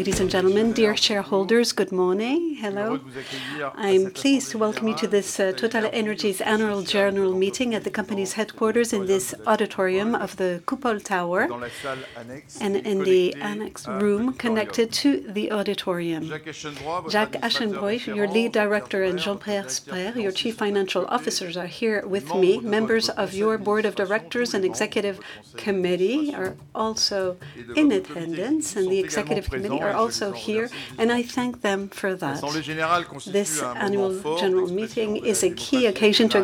Ladies and gentlemen, dear shareholders, good morning. Hello. I am pleased to welcome you to this TotalEnergies Annual General Meeting at the company's headquarters in this auditorium of the Coupole Tower, and in the annex room connected to the auditorium. Jacques Aschenbroich, your Lead Director, and Jean-Pierre Sbraire, your Chief Financial Officer, are here with me. Members of your Board of Directors and Executive Committee are also in attendance, and I thank them for that. This Annual General Meeting is a key occasion for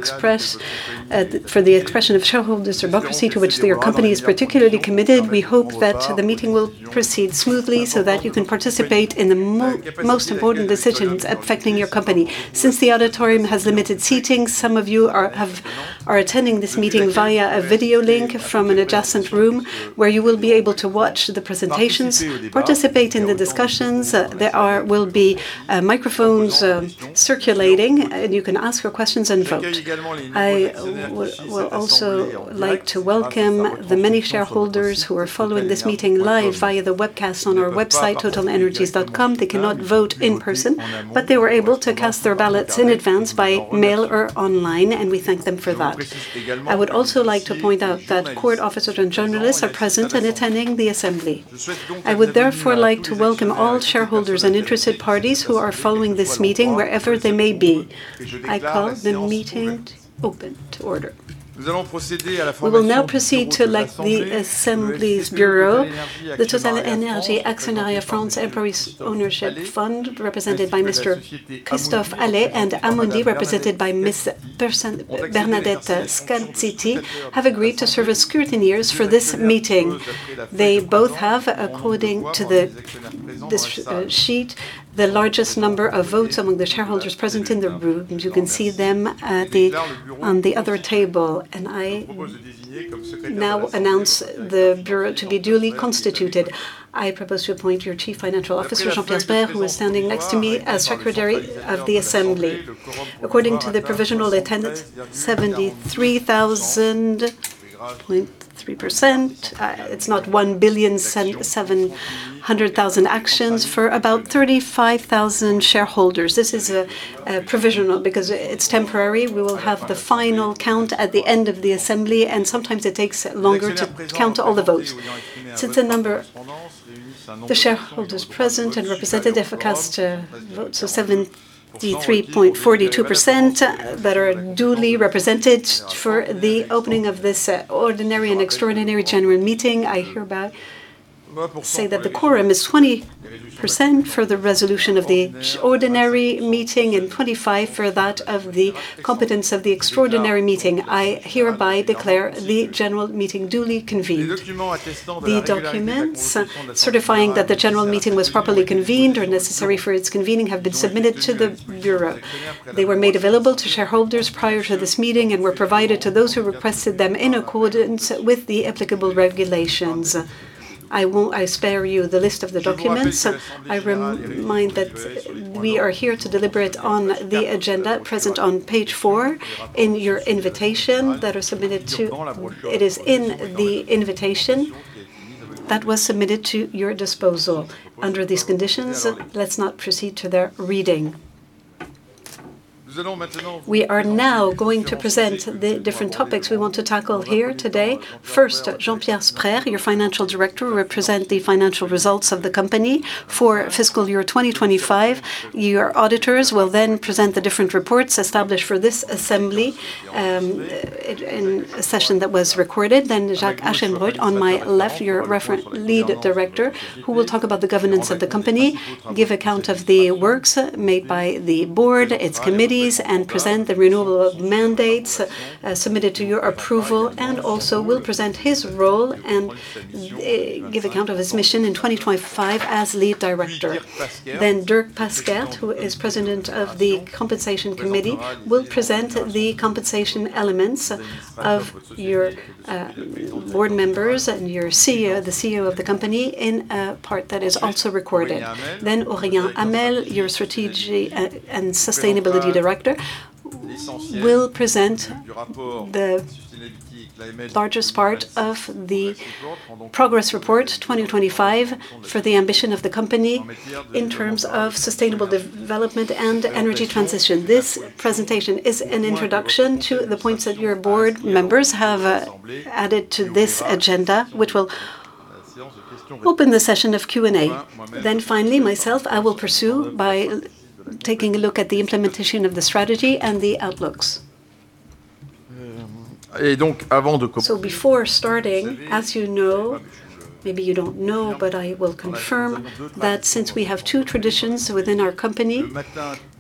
the expression of shareholder democracy, to which the company is particularly committed. We hope that the meeting will proceed smoothly, so that you can participate in the most important decisions affecting your company. Since the auditorium has limited seating, some of you are attending this meeting via a video link from an adjacent room, where you will be able to watch the presentations, participate in the discussions. There will be microphones circulating, and you can ask your questions and vote. I would also like to welcome the many shareholders who are following this meeting live via the webcast on our website, totalenergies.com. They cannot vote in person, but they were able to cast their ballots in advance by mail or online, and we thank them for that. I would also like to point out that court officers and journalists are present and attending the assembly. I would therefore like to welcome all shareholders and interested parties who are following this meeting, wherever they may be. I call the meeting to order. We will now proceed to elect the Assembly's Bureau. The TotalEnergies Actionnariat France employees ownership fund, represented by Mr Christophe Hallé, and Amundi, represented by Ms Bernadette Scazzitti, have agreed to serve as scrutineers for this meeting. They both have, according to this sheet, the largest number of votes among the shareholders present in the room. You can see them at the other table. I now announce the Bureau to be duly constituted. I propose to appoint your Chief Financial Officer, Jean-Pierre Sbraire, who is standing next to me as Secretary of the Assembly. According to the provisional attendance, 73.3%. It's not 1,700,000 actions for about 35,000 shareholders. This is provisional because it's temporary. We will have the final count at the end of the assembly, and sometimes it takes longer to count all the votes. The number the shareholders present and represented have cast a vote, so 73.42% that are duly represented for the opening of this ordinary and extraordinary general meeting, I hereby say that the quorum is 20% for the resolution of the ordinary meeting and 25% for that of the competence of the extraordinary meeting. I hereby declare the general meeting duly convened. The documents certifying that the general meeting was properly convened or necessary for its convening have been submitted to the Bureau. They were made available to shareholders prior to this meeting and were provided to those who requested them in accordance with the applicable regulations. I spare you the list of the documents. I remind that we are here to deliberate on the agenda present on page four in your invitation. It is in the invitation that was submitted to your disposal. Under these conditions, let's not proceed to their reading. We are now going to present the different topics we want to tackle here today. First, Jean-Pierre Sbraire, your Financial Director, will represent the financial results of the company for Fiscal 2025. Your auditors will then present the different reports established for this assembly in a session that was recorded. Jacques Aschenbroich on my left, your Lead Director, who will talk about the governance of the company, give account of the works made by the board, its committees, and present the renewal of mandates submitted to your approval, and also will present his role and give account of his mission in 2025 as Lead Director. Dierk Paskert, who is President of the Compensation Committee, will present the compensation elements of your board members and the CEO of the company in a part that is also recorded. Aurélien Hamelle, your Strategy and Sustainability Director, will present the largest part of the progress report 2025 for the ambition of the company in terms of sustainable development and energy transition. This presentation is an introduction to the points that your board members have added to this agenda, which will open the session of Q&A. Finally, myself, I will pursue by taking a look at the implementation of the strategy and the outlooks. Before starting, as you know, maybe you don't know, but I will confirm that since we have two traditions within our company,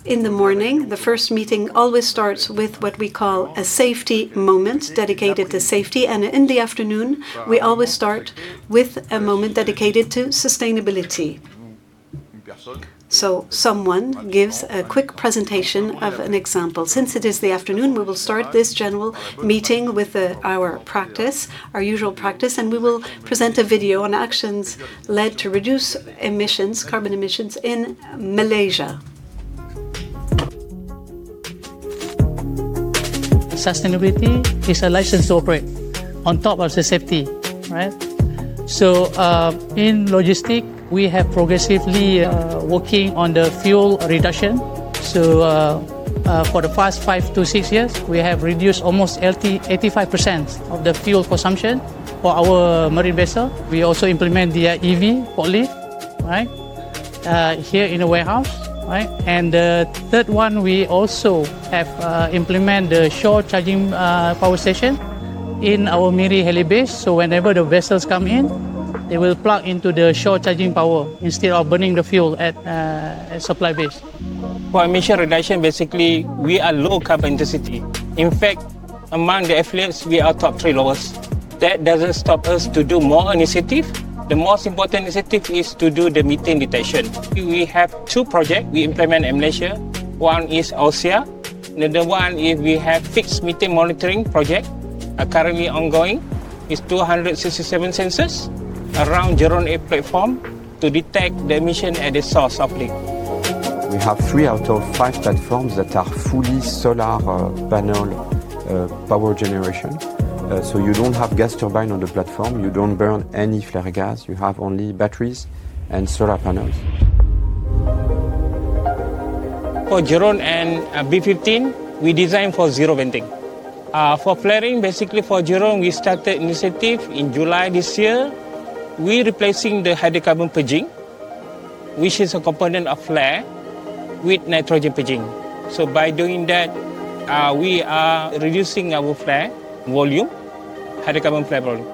in the morning, the first meeting always starts with what we call a safety moment dedicated to safety, and in the afternoon, we always start with a moment dedicated to sustainability. Someone gives a quick presentation of an example. Since it is the afternoon, we will start this general meeting with our usual practice, and we will present a video on actions led to reduce carbon emissions in Malaysia. Sustainability is a license to operate on top of safety. In logistics, we have progressively working on the fuel reduction. For the past 5-6 years, we have reduced almost 85% of the fuel consumption for our marine vessel. We also implement the EV forklift here in the warehouse. The third one, we also have implement the shore charging power station in our Miri Heli base. Whenever the vessels come in, they will plug into the shore charging power instead of burning the fuel at supply base. For emission reduction, basically, we are low carbon intensity. In fact, among the affiliates, we are top three lowest. That doesn't stop us to do more initiative. The most important initiative is to do the methane detection. We have two project we implement in Malaysia. One is AUSEA. The other one is we have fixed methane monitoring project. Currently ongoing is 267 sensors around Jerun A platform to detect the emission at the source of leak. We have three out of five platforms that are fully solar panel power generation. You don't have gas turbine on the platform. You don't burn any flare gas. You have only batteries and solar panels. For Jerun and B15, we design for zero venting. For flaring, basically for Jerun, we started initiative in July this year. We are replacing the hydrocarbon purging, which is a component of flare, with nitrogen purging. By doing that, we are reducing our flare volume, hydrocarbon flare volume.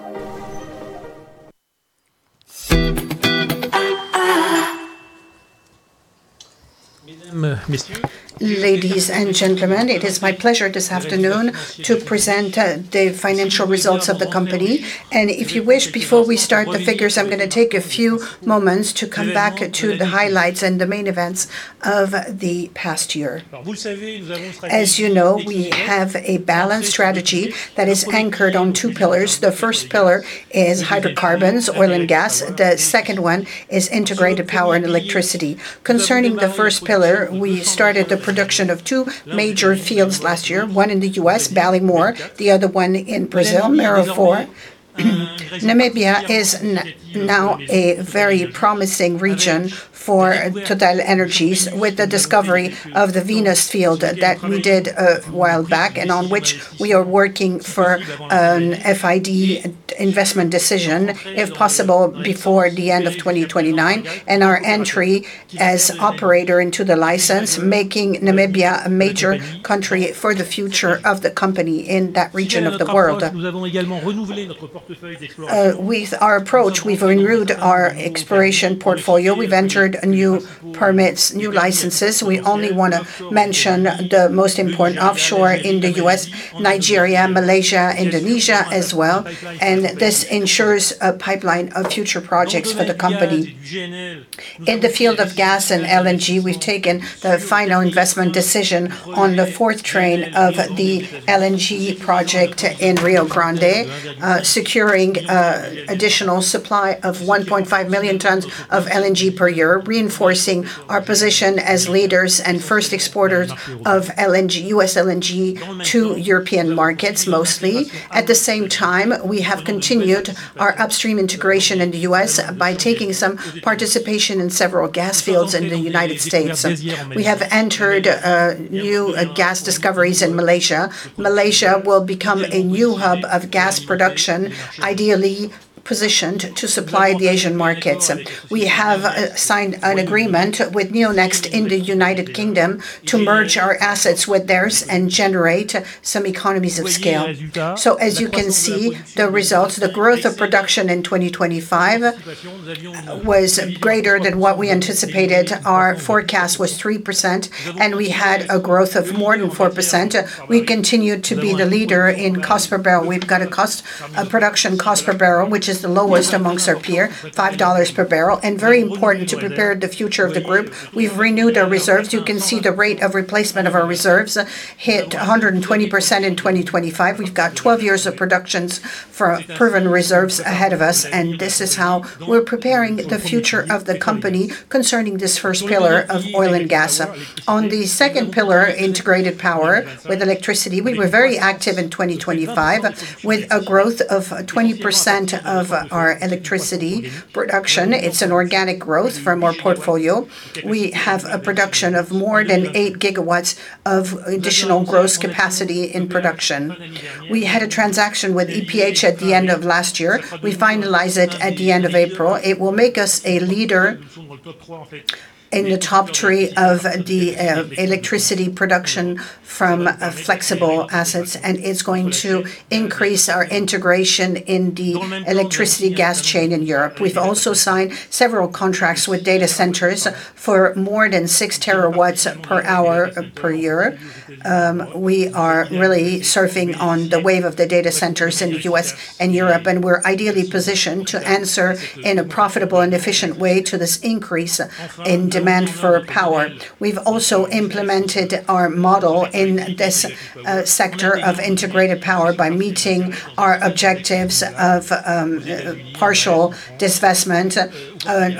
Ladies and gentlemen, it is my pleasure this afternoon to present the financial results of the company. If you wish, before we start the figures, I'm going to take a few moments to come back to the highlights and the main events of the past year. As you know, we have a balanced strategy that is anchored on two pillars. The first pillar is hydrocarbons, oil and gas. The second one is Integrated Power and electricity. Concerning the first pillar, we started the production of two major fields last year, one in the U.S., Ballymore, the other one in Brazil, Mero-4. Namibia is now a very promising region for TotalEnergies, with the discovery of the Venus field that we did a while back, and on which we are working for an FID investment decision, if possible, before the end of 2029. Our entry as operator into the license, making Namibia a major country for the future of the company in that region of the world. With our approach, we've renewed our exploration portfolio. We've entered new permits, new licenses. We only want to mention the most important offshore in the U.S., Nigeria, Malaysia, Indonesia as well, and this ensures a pipeline of future projects for the company. In the field of gas and LNG, we've taken the final investment decision on the fourth train of the LNG project in Rio Grande, securing additional supply of 1.5 million tons of LNG per year, reinforcing our position as leaders and first exporters of U.S. LNG to European markets mostly. At the same time, we have continued our upstream integration in the U.S. by taking some participation in several gas fields in the United States. We have entered new gas discoveries in Malaysia. Malaysia will become a new hub of gas production, ideally positioned to supply the Asian markets. We have signed an agreement with NEO NEXT in the U.K. to merge our assets with theirs and generate some economies of scale. As you can see, the results, the growth of production in 2025 was greater than what we anticipated. Our forecast was 3%. We had a growth of more than 4%. We continued to be the leader in cost per barrel. We've got a production cost per barrel, which is the lowest amongst our peer, $5 per barrel. Very important to prepare the future of the group, we've renewed our reserves. You can see the rate of replacement of our reserves hit 120% in 2025. We've got 12 years of productions for proven reserves ahead of us. This is how we're preparing the future of the company concerning this first pillar of oil and gas. On the second pillar, Integrated Power with electricity, we were very active in 2025 with a growth of 20% of our electricity production. It's an organic growth from our portfolio. We have a production of more than 8 GW of additional gross capacity in production. We had a transaction with EPH at the end of last year. We finalize it at the end of April. It will make us a leader in the top three of the electricity production from flexible assets. It's going to increase our integration in the electricity gas chain in Europe. We've also signed several contracts with data centers for more than 6 TWh per year. We are really surfing on the wave of the data centers in the U.S. and Europe, and we're ideally positioned to answer in a profitable and efficient way to this increase in demand for power. We've also implemented our model in this sector of Integrated Power by meeting our objectives of partial divestment,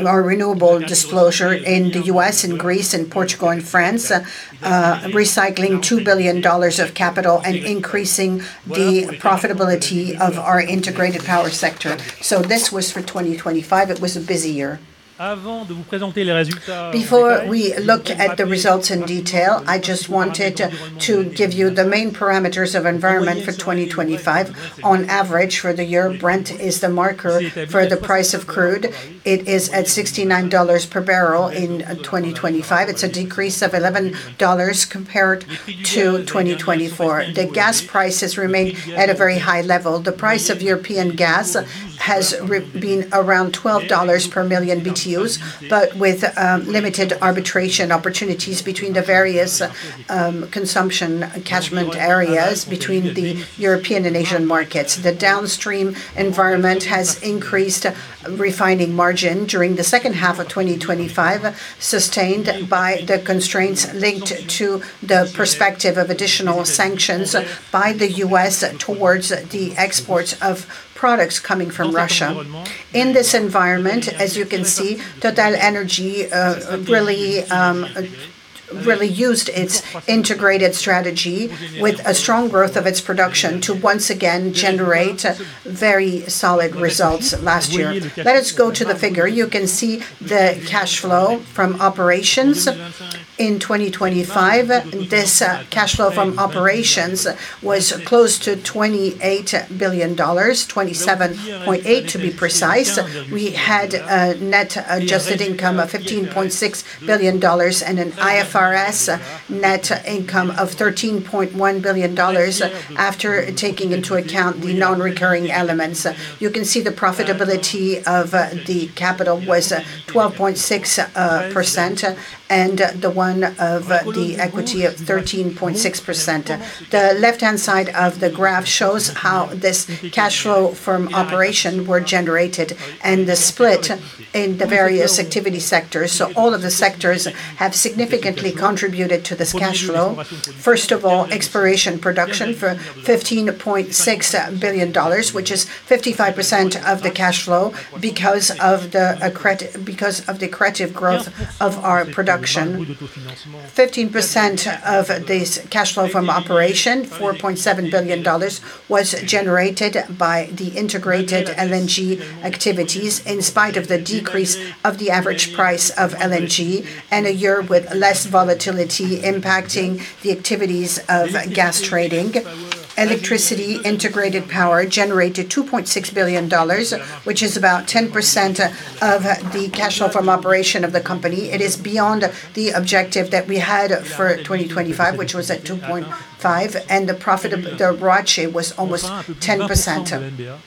our renewable disclosure in the U.S., in Greece, in Portugal, in France, recycling EUR 2 billion of capital and increasing the profitability of our Integrated Power sector. This was for 2025. It was a busy year. Before we look at the results in detail, I just wanted to give you the main parameters of environment for 2025. On average, for the year, Brent is the marker for the price of crude. It is at EUR 69 per barrel in 2025. It's a decrease of EUR 11 compared to 2024. The gas prices remain at a very high level. The price of European gas has been around $12 per million BTUs, but with limited arbitration opportunities between the various consumption catchment areas between the European and Asian markets. The downstream environment has increased refining margin during the second half of 2025, sustained by the constraints linked to the perspective of additional sanctions by the U.S. towards the exports of products coming from Russia. In this environment, as you can see, TotalEnergies really used its integrated strategy with a strong growth of its production to once again generate very solid results last year. Let us go to the figure. You can see the cash flow from operations in 2025. This cash flow from operations was close to $28 billion, $27.8 to be precise. We had a net adjusted income of $15.6 billion and an IFRS net income of $13.1 billion, after taking into account the non-recurring elements. You can see the profitability of the capital was 12.6%, and the one of the equity of 13.6%. The left-hand side of the graph shows how this cash flow from operations was generated and the split in the various activity sectors. All of the sectors have significantly contributed to this cash flow. First of all, Exploration & Production for $15.6 billion, which is 55% of the cash flow because of the accretive growth of our production. 15% of this cash flow from operations, $4.7 billion, was generated by the integrated LNG activities in spite of the decrease of the average price of LNG and a year with less volatility impacting the activities of gas trading. Electricity Integrated Power generated $2.6 billion, which is about 10% of the cash flow from operations of the company. It is beyond the objective that we had for 2025, which was at $2.5 billion, and the profit, the ROACE, was almost 10%.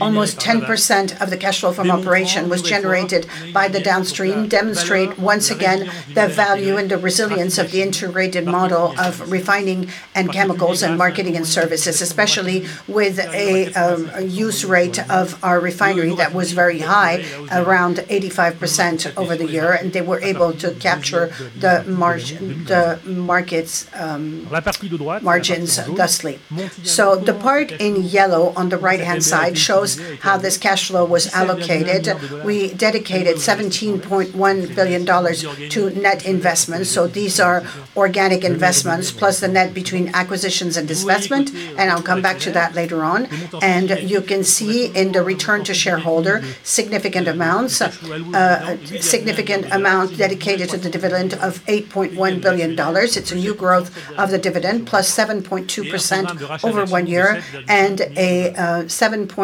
Almost 10% of the cash flow from operation was generated by the downstream, demonstrate once again the value and the resilience of the integrated model of refining and chemicals and marketing and services, especially with a use rate of our refinery that was very high, around 85% over the year, and they were able to capture the market's margins thusly. The part in yellow on the right-hand side shows how this cash flow was allocated. We dedicated $17.1 billion to net investments. These are organic investments plus the net between acquisitions and divestment, and I'll come back to that later on. And you can see in the return to shareholder, significant amounts dedicated to the dividend of $8.1 billion. It's a new growth of the dividend +7.2% over one year and a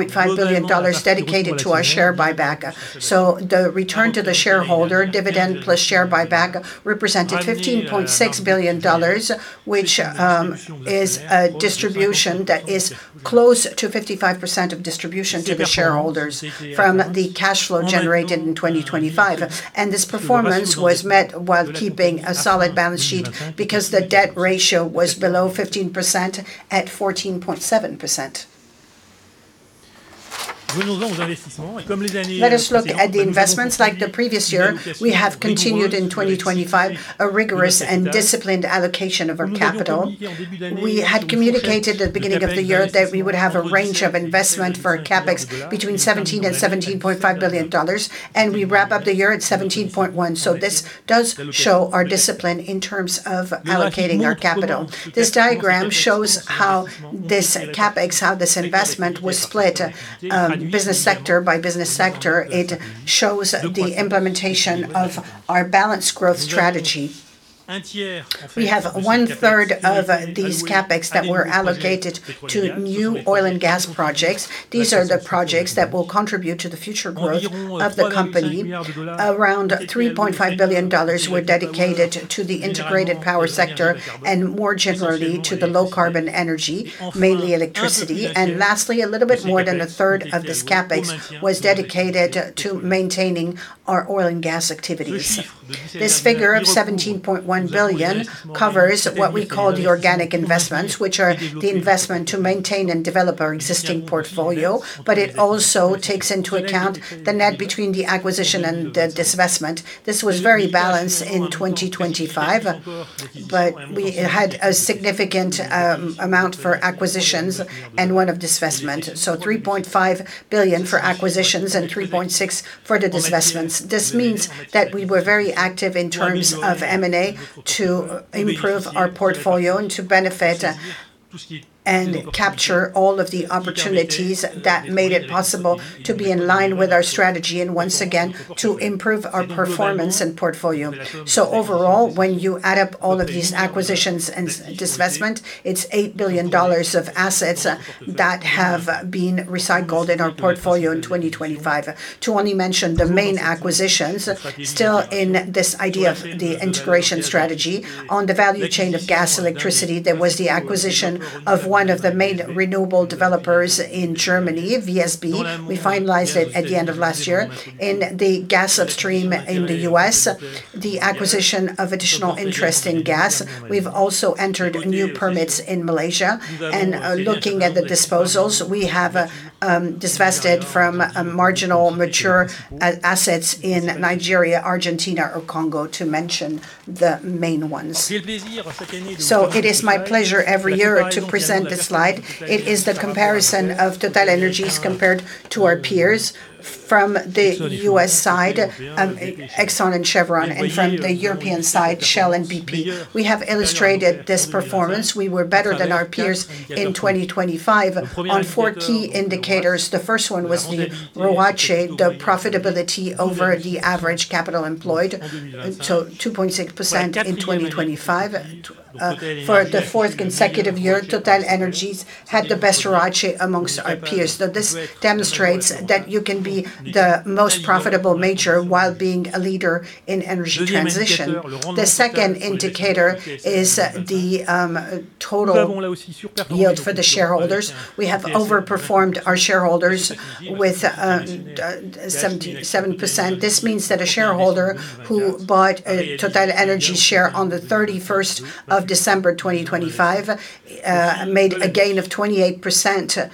$7.5 billion dedicated to our share buyback. The return to the shareholder, dividend plus share buyback, represented $15.6 billion, which is a distribution that is close to 55% of distribution to the shareholders from the cash flow generated in 2025. This performance was met while keeping a solid balance sheet because the debt ratio was below 15% at 14.7%. Let us look at the investments. Like the previous year, we have continued in 2025 a rigorous and disciplined allocation of our capital. We had communicated at the beginning of the year that we would have a range of investment for CapEx between $17 billion and $17.5 billion, and we wrap up the year at $17.1 billion. This does show our discipline in terms of allocating our capital. This diagram shows how this CapEx, how this investment was split, business sector by business sector. It shows the implementation of our balanced growth strategy. We have 1/3 of these CapEx that were allocated to new oil and gas projects. These are the projects that will contribute to the future growth of the company. Around $3.5 billion were dedicated to the Integrated Power sector and more generally to low-carbon energy, mainly electricity. Lastly, a little bit more than 1/3 of this CapEx was dedicated to maintaining our oil and gas activities. This figure of $17.1 billion covers what we call the organic investments, which are the investment to maintain and develop our existing portfolio. It also takes into account the net between the acquisition and the divestment. This was very balanced in 2025, we had a significant amount for acquisitions and one of divestment. $3.5 billion for acquisitions and $3.6 billion for the divestments. This means that we were very active in terms of M&A to improve our portfolio and to benefit and capture all of the opportunities that made it possible to be in line with our strategy and once again, to improve our performance and portfolio. Overall, when you add up all of these acquisitions and divestment, it's $8 billion of assets that have been recycled in our portfolio in 2025. To only mention the main acquisitions, still in this idea of the integration strategy on the value chain of gas, electricity, there was the acquisition of one of the main renewable developers in Germany, VSB. We finalized it at the end of last year. In the gas upstream in the U.S., the acquisition of additional interest in gas. We've also entered new permits in Malaysia. Looking at the disposals, we have divested from marginal mature assets in Nigeria, Argentina, or Congo to mention the main ones. It is my pleasure every year to present this slide. It is the comparison of TotalEnergies compared to our peers. From the U.S. side, Exxon and Chevron, and from the European side, Shell and BP. We have illustrated this performance. We were better than our peers in 2025 on four key indicators. The first one was the ROACE, the profitability over the average capital employed, to 2.6% in 2025. For the fourth consecutive year, TotalEnergies had the best ROACE amongst our peers. This demonstrates that you can be the most profitable major while being a leader in energy transition. The second indicator is the total yield for the shareholders. We have overperformed our shareholders with 7%. This means that a shareholder who bought a TotalEnergies share on the 31st of December, 2025, made a gain of 28%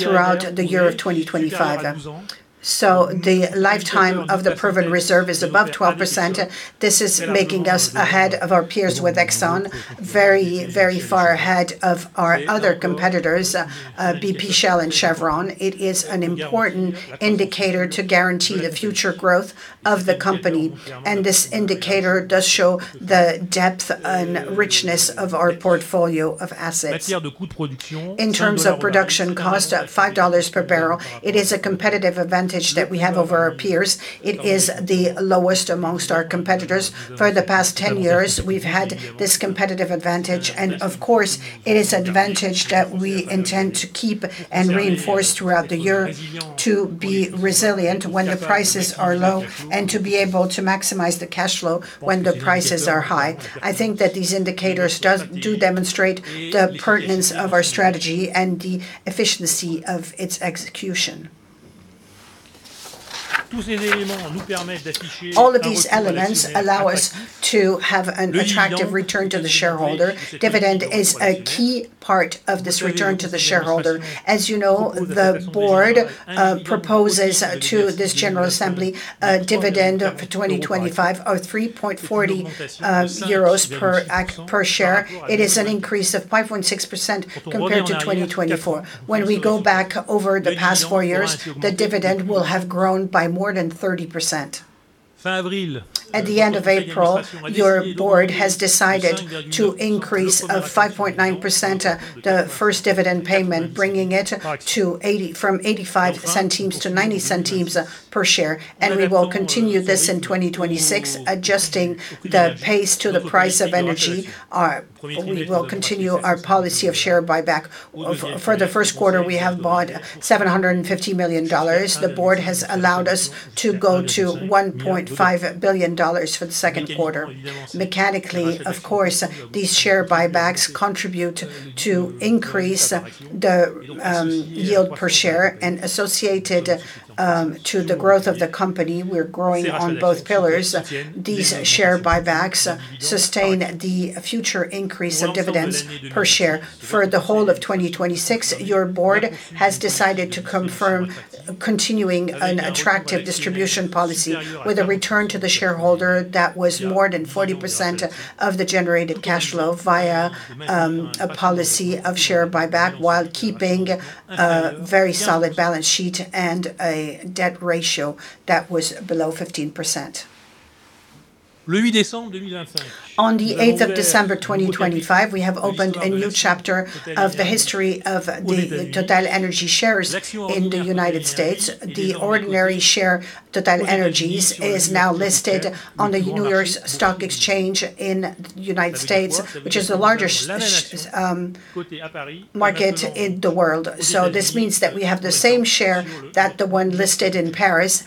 throughout the year of 2025. The lifetime of the proven reserve is above 12%. This is making us ahead of our peers with Exxon, very far ahead of our other competitors, BP, Shell, and Chevron. It is an important indicator to guarantee the future growth of the company. This indicator does show the depth and richness of our portfolio of assets. In terms of production cost, at $5 per barrel, it is a competitive advantage that we have over our peers. It is the lowest amongst our competitors. For the past 10 years, we've had this competitive advantage, and of course, it is advantage that we intend to keep and reinforce throughout the year to be resilient when the prices are low and to be able to maximize the cash flow when the prices are high. I think that these indicators do demonstrate the pertinence of our strategy and the efficiency of its execution. All of these elements allow us to have an attractive return to the shareholder. Dividend is a key part of this return to the shareholder. As you know, the board proposes to this general assembly a dividend for 2025 of 3.40 euros per share. It is an increase of 5.6% compared to 2024. When we go back over the past four years, the dividend will have grown by more than 30%. At the end of April, your board has decided to increase of 5.9% the first dividend payment, bringing it from 0.85-0.90 per share. We will continue this in 2026, adjusting the pace to the price of energy. We will continue our policy of share buyback. For the first quarter, we have bought $750 million. The board has allowed us to go to $1.5 billion for the second quarter. Mechanically, of course, these share buybacks contribute to increase the yield per share and associated to the growth of the company. We are growing on both pillars. These share buybacks sustain the future increase of dividends per share. For the whole of 2026, your board has decided to confirm continuing an attractive distribution policy with a return to the shareholder that was more than 40% of the generated cash flow via a policy of share buyback while keeping a very solid balance sheet and a debt ratio that was below 15%. On the 8th of December. 2025, we have opened a new chapter of the history of the TotalEnergies shares in the United States. The ordinary share TotalEnergies is now listed on the New York Stock Exchange in the United States, which is the largest market in the world. This means that we have the same share that the one listed in Paris,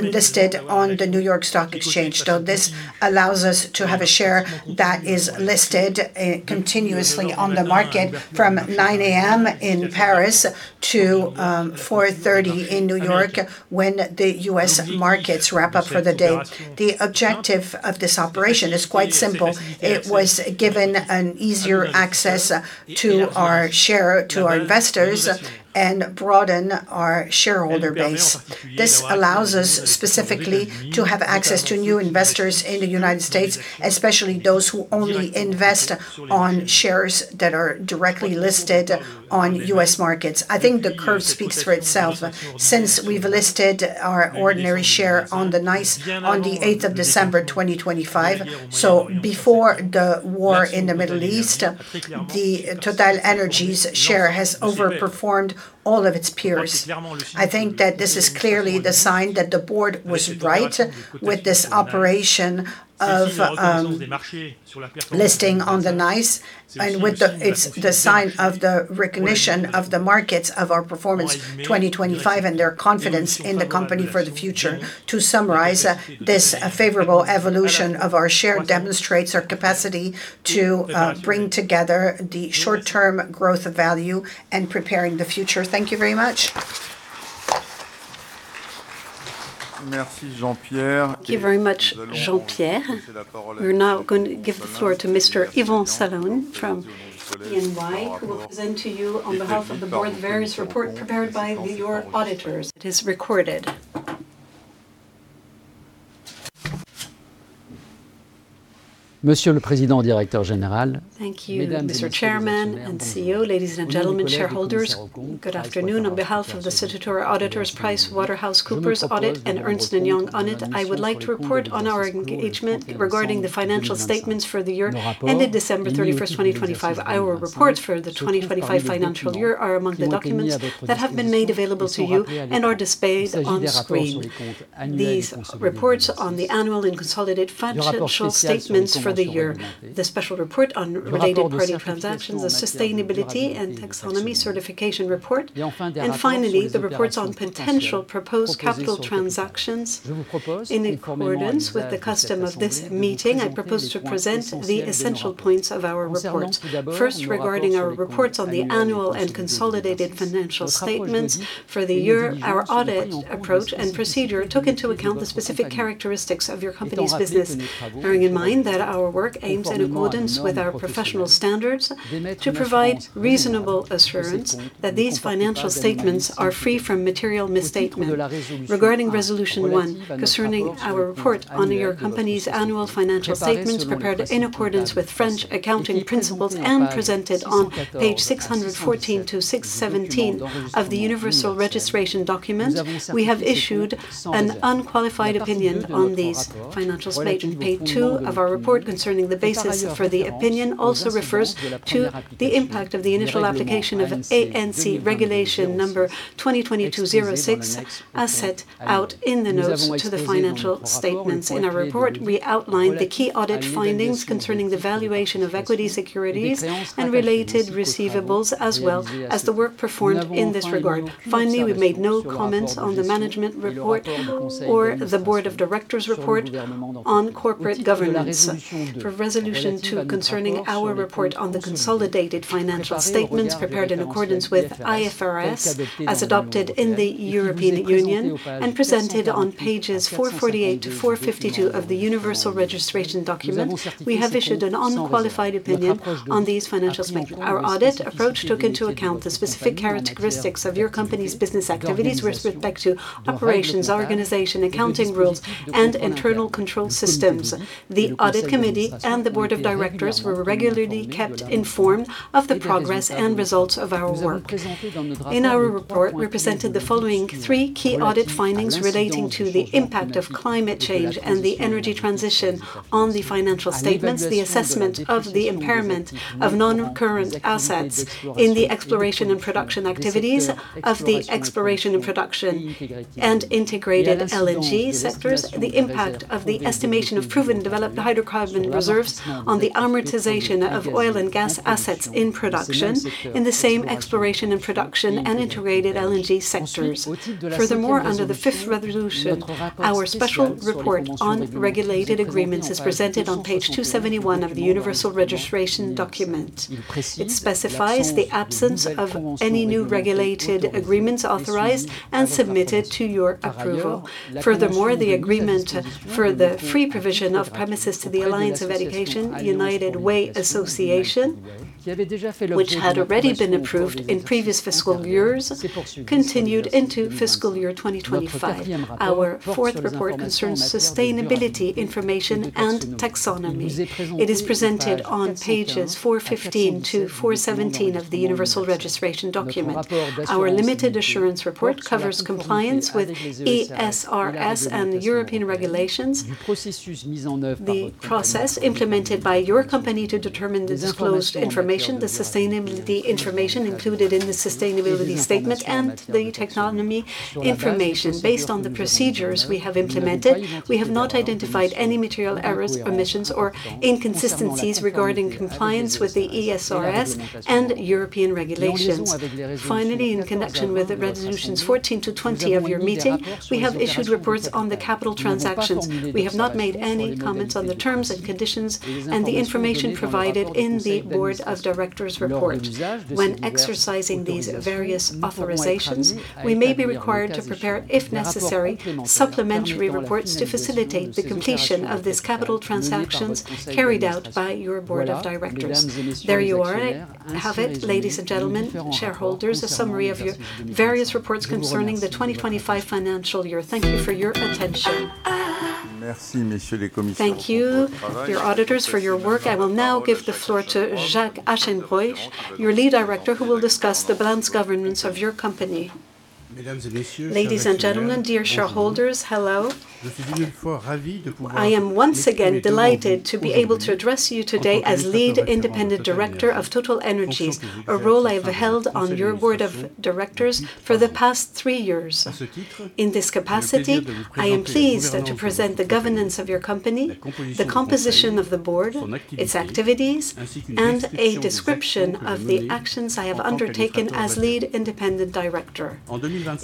listed on the New York Stock Exchange. This allows us to have a share that is listed continuously on the market from 9:00 A.M. in Paris to 4:30 P.M. in New York, when the U.S. markets wrap up for the day. The objective of this operation is quite simple. It was giving an easier access to our investors and broaden our shareholder base. This allows us specifically to have access to new investors in the United States, especially those who only invest on shares that are directly listed on U.S. markets. I think the curve speaks for itself. Since we've listed our ordinary share on the 8th of December, 2025, before the war in the Middle East, the TotalEnergies share has overperformed all of its peers. I think that this is clearly the sign that the board was right with this operation of listing on the NYSE, and it's the sign of the recognition of the markets of our performance 2025 and their confidence in the company for the future. To summarize, this favorable evolution of our share demonstrates our capacity to bring together the short-term growth of value and preparing the future. Thank you very much. Thank you very much, Jean-Pierre. We're now going to give the floor to Mr. Yvon Salaün from EY, who will present to you on behalf of the board various reports prepared by your auditors. It is recorded. Thank you, Mr. Chairman and CEO. Ladies and gentlemen, shareholders, good afternoon. On behalf of the statutory auditors, PricewaterhouseCoopers Audit and Ernst & Young Audit, I would like to report on our engagement regarding the financial statements for the year ended December 31st, 2025. Our reports for the 2025 financial year are among the documents that have been made available to you and are displayed on screen. These reports on the annual and consolidated financial statements for the year, the special report on related party transactions, the sustainability and taxonomy certification report, and finally, the reports on potential proposed capital transactions. In accordance with the custom of this meeting, I propose to present the essential points of our report. First, regarding our reports on the annual and consolidated financial statements for the year. Our audit approach and procedure took into account the specific characteristics of your company's business. Bearing in mind that our work aims in accordance with our professional standards to provide reasonable assurance that these financial statements are free from material misstatement. Regarding resolution one, concerning our report on your company's annual financial statements prepared in accordance with French accounting principles and presented on Page 614-617 of the universal registration document. We have issued an unqualified opinion on these financial statements. Page two of our report concerning the basis for the opinion also refers to the impact of the initial application of ANC Regulation Number 2022-06, as set out in the notes to the financial statements. In our report, we outlined the key audit findings concerning the valuation of equity securities and related receivables, as well as the work performed in this regard. We made no comments on the management report or the Board of Directors' report on corporate governance. For resolution two, concerning our report on the consolidated financial statements prepared in accordance with IFRS, as adopted in the European Union and presented on pages 448-452 of the Universal Registration Document. We have issued an unqualified opinion on these financial statements. Our audit approach took into account the specific characteristics of your company's business activities with respect to operations, organization, accounting rules, and internal control systems. The Audit Committee and the Board of Directors were regularly kept informed of the progress and results of our work. In our report, we presented the following three key audit findings relating to the impact of climate change and the energy transition on the financial statements, the assessment of the impairment of non-current assets in the exploration and production activities of the exploration and production and integrated LNG sectors, the impact of the estimation of proven developed hydrocarbon reserves on the amortization of oil and gas assets in production in the same exploration and production and integrated LNG sectors. Furthermore, under the fifth resolution, our special report on regulated agreements is presented on Page 271 of the Universal Registration Document. It specifies the absence of any new regulated agreements authorized and submitted to your approval. Furthermore, the agreement for the free provision of premises to the Alliance Education United Way Association, which had already been approved in previous fiscal years, continued into fiscal year 2025. Our fourth report concerns sustainability information and taxonomy. It is presented on pages 415-417 of the universal registration document. Our limited assurance report covers compliance with ESRS and European regulations, the process implemented by your company to determine the disclosed information, the sustainability information included in the sustainability statement, and the taxonomy information. Based on the procedures we have implemented, we have not identified any material errors, omissions, or inconsistencies regarding compliance with the ESRS and European regulations. Finally, in connection with resolutions 14-20 of your meeting, we have issued reports on the capital transactions. We have not made any comments on the terms and conditions and the information provided in the Board of Directors report. When exercising these various authorizations, we may be required to prepare, if necessary, supplementary reports to facilitate the completion of these capital transactions carried out by your Board of Directors. There you have it, ladies and gentlemen, shareholders, a summary of your various reports concerning the 2025 financial year. Thank you for your attention. Thank you, dear auditors for your work. I will now give the floor to Jacques Aschenbroich, your Lead Director, who will discuss the balance governance of your company. Ladies and gentlemen, dear shareholders, hello. I am once again delighted to be able to address you today as Lead Independent Director of TotalEnergies, a role I have held on your Board of Directors for the past three years. In this capacity, I am pleased to present the governance of your company, the composition of the board, its activities, and a description of the actions I have undertaken as Lead Independent Director.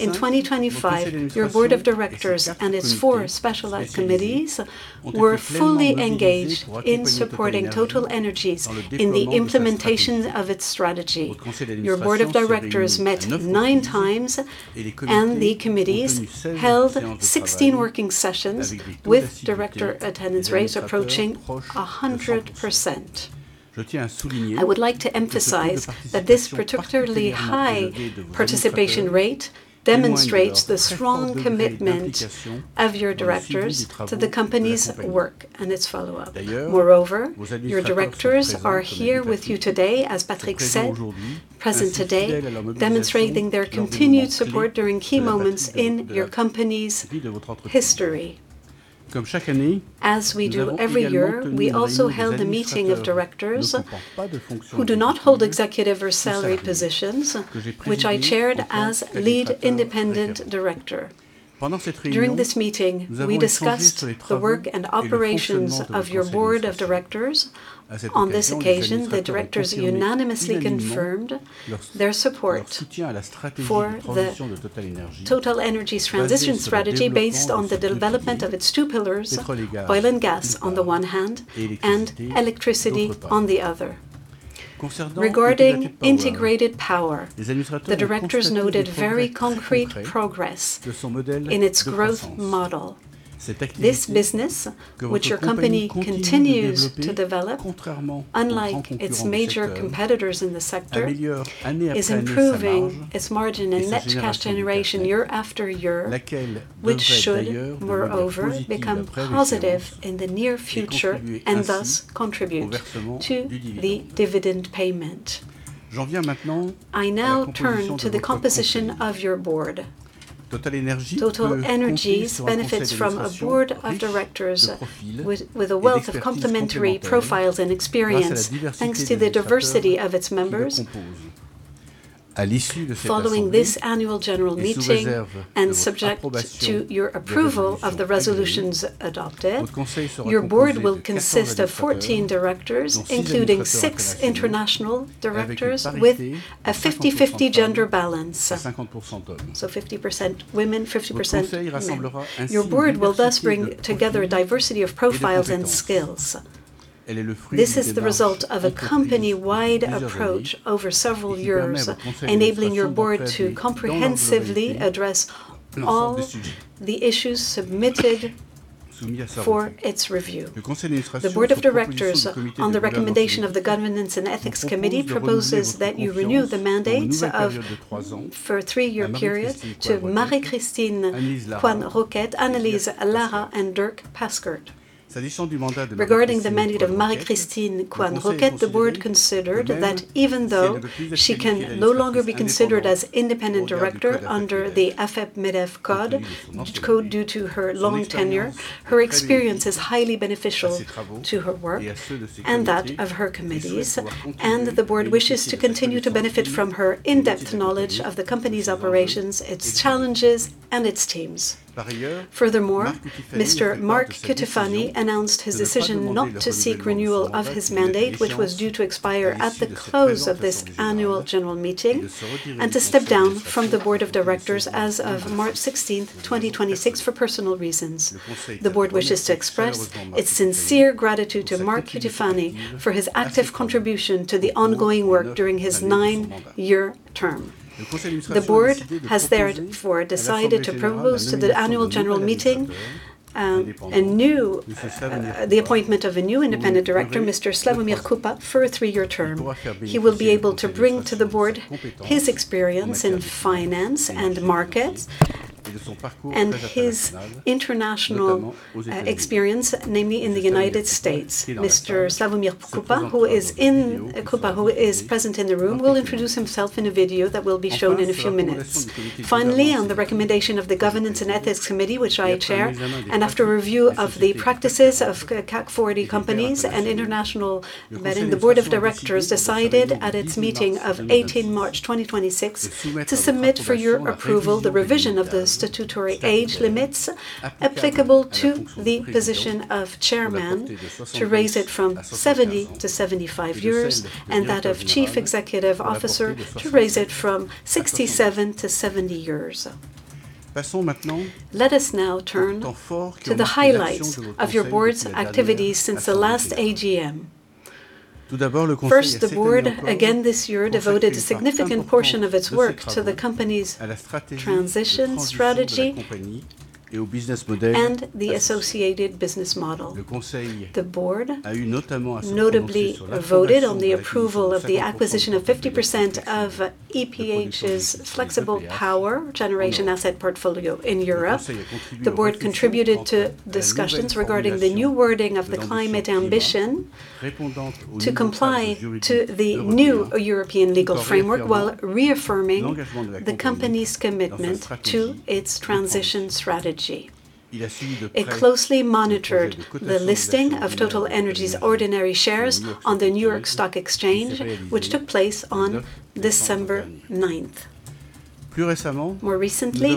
In 2025, your Board of Directors and its four specialized committees were fully engaged in supporting TotalEnergies in the implementation of its strategy. Your Board of Directors met nine times, the committees held 16 working sessions with director attendance rates approaching 100%. I would like to emphasize that this particularly high participation rate demonstrates the strong commitment of your directors to the company's work and its follow-up. Your directors are here with you today, as Patrick said, present today, demonstrating their continued support during key moments in your company's history. As we do every year, we also held a meeting of directors who do not hold executive or salary positions, which I chaired as Lead Independent Director. During this meeting, we discussed the work and operations of your Board of Directors. On this occasion, the directors unanimously confirmed their support for the TotalEnergies transition strategy based on the development of its two pillars, oil and gas on the one hand and electricity on the other. Regarding Integrated Power, the directors noted very concrete progress in its growth model. This business, which your company continues to develop, unlike its major competitors in the sector, is improving its margin and net cash generation year-after-year, which should, moreover, become positive in the near future and thus contribute to the dividend payment. I now turn to the composition of your board. TotalEnergies benefits from a Board of Directors with a wealth of complementary profiles and experience, thanks to the diversity of its members. Following this Annual General Meeting, and subject to your approval of the resolutions adopted, your board will consist of 14 directors, including six international directors with a 50/50 gender balance. 50% women, 50% men. Your board will thus bring together a diversity of profiles and skills. This is the result of a company-wide approach over several years, enabling your board to comprehensively address all the issues submitted for its review. The board of directors, on the recommendation of the governance and ethics committee, proposes that you renew the mandates for a three-year period to Marie-Christine Coisne-Roquette, Anelise Lara, and Dierk Paskert. Regarding the mandate of Marie-Christine Coisne-Roquette, the board considered that even though she can no longer be considered as independent director under the AFEP-MEDEF code, due to her long tenure, her experience is highly beneficial to her work and that of her committees, and the board wishes to continue to benefit from her in-depth knowledge of the company's operations, its challenges, and its teams. Furthermore, Mr. Mark Cutifani announced his decision not to seek renewal of his mandate, which was due to expire at the close of this annual general meeting, and to step down from the board of directors as of March 16th, 2026, for personal reasons. The board wishes to express its sincere gratitude to Mark Cutifani for his active contribution to the ongoing work during his nine-year term. The board has therefore decided to propose to the annual general meeting the appointment of a new independent director, Mr. Slawomir Krupa, for a three-year term. He will be able to bring to the board his experience in finance and markets and his international experience, namely in the United States. Mr. Slawomir Krupa, who is present in the room, will introduce himself in a video that will be shown in a few minutes. Finally, on the recommendation of the Governance and Ethics Committee, which I chair, and after review of the practices of CAC 40 companies and international vetting, the Board of Directors decided at its meeting of 18 March, 2026 to submit for your approval the revision of the statutory age limits applicable to the position of chairman to raise it from 70-75 years and that of chief executive officer to raise it from 67-70 years. Let us now turn to the highlights of your board's activities since the last AGM. First, the board, again this year, devoted a significant portion of its work to the company's transition strategy and the associated business model. The board notably voted on the approval of the acquisition of 50% of EPH's flexible power generation asset portfolio in Europe. The board contributed to discussions regarding the new wording of the climate ambition to comply to the new European legal framework, while reaffirming the company's commitment to its transition strategy. It closely monitored the listing of TotalEnergies ordinary shares on the New York Stock Exchange, which took place on December 9th. More recently,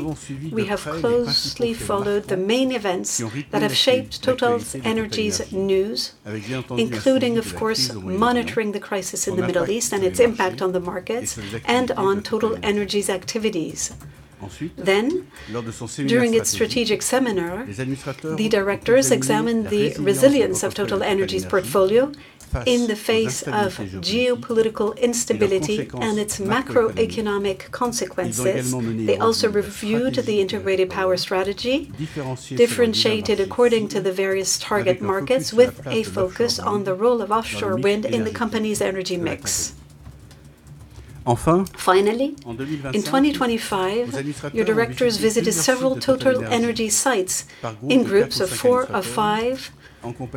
we have closely followed the main events that have shaped TotalEnergies news, including, of course, monitoring the crisis in the Middle East and its impact on the market and on TotalEnergies activities. During its strategic seminar, the directors examined the resilience of TotalEnergies portfolio in the face of geopolitical instability and its macroeconomic consequences. They also reviewed the integrated power strategy, differentiated according to the various target markets, with a focus on the role of offshore wind in the company's energy mix. Finally, in 2025, your directors visited several TotalEnergies sites in groups of four or five,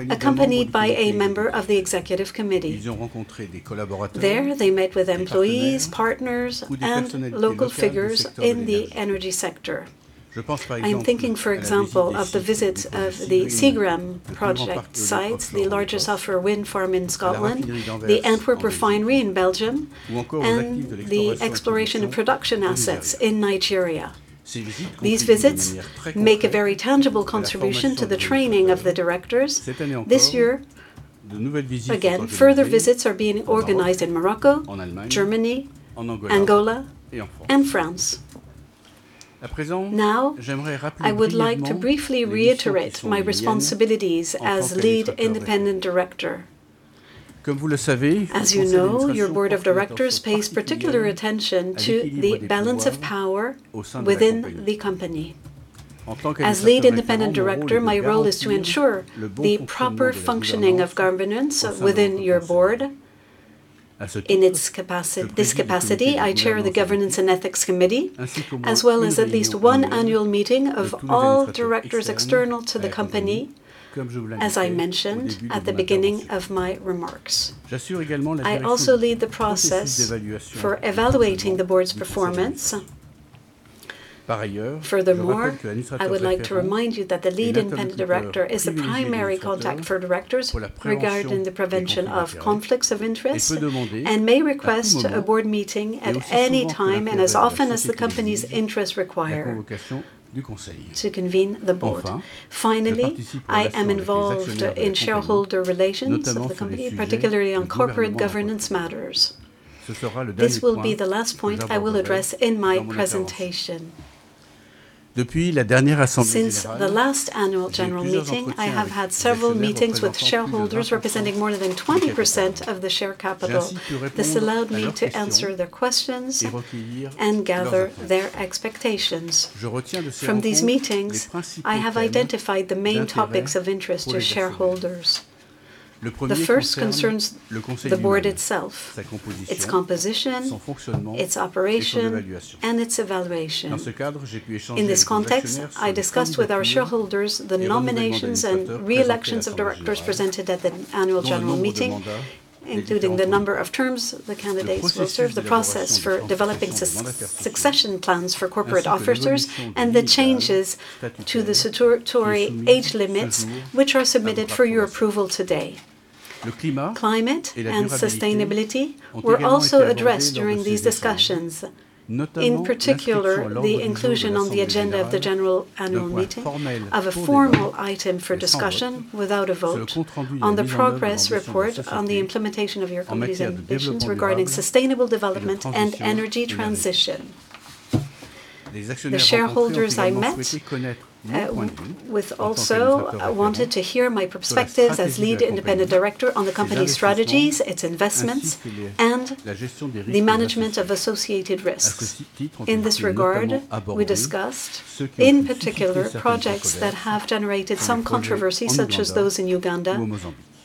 accompanied by a member of the executive committee. There, they met with employees, partners, and local figures in the energy sector. I am thinking, for example, of the visit of the Seagreen project site, the largest offshore wind farm in Scotland, the Antwerp refinery in Belgium, and the exploration and production assets in Nigeria. These visits make a very tangible contribution to the training of the directors. This year, again, further visits are being organized in Morocco, Germany, Angola, and France. I would like to briefly reiterate my responsibilities as Lead Independent Director. As you know, your Board of Directors pays particular attention to the balance of power within the company. As Lead Independent Director, my role is to ensure the proper functioning of governance within your board. In this capacity, I chair the Governance and Ethics Committee, as well as at least one annual meeting of all directors external to the company, as I mentioned at the beginning of my remarks. I also lead the process for evaluating the board's performance. Furthermore, I would like to remind you that the Lead Independent Director is the primary contact for directors regarding the prevention of conflicts of interest and may request a board meeting at any time and as often as the company's interests require to convene the board. Finally, I am involved in shareholder relations of the company, particularly on corporate governance matters. This will be the last point I will address in my presentation. Since the last Annual General Meeting, I have had several meetings with shareholders representing more than 20% of the share capital. This allowed me to answer their questions and gather their expectations. From these meetings, I have identified the main topics of interest to shareholders. The first concerns the board itself, its composition, its operation, and its evaluation. In this context, I discussed with our shareholders the nominations and reelections of directors presented at the Annual General Meeting, including the number of terms the candidates will serve, the process for developing succession plans for corporate officers, and the changes to the statutory age limits, which are submitted for your approval today. Climate and sustainability were also addressed during these discussions. In particular, the inclusion on the agenda of the General Annual Meeting of a formal item for discussion without a vote on the progress report on the implementation of your company's ambitions regarding sustainable development and energy transition. The shareholders I met with also wanted to hear my perspectives as Lead Independent Director on the company strategies, its investments, and the management of associated risks. In this regard, we discussed, in particular, projects that have generated some controversy, such as those in Uganda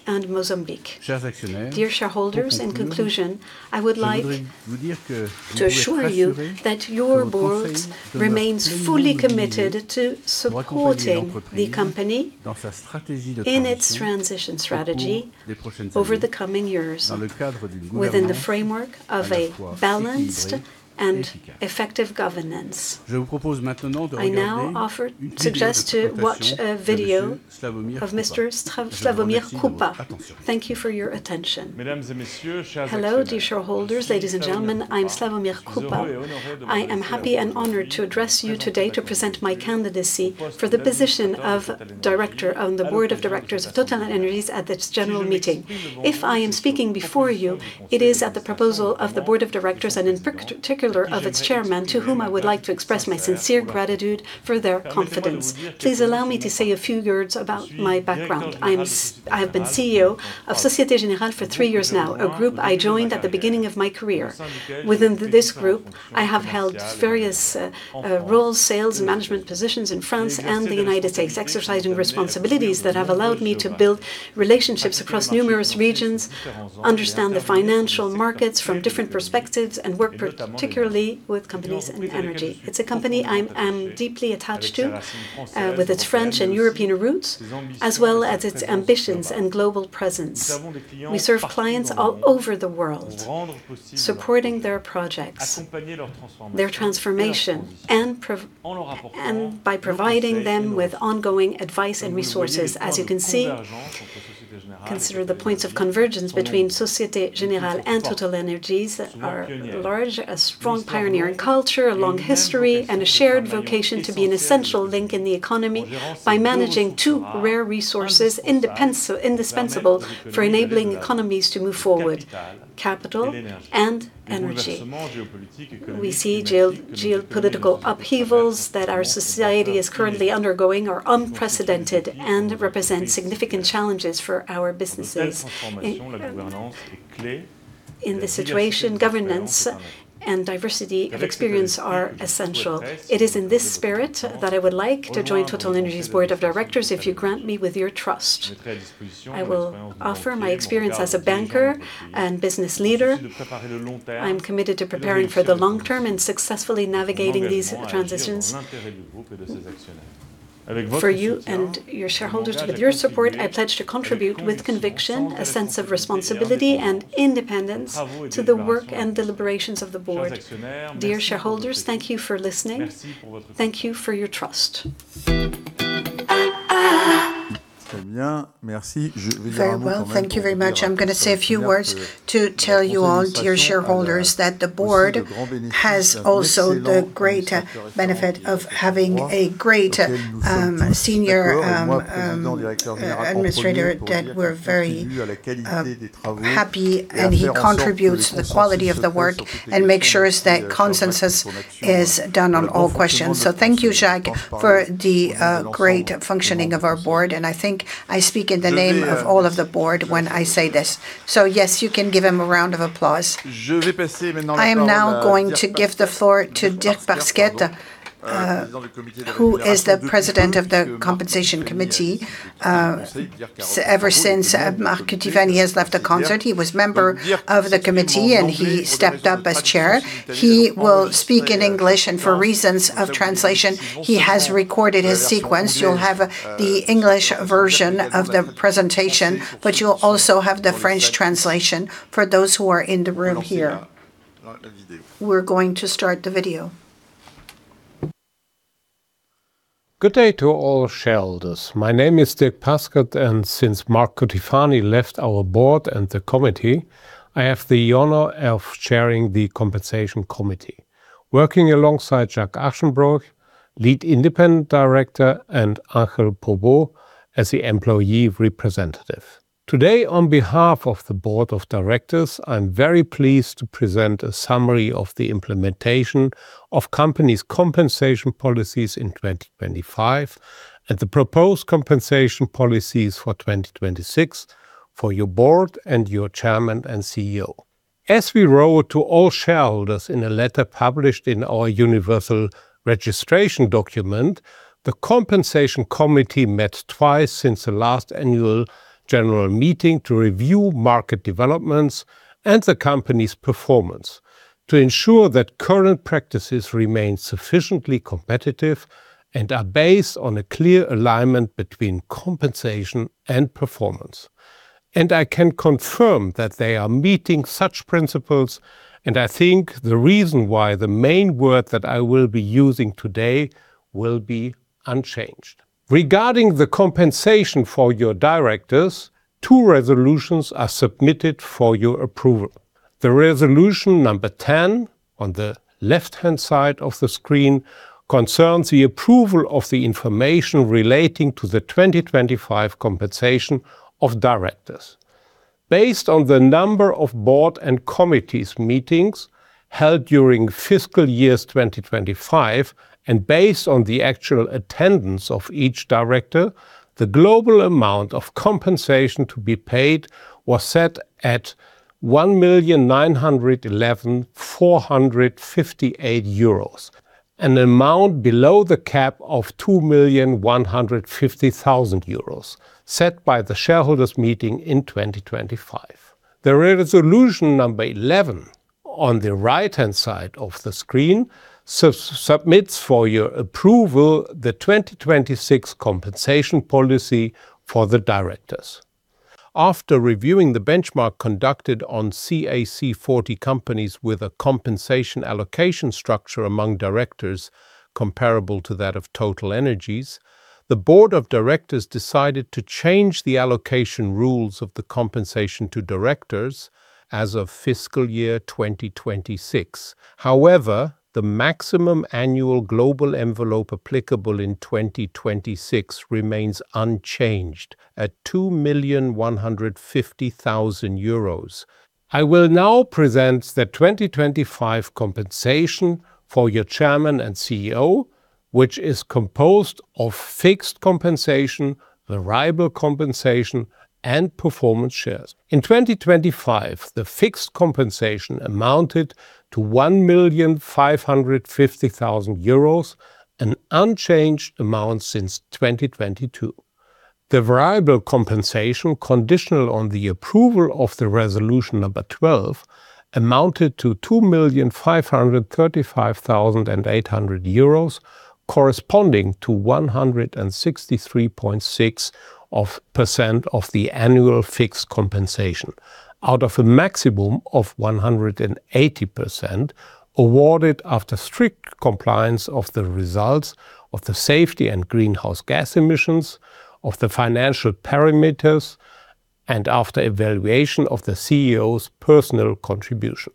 and Mozambique. Dear shareholders, in conclusion, I would like to assure you that your board remains fully committed to supporting the company in its transition strategy over the coming years within the framework of a balanced and effective governance. I now suggest to watch a video of Mr. Slawomir Krupa. Thank you for your attention. Hello, dear shareholders. Ladies and gentlemen, I'm Slawomir Krupa. I am happy and honored to address you today to present my candidacy for the position of Director on the Board of Directors of TotalEnergies at this general meeting. If I am speaking before you, it is at the proposal of the Board of Directors and in particular of its chairman, to whom I would like to express my sincere gratitude for their confidence. Please allow me to say a few words about my background. I have been CEO of Société Générale for three years now, a group I joined at the beginning of my career. Within this group, I have held various roles, sales and management positions in France and the United States, exercising responsibilities that have allowed me to build relationships across numerous regions, understand the financial markets from different perspectives, and work particularly with companies in energy. It's a company I am deeply attached to, with its French and European roots, as well as its ambitions and global presence. We serve clients all over the world, supporting their projects, their transformation, and by providing them with ongoing advice and resources. As you can see, consider the points of convergence between Société Générale and TotalEnergies that are large, a strong pioneering culture, a long history, and a shared vocation to be an essential link in the economy by managing two rare resources, indispensable for enabling economies to move forward: capital and energy. We see geopolitical upheavals that our society is currently undergoing are unprecedented and represent significant challenges for our businesses. In this situation, governance and diversity of experience are essential. It is in this spirit that I would like to join TotalEnergies' Board of Directors, if you grant me with your trust. I will offer my experience as a banker and business leader. I am committed to preparing for the long-term and successfully navigating these transitions. For you and your shareholders, with your support, I pledge to contribute with conviction, a sense of responsibility, and independence to the work and deliberations of the board. Dear shareholders, thank you for listening. Thank you for your trust. Very well. Thank you very much. I'm going to say a few words to tell you all, dear shareholders, that the board has also the great benefit of having a great senior administrator that we're very happy. He contributes to the quality of the work and makes sure that consensus is done on all questions. Thank you, Jacques, for the great functioning of our board, and I think I speak in the name of all of the board when I say this. Yes, you can give him a round of applause. I am now going to give the floor to Dierk Paskert, who is the President of the Compensation Committee. Ever since Mark Cutifani has left the company, he was member of the Committee, and he stepped up as Chair. He will speak in English, and for reasons of translation, he has recorded his sequence. You'll have the English version of the presentation, but you'll also have the French translation for those who are in the room here. We're going to start the video. Good day to all shareholders. My name is Dierk Paskert. Since Mark Cutifani left our board and the committee, I have the honor of chairing the Compensation Committee, working alongside Jacques Aschenbroich, Lead Independent Director, and Angel Pobo as the Employee Representative. Today, on behalf of the Board of Directors, I'm very pleased to present a summary of the implementation of company's compensation policies in 2025 and the proposed compensation policies for 2026 for your board and your Chairman and CEO. As we wrote to all shareholders in a letter published in our universal registration document, the Compensation Committee met twice since the last Annual General Meeting to review market developments and the company's performance to ensure that current practices remain sufficiently competitive and are based on a clear alignment between compensation and performance. I can confirm that they are meeting such principles. I think the reason why the main word that I will be using today will be unchanged. Regarding the compensation for your directors, two resolutions are submitted for your approval. The Resolution Number 10 on the left-hand side of the screen concerns the approval of the information relating to the 2025 compensation of directors. Based on the number of board and committees meetings held during fiscal years 2025, and based on the actual attendance of each director, the global amount of compensation to be paid was set at 1,911,458 euros, an amount below the cap of 2,150,000 euros set by the shareholders meeting in 2025. The Resolution Number 11 on the right-hand side of the screen submits for your approval the 2026 compensation policy for the directors. After reviewing the benchmark conducted on CAC 40 companies with a compensation allocation structure among directors comparable to that of TotalEnergies, the Board of Directors decided to change the allocation rules of the compensation to directors as of fiscal year 2026. The maximum annual global envelope applicable in 2026 remains unchanged at €2,150,000. I will now present the 2025 compensation for your Chairman and CEO, which is composed of fixed compensation, variable compensation, and performance shares. In 2025, the fixed compensation amounted to 1,550,000 euros, an unchanged amount since 2022. The variable compensation, conditional on the approval of the Resolution Number 12, amounted to 2,535,800 euros, corresponding to 163.6 of percent of the annual fixed compensation, out of a maximum of 180% awarded after strict compliance of the results of the safety and greenhouse gas emissions, of the financial parameters, and after evaluation of the CEO's personal contribution.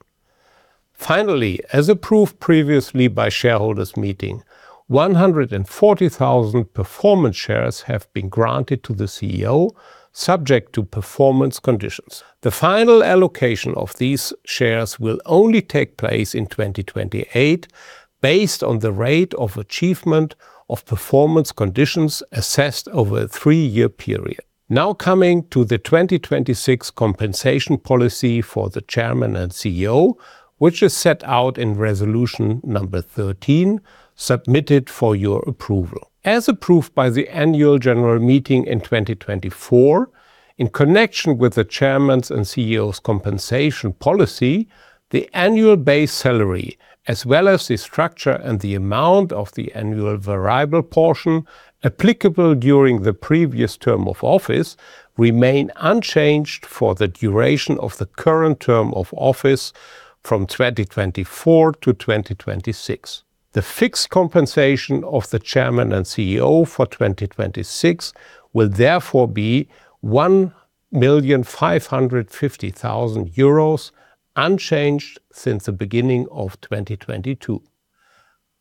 Finally, as approved previously by shareholders meeting, 140,000 performance shares have been granted to the CEO, subject to performance conditions. The final allocation of these shares will only take place in 2028 based on the rate of achievement of performance conditions assessed over a three-year period. Now coming to the 2026 compensation policy for the Chairman and CEO, which is set out in Resolution Number 13, submitted for your approval. As approved by the Annual General Meeting in 2024, in connection with the Chairman's and CEO's compensation policy, the annual base salary, as well as the structure and the amount of the annual variable portion applicable during the previous term of office, remain unchanged for the duration of the current term of office from 2024-2026. The fixed compensation of the Chairman and CEO for 2026 will therefore be 1,550,000 euros, unchanged since the beginning of 2022.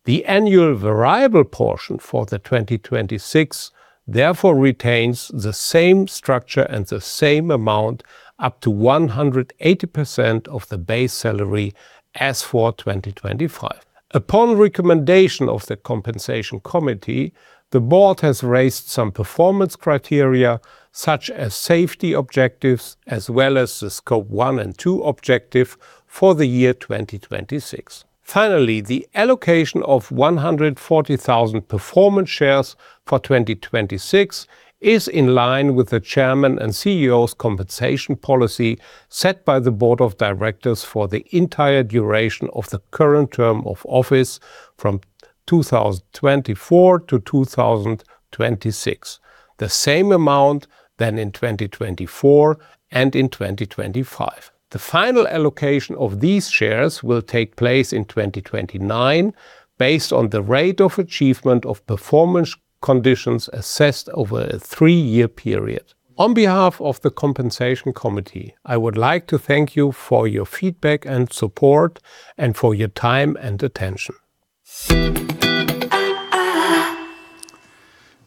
The annual variable portion for 2026 therefore retains the same structure and the same amount, up to 180% of the base salary as for 2025. Upon recommendation of the Compensation Committee, the board has raised some performance criteria such as safety objectives, as well as the Scope 1 and 2 objective for the year 2026. Finally, the allocation of 140,000 performance shares for 2026 is in line with the Chairman and CEO's compensation policy set by the Board of Directors for the entire duration of the current term of office from 2024-2026. The same amount than in 2024 and in 2025. The final allocation of these shares will take place in 2029 based on the rate of achievement of performance conditions assessed over a three-year period. On behalf of the Compensation Committee, I would like to thank you for your feedback and support and for your time and attention.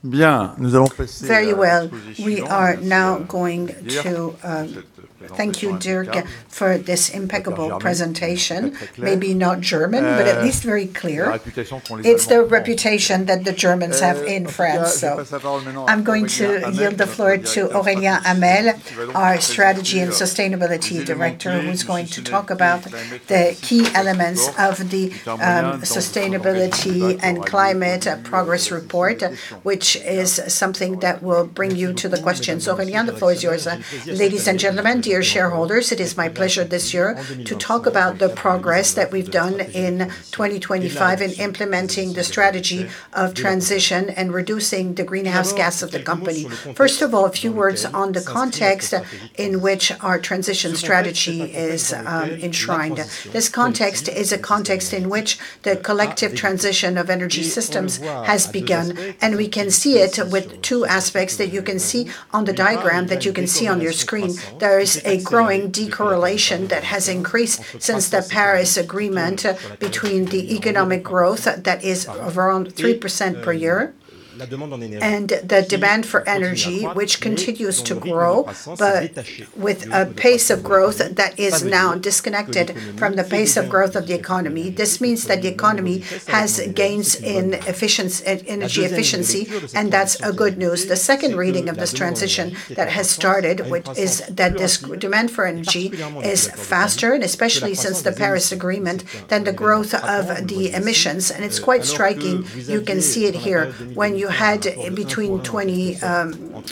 Very well. We are now going to thank you, Dierk, for this impeccable presentation. Maybe not German, but at least very clear. It's the reputation that the Germans have in France. I'm going to yield the floor to, our Strategy and Sustainability Director, who's going to talk about the key elements of the sustainability and climate progress report, which is something that will bring you to the questions. Aurélien, the floor is yours. Ladies and gentlemen, dear shareholders, it is my pleasure this year to talk about the progress that we've done in 2025 in implementing the strategy of transition and reducing the greenhouse gas of the company. First of all, a few words on the context in which our transition strategy is enshrined. This context is a context in which the collective transition of energy systems has begun. We can see it with two aspects that you can see on the diagram that you can see on your screen. There is a growing decorrelation that has increased since the Paris Agreement between the economic growth that is around 3% per year and the demand for energy, which continues to grow. With a pace of growth that is now disconnected from the pace of growth of the economy. This means that the economy has gains in energy efficiency. That's a good news. The second reading of this transition that has started, is that this demand for energy is faster, especially since the Paris Agreement, than the growth of the emissions. It's quite striking. You can see it here. When you had between 2000,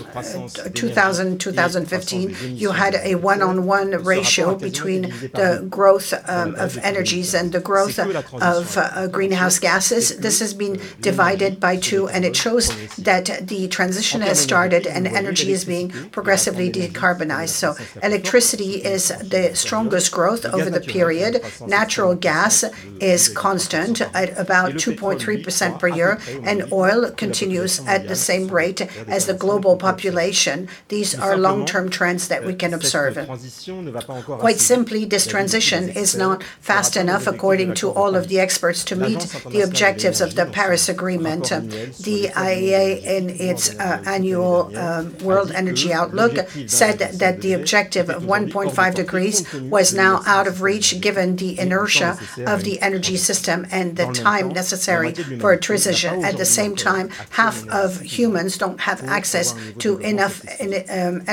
2015, you had a one-on-one ratio between the growth of energies and the growth of greenhouse gases. This has been divided by two, and it shows that the transition has started and energy is being progressively decarbonized. Electricity is the strongest growth over the period. Natural gas is constant at about 2.3% per year, and oil continues at the same rate as the global population. These are long-term trends that we can observe. Quite simply, this transition is not fast enough according to all of the experts to meet the objectives of the Paris Agreement. The IEA, in its annual World Energy Outlook, said that the objective of 1.5 degrees was now out of reach given the inertia of the energy system and the time necessary for a transition. At the same time, half of humans don't have access to enough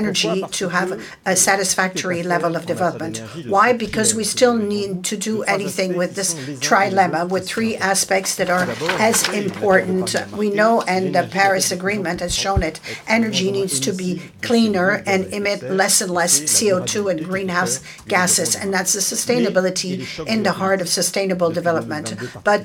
energy to have a satisfactory level of development. Why? Because we still need to do anything with this trilemma, with three aspects that are as important. We know, and the Paris Agreement has shown it, energy needs to be cleaner and emit less and less CO2 and greenhouse gases, and that's the sustainability in the heart of sustainable development.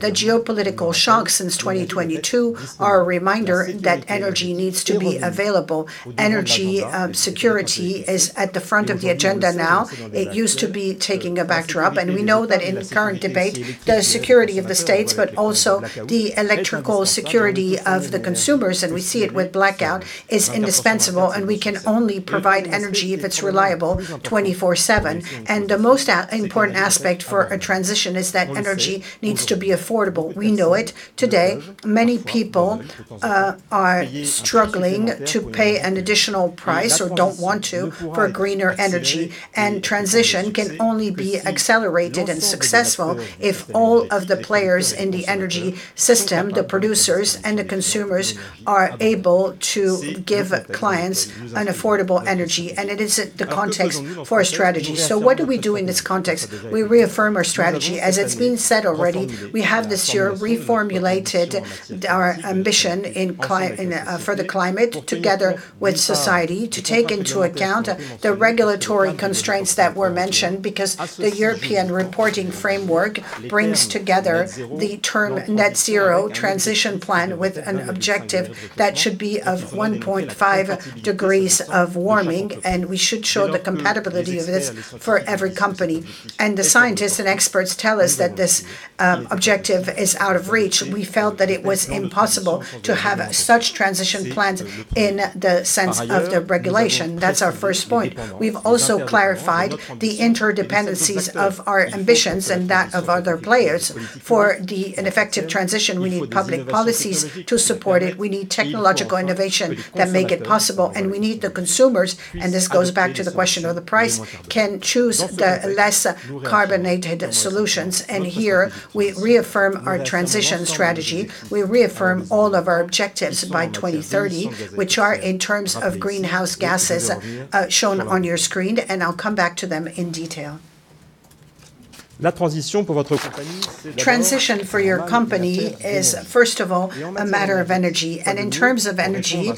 The geopolitical shocks since 2022 are a reminder that energy needs to be available. Energy security is at the front of the agenda now. It used to be taking a backdrop, and we know that in the current debate, the security of the states, but also the electrical security of the consumers, and we see it with blackout, is indispensable, and we can only provide energy if it's reliable 24/7. The most important aspect for a transition is that energy needs to be affordable. We know it. Today, many people are struggling to pay an additional price or don't want to for greener energy. Transition can only be accelerated and successful if all of the players in the energy system, the producers and the consumers, are able to give clients affordable energy. It is the context for strategy. What do we do in this context? We reaffirm our strategy. As it's been said already, we have this year reformulated our ambition for the climate together with society to take into account the regulatory constraints that were mentioned because the European reporting framework brings together the term Net Zero Transition Plan with an objective that should be of 1.5 degrees of warming, and we should show the compatibility of this for every company. The scientists and experts tell us that this objective is out of reach. We felt that it was impossible to have such transition plans in the sense of the regulation. That's our first point. We've also clarified the interdependencies of our ambitions and that of other players. For an effective transition, we need public policies to support it. We need technological innovation that make it possible, and we need the consumers, and this goes back to the question of the price, can choose the less carbonated solutions. Here we reaffirm our transition strategy. We reaffirm all of our objectives by 2030, which are in terms of greenhouse gases shown on your screen, and I'll come back to them in detail. Transition for your company is first of all a matter of energy. In terms of energy,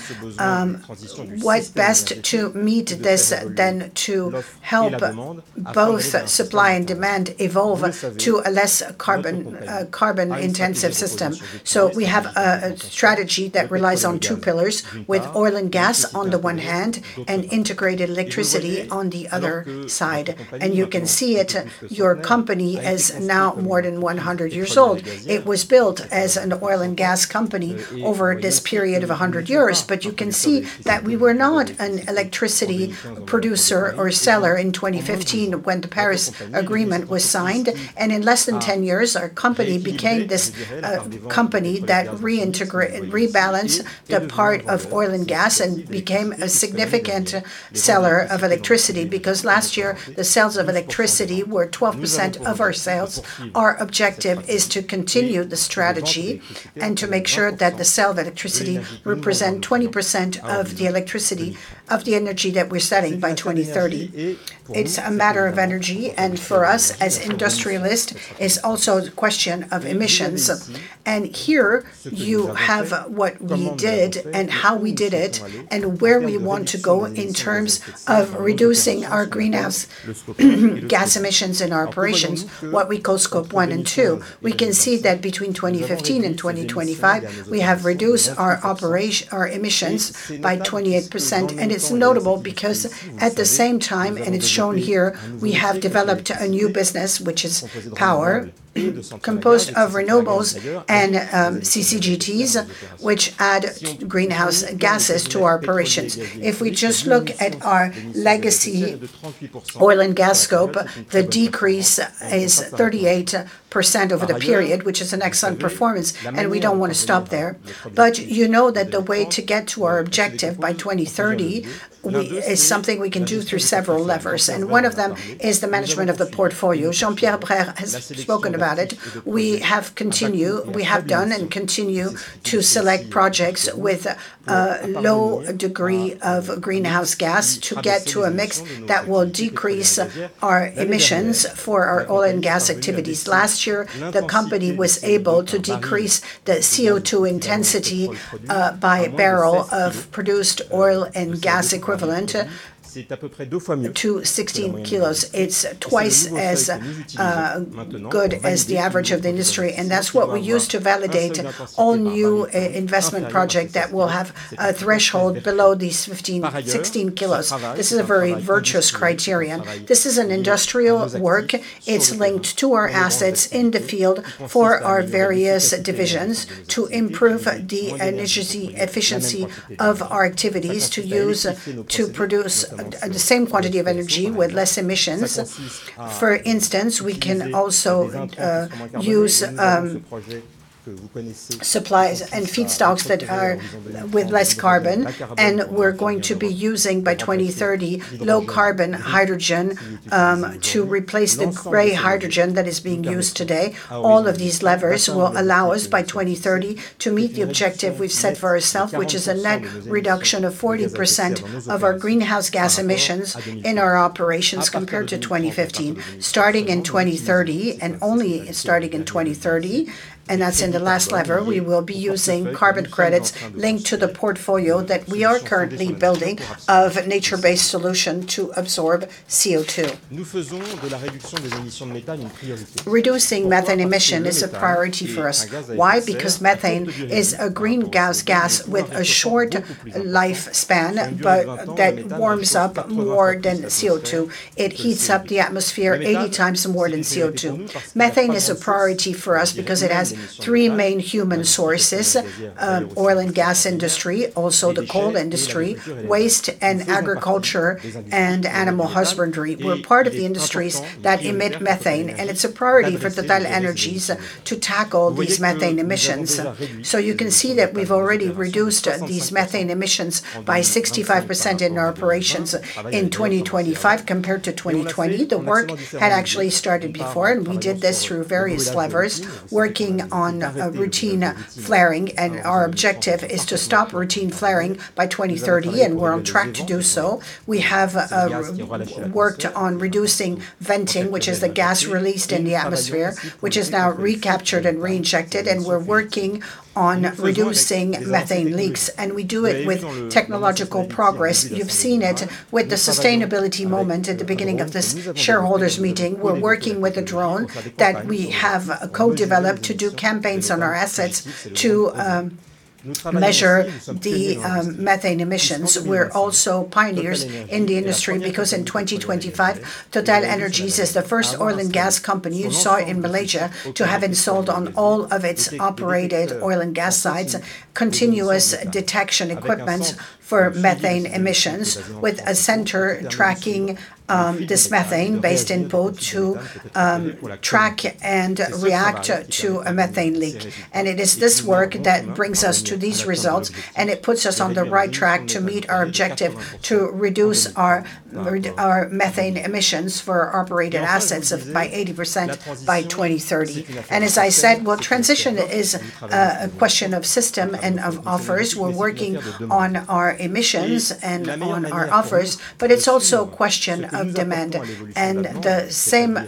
what best to meet this than to help both supply and demand evolve to a less carbon-intensive system. We have a strategy that relies on two pillars, with oil and gas on the one hand, and integrated electricity on the other side. You can see it, your company is now more than 100 years old. It was built as an oil and gas company over this period of 100 years, but you can see that we were not an electricity producer or seller in 2015 when the Paris Agreement was signed. In less than 10 years, our company became this company that rebalanced the part of oil and gas and became a significant seller of electricity, because last year the sales of electricity were 12% of our sales. Our objective is to continue the strategy and to make sure that the sale of electricity will represent 20% of the energy that we're selling by 2030. It's a matter of energy, and for us, as industrialists, it's also a question of emissions. Here you have what we did and how we did it, and where we want to go in terms of reducing our greenhouse gas emissions in our operations, what we call Scope 1 and 2. We can see that between 2015 and 2025, we have reduced our emissions by 28%. It's notable because at the same time, and it's shown here, we have developed a new business which is power, composed of renewables and CCGTs, which add greenhouse gases to our operations. If we just look at our legacy oil and gas scope, the decrease is 38% over the period, which is an excellent performance. We don't want to stop there. You know that the way to get to our objective by 2030 is something we can do through several levers. One of them is the management of the portfolio. Jean-Pierre Sbraire has spoken about it. We have done and continue to select projects with a low degree of greenhouse gas to get to a mix that will decrease our emissions for our oil and gas activities. Last year, the company was able to decrease the CO2 intensity by a barrel of produced oil and gas equivalent to 16 kilos. That's what we use to validate all new investment projects that will have a threshold below these 16 kilos. This is a very virtuous criterion. This is an industrial work. It's linked to our assets in the field for our various divisions to improve the energy efficiency of our activities, to produce the same quantity of energy with less emissions. For instance, we can also use supplies and feedstocks that are with less carbon. We're going to be using, by 2030, low-carbon hydrogen, to replace the gray hydrogen that is being used today. All of these levers will allow us, by 2030, to meet the objective we've set for ourselves, which is a net reduction of 40% of our greenhouse gas emissions in our operations compared to 2015, starting in 2030 and only starting in 2030. That's in the last lever. We will be using carbon credits linked to the portfolio that we are currently building of nature-based solutions to absorb CO2. Reducing methane emission is a priority for us. Why? Methane is a greenhouse gas with a short lifespan, but that warms up more than CO2. It heats up the atmosphere 80x more than CO2. Methane is a priority for us because it has three main human sources: oil and gas industry, also the coal industry, waste, and agriculture and animal husbandry were part of the industries that emit methane. It's a priority for TotalEnergies to tackle these methane emissions. You can see that we've already reduced these methane emissions by 65% in our operations in 2025 compared to 2020. The work had actually started before. We did this through various levers, working on routine flaring. Our objective is to stop routine flaring by 2030. We're on track to do so. We have worked on reducing venting, which is the gas released in the atmosphere, which is now recaptured and reinjected. We're working on reducing methane leaks. We do it with technological progress. You've seen it with the sustainability moment at the beginning of this shareholders' meeting. We're working with a drone that we have co-developed to do campaigns on our assets to measure the methane emissions. We're also pioneers in the industry because in 2025, TotalEnergies is the first oil and gas company you saw in Malaysia to have installed on all of its operated oil and gas sites, continuous detection equipment for methane emissions, with a center tracking this methane, based in Pau, to track and react to a methane leak. It is this work that brings us to these results, and it puts us on the right track to meet our objective to reduce our methane emissions for our operated assets by 80% by 2030. As I said, transition is a question of system and of offers. We're working on our emissions and on our offers, but it's also a question of demand. The same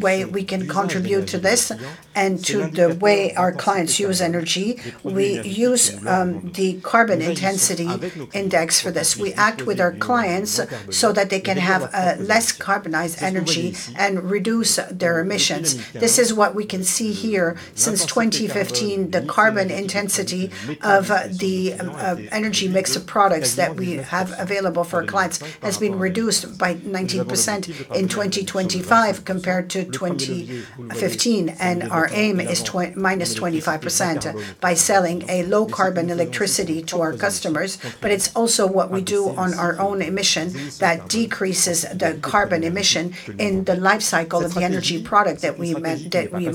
way we can contribute to this and to the way our clients use energy, we use the carbon intensity index for this. We act with our clients so that they can have less carbonized energy and reduce their emissions. This is what we can see here. Since 2015, the carbon intensity of the energy mix of products that we have available for clients has been reduced by 19% in 2025 compared to 2015, and our aim is -25%, by selling a low-carbon electricity to our customers. It's also what we do on our own emission that decreases the carbon emission in the life cycle of the energy product that we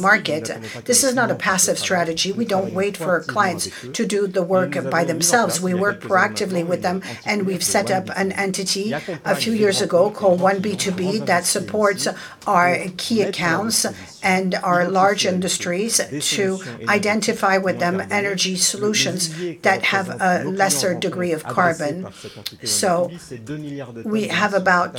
market. This is not a passive strategy. We don't wait for clients to do the work by themselves. We work proactively with them, and we've set up an entity a few years ago called OneB2B that supports our key accounts and our large industries to identify with them energy solutions that have a lesser degree of carbon. We have about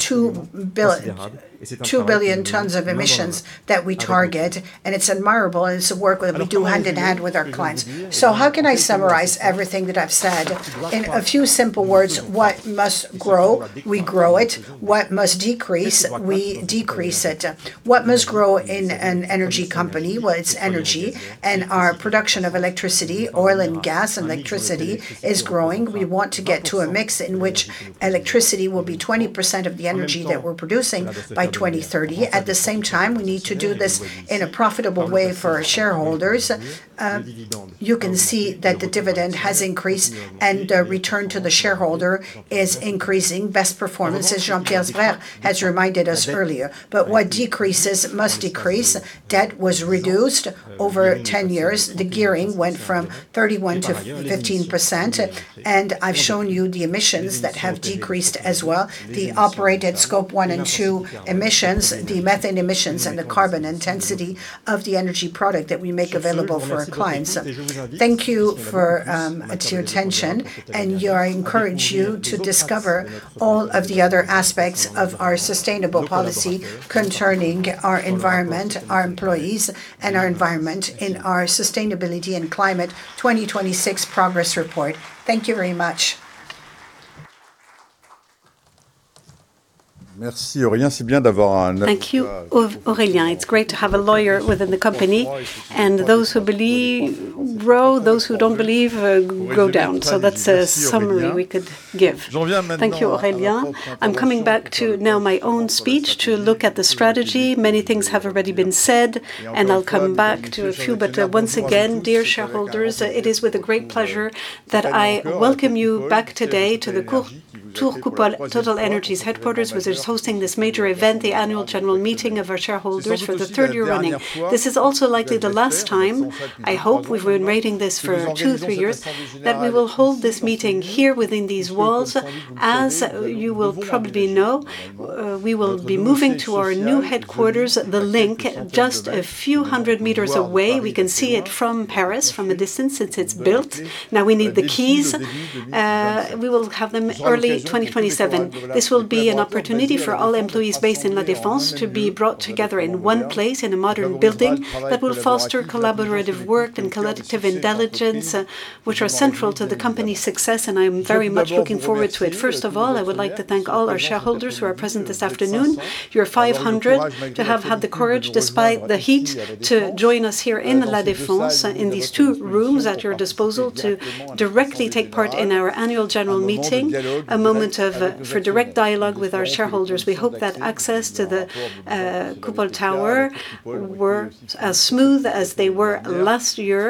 2 billion tons of emissions that we target, and it's admirable, and it's work that we do hand-in-hand with our clients. How can I summarize everything that I've said? In a few simple words, what must grow, we grow it. What must decrease, we decrease it. What must grow in an energy company? Well, it's energy and our production of electricity. Oil and gas, electricity is growing. We want to get to a mix in which electricity will be 20% of the energy that we're producing by 2030. At the same time, we need to do this in a profitable way for our shareholders. You can see that the dividend has increased, and return to the shareholder is increasing. Best performance, as Jean-Pierre Sbraire has reminded us earlier. What decreases must decrease. Debt was reduced over 10 years. The gearing went from 31%-15%, and I've shown you the emissions that have decreased as well. The operated Scope 1 and 2 emissions, the methane emissions, and the carbon intensity of the energy product that we make available for our clients. Thank you for your attention, and I encourage you to discover all of the other aspects of our sustainable policy concerning our environment, our employees, and our environment in our Sustainability and Climate 2026 Progress Report. Thank you very much. Thank you, Aurélien. It's great to have a lawyer within the company and those who believe grow, those who don't believe go down. That's a summary we could give. Thank you, Aurélien. I'm coming back to now my own speech to look at the strategy. Many things have already been said, and I'll come back to a few. Once again, dear shareholders, it is with a great pleasure that I welcome you back today to the Tour Coupole, TotalEnergies headquarters, which is hosting this major event, the Annual General Meeting of our shareholders for the third year running. This is also likely the last time, I hope, we've been rating this for two, three years, that we will hold this meeting here within these walls. As you will probably know, we will be moving to our new headquarters, the Link, just a few hundred meters away. We can see it from Paris from a distance since it's built. Now we need the keys. We will have them early 2027. This will be an opportunity for all employees based in La Défense to be brought together in one place in a modern building that will foster collaborative work and collective intelligence, which are central to the company's success, and I am very much looking forward to it. First of all, I would like to thank all our shareholders who are present this afternoon. You are 500 to have had the courage, despite the heat, to join us here in La Défense in these two rooms at your disposal to directly take part in our annual general meeting, a moment for direct dialogue with our shareholders. We hope that access to the Coupole Tower were as smooth as they were last year,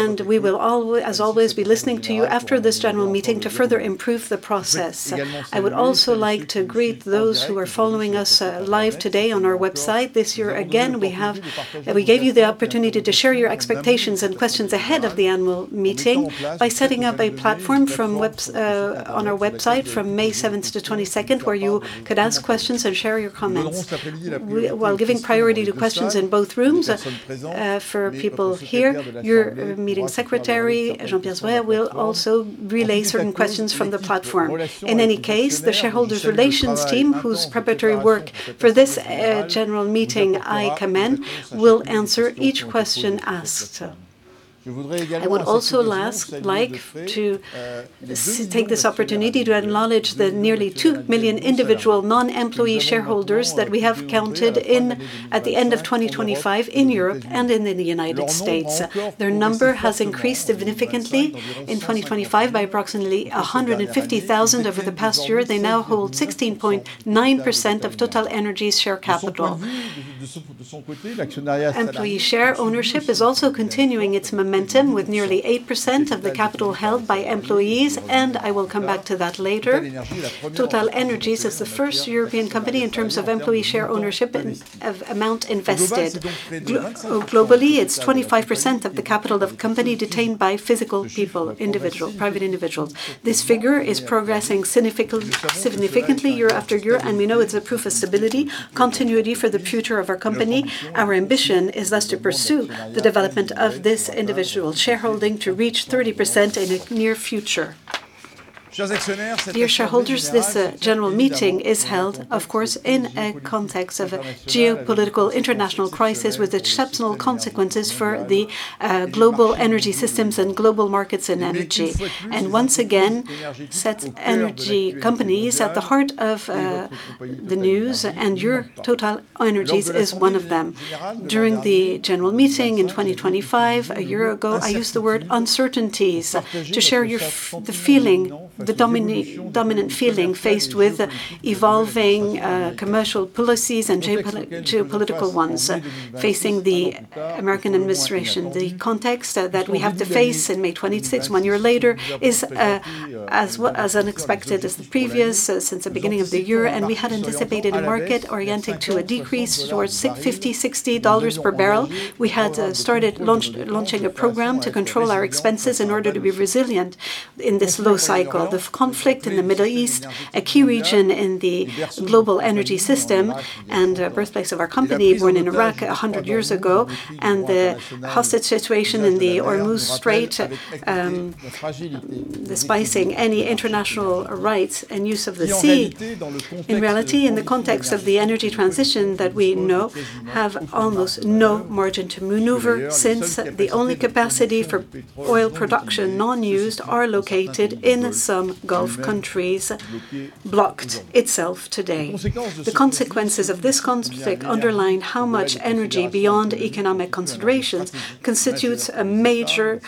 and we will as always, be listening to you after this general meeting to further improve the process. I would also like to greet those who are following us live today on our website. This year again, we gave you the opportunity to share your expectations and questions ahead of the Annual Meeting by setting up a platform on our website from May 7th-22nd where you could ask questions and share your comments. While giving priority to questions in both rooms for people here, your meeting Secretary, Jean-Pierre Sbraire, will also relay certain questions from the platform. The shareholders relations team, whose preparatory work for this general meeting I commend, will answer each question asked. I would also like to take this opportunity to acknowledge the nearly 2 million individual non-employee shareholders that we have counted at the end of 2025 in Europe and in the U.S. Their number has increased significantly in 2025 by approximately 150,000 over the past year. They now hold 16.9% of TotalEnergies share capital. Employee share ownership is also continuing its momentum with nearly 8% of the capital held by employees, and I will come back to that later. TotalEnergies is the first European company in terms of employee share ownership and amount invested. Globally, it's 25% of the capital of company detained by physical people, private individuals. This figure is progressing significantly year after year, and we know it's a proof of stability, continuity for the future of our company. Our ambition is thus to pursue the development of this individual shareholding to reach 30% in the near future. Dear shareholders, this general meeting is held, of course, in a context of a geopolitical international crisis with exceptional consequences for the global energy systems and global markets in energy. Once again, sets energy companies at the heart of the news, and your TotalEnergies is one of them. During the general meeting in 2025, a year ago, I used the word uncertainties to share the dominant feeling faced with evolving commercial policies and geopolitical ones facing the American administration. The context that we have to face in May 26, one year later, is as unexpected as the previous, since the beginning of the year. We had anticipated a market oriented to a decrease towards 50, EUR 60 per barrel. We had started launching a program to control our expenses in order to be resilient in this low cycle. The conflict in the Middle East, a key region in the global energy system, and birthplace of our company, born in Iraq 100 years ago, and the hostage situation in the Hormuz Strait, the spicing any international rights and use of the sea. In reality, in the context of the energy transition that we now have almost no margin to maneuver, since the only capacity for oil production non-used are located in some Gulf countries, blocked itself today. The consequences of this conflict underline how much energy beyond economic considerations constitutes a major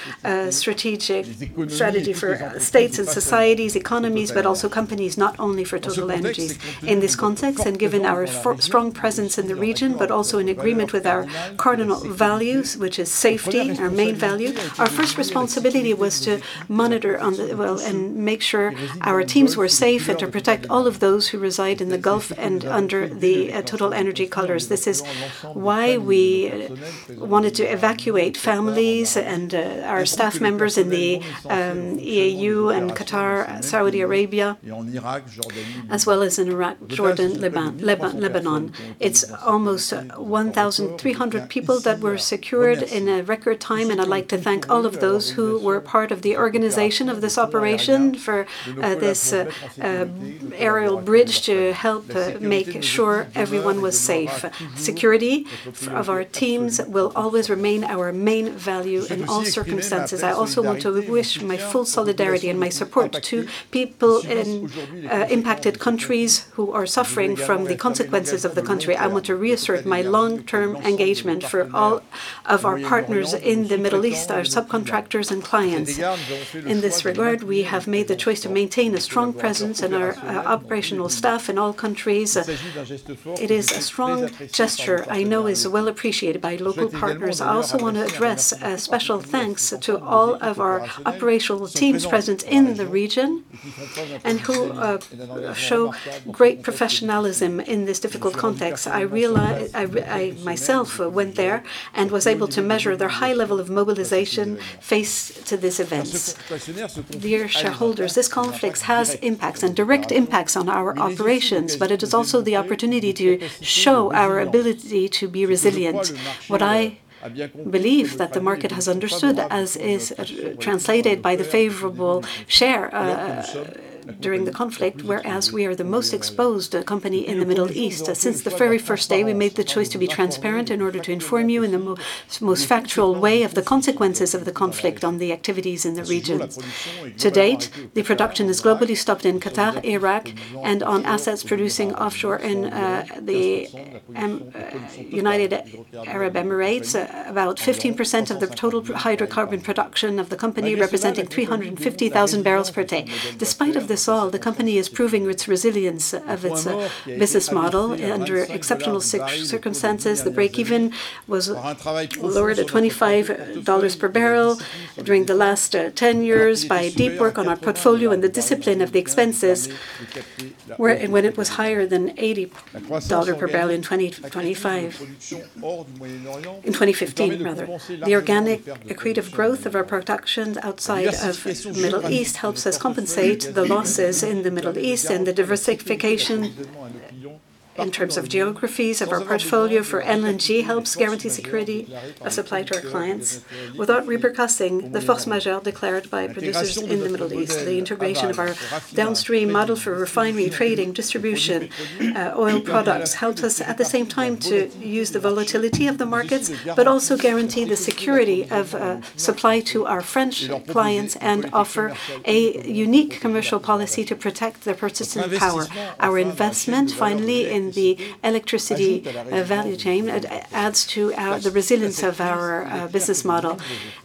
strategic strategy for states and societies, economies, but also companies, not only for TotalEnergies. In this context, given our strong presence in the region, also in agreement with our cardinal values, which is safety, our main value. Our first responsibility was to monitor and make sure our teams were safe and to protect all of those who reside in the Gulf and under the TotalEnergies colors. This is why we wanted to evacuate families and our staff members in the UAE and Qatar and Saudi Arabia, as well as in Iraq, Jordan, Lebanon. It's almost 1,300 people that were secured in a record time, I'd like to thank all of those who were part of the organization of this operation for this aerial bridge to help make sure everyone was safe. Security of our teams will always remain our main value in all circumstances. I also want to wish my full solidarity and my support to people in impacted countries who are suffering from the consequences of the conflict. I want to reassert my long-term engagement for all of our partners in the Middle East, our subcontractors and clients. In this regard, we have made the choice to maintain a strong presence in our operational staff in all countries. It is a strong gesture I know is well appreciated by local partners. I also want to address a special thanks to all of our operational teams present in the region and who show great professionalism in this difficult context. I myself went there and was able to measure their high level of mobilization faced to these events. Dear shareholders, this conflict has impacts and direct impacts on our operations, but it is also the opportunity to show our ability to be resilient. What I believe that the market has understood, as is translated by the favorable share during the conflict, whereas we are the most exposed company in the Middle East. Since the very first day, we made the choice to be transparent in order to inform you in the most factual way of the consequences of the conflict on the activities in the regions. To date, the production is globally stopped in` Qatar, Iraq, and on assets producing offshore in the United Arab Emirates. About 15% of the total hydrocarbon production of the company, representing 350,000 bpd. Despite of this all, the company is proving its resilience of its business model under exceptional circumstances. The break-even was lowered to $25 per barrel during the last 10 years by deep work on our portfolio and the discipline of the expenses, when it was higher than $80 per barrel in 2015. The organic accretive growth of our production outside of Middle East helps us compensate the losses in the Middle East and the diversification in terms of geographies of our portfolio for LNG helps guarantee security of supply to our clients without repercussing the force majeure declared by producers in the Middle East. The integration of our downstream model for refinery trading distribution oil products helps us at the same time to use the volatility of the markets, but also guarantee the security of supply to our French clients and offer a unique commercial policy to protect their purchasing power. Our investment, finally, in the electricity value chain adds to the resilience of our business model.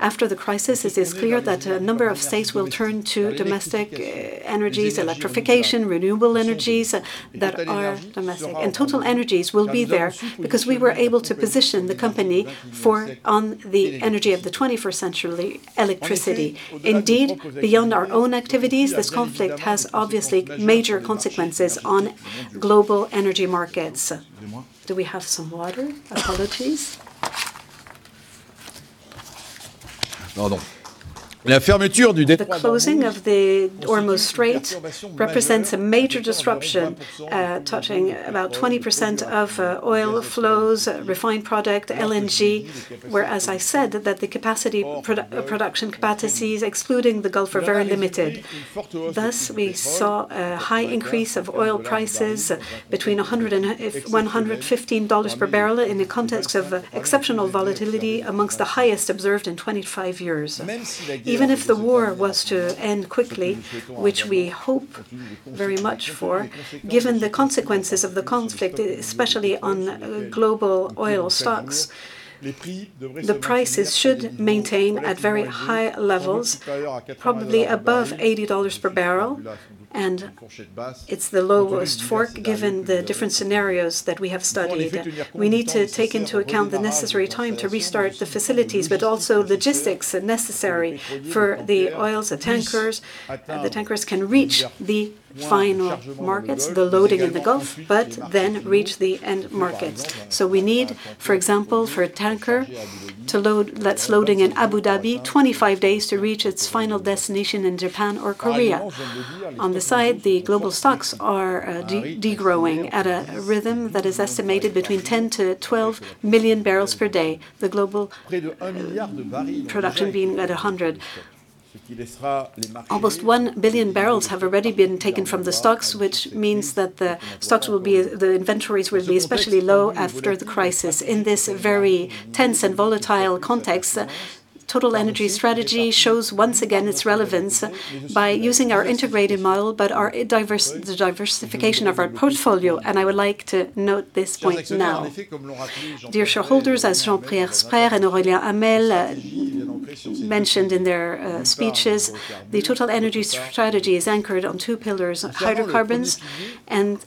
After the crisis, it is clear that a number of states will turn to domestic energies, electrification, renewable energies that are domestic. TotalEnergies will be there because we were able to position the company on the energy of the 21st century, electricity. Indeed, beyond our own activities, this conflict has obviously major consequences on global energy markets. Do we have some water? Apologies. The closing of the Hormuz Strait represents a major disruption, touching about 20% of oil flows, refined product, LNG, where as I said that the production capacities excluding the Gulf are very limited. We saw a high increase of oil prices between $115 per barrel in the context of exceptional volatility amongst the highest observed in 25 years. Even if the war was to end quickly, which we hope very much for, given the consequences of the conflict, especially on global oil stocks, the prices should maintain at very high levels, probably above $80 per barrel, and it's the lowest fork, given the different scenarios that we have studied. We need to take into account the necessary time to restart the facilities, but also logistics are necessary for the oils, the tankers. The tankers can reach the final markets, the loading in the Gulf, but then reach the end markets. We need, for example, for a tanker that's loading in Abu Dhabi, 25 days to reach its final destination in Japan or Korea. On the side, the global stocks are de-growing at a rhythm that is estimated between 10 MMbpd-12 MMbpd. The global production being at 100 MMbpd. Almost 1 billion barrels have already been taken from the stocks, which means that the inventories will be especially low after the crisis. In this very tense and volatile context, TotalEnergies' strategy shows once again its relevance by using our integrated model, but the diversification of our portfolio. I would like to note this point now. Dear shareholders, as Jean-Pierre Sbraire and Aurélien Hamelle mentioned in their speeches, the TotalEnergies strategy is anchored on two pillars of hydrocarbons and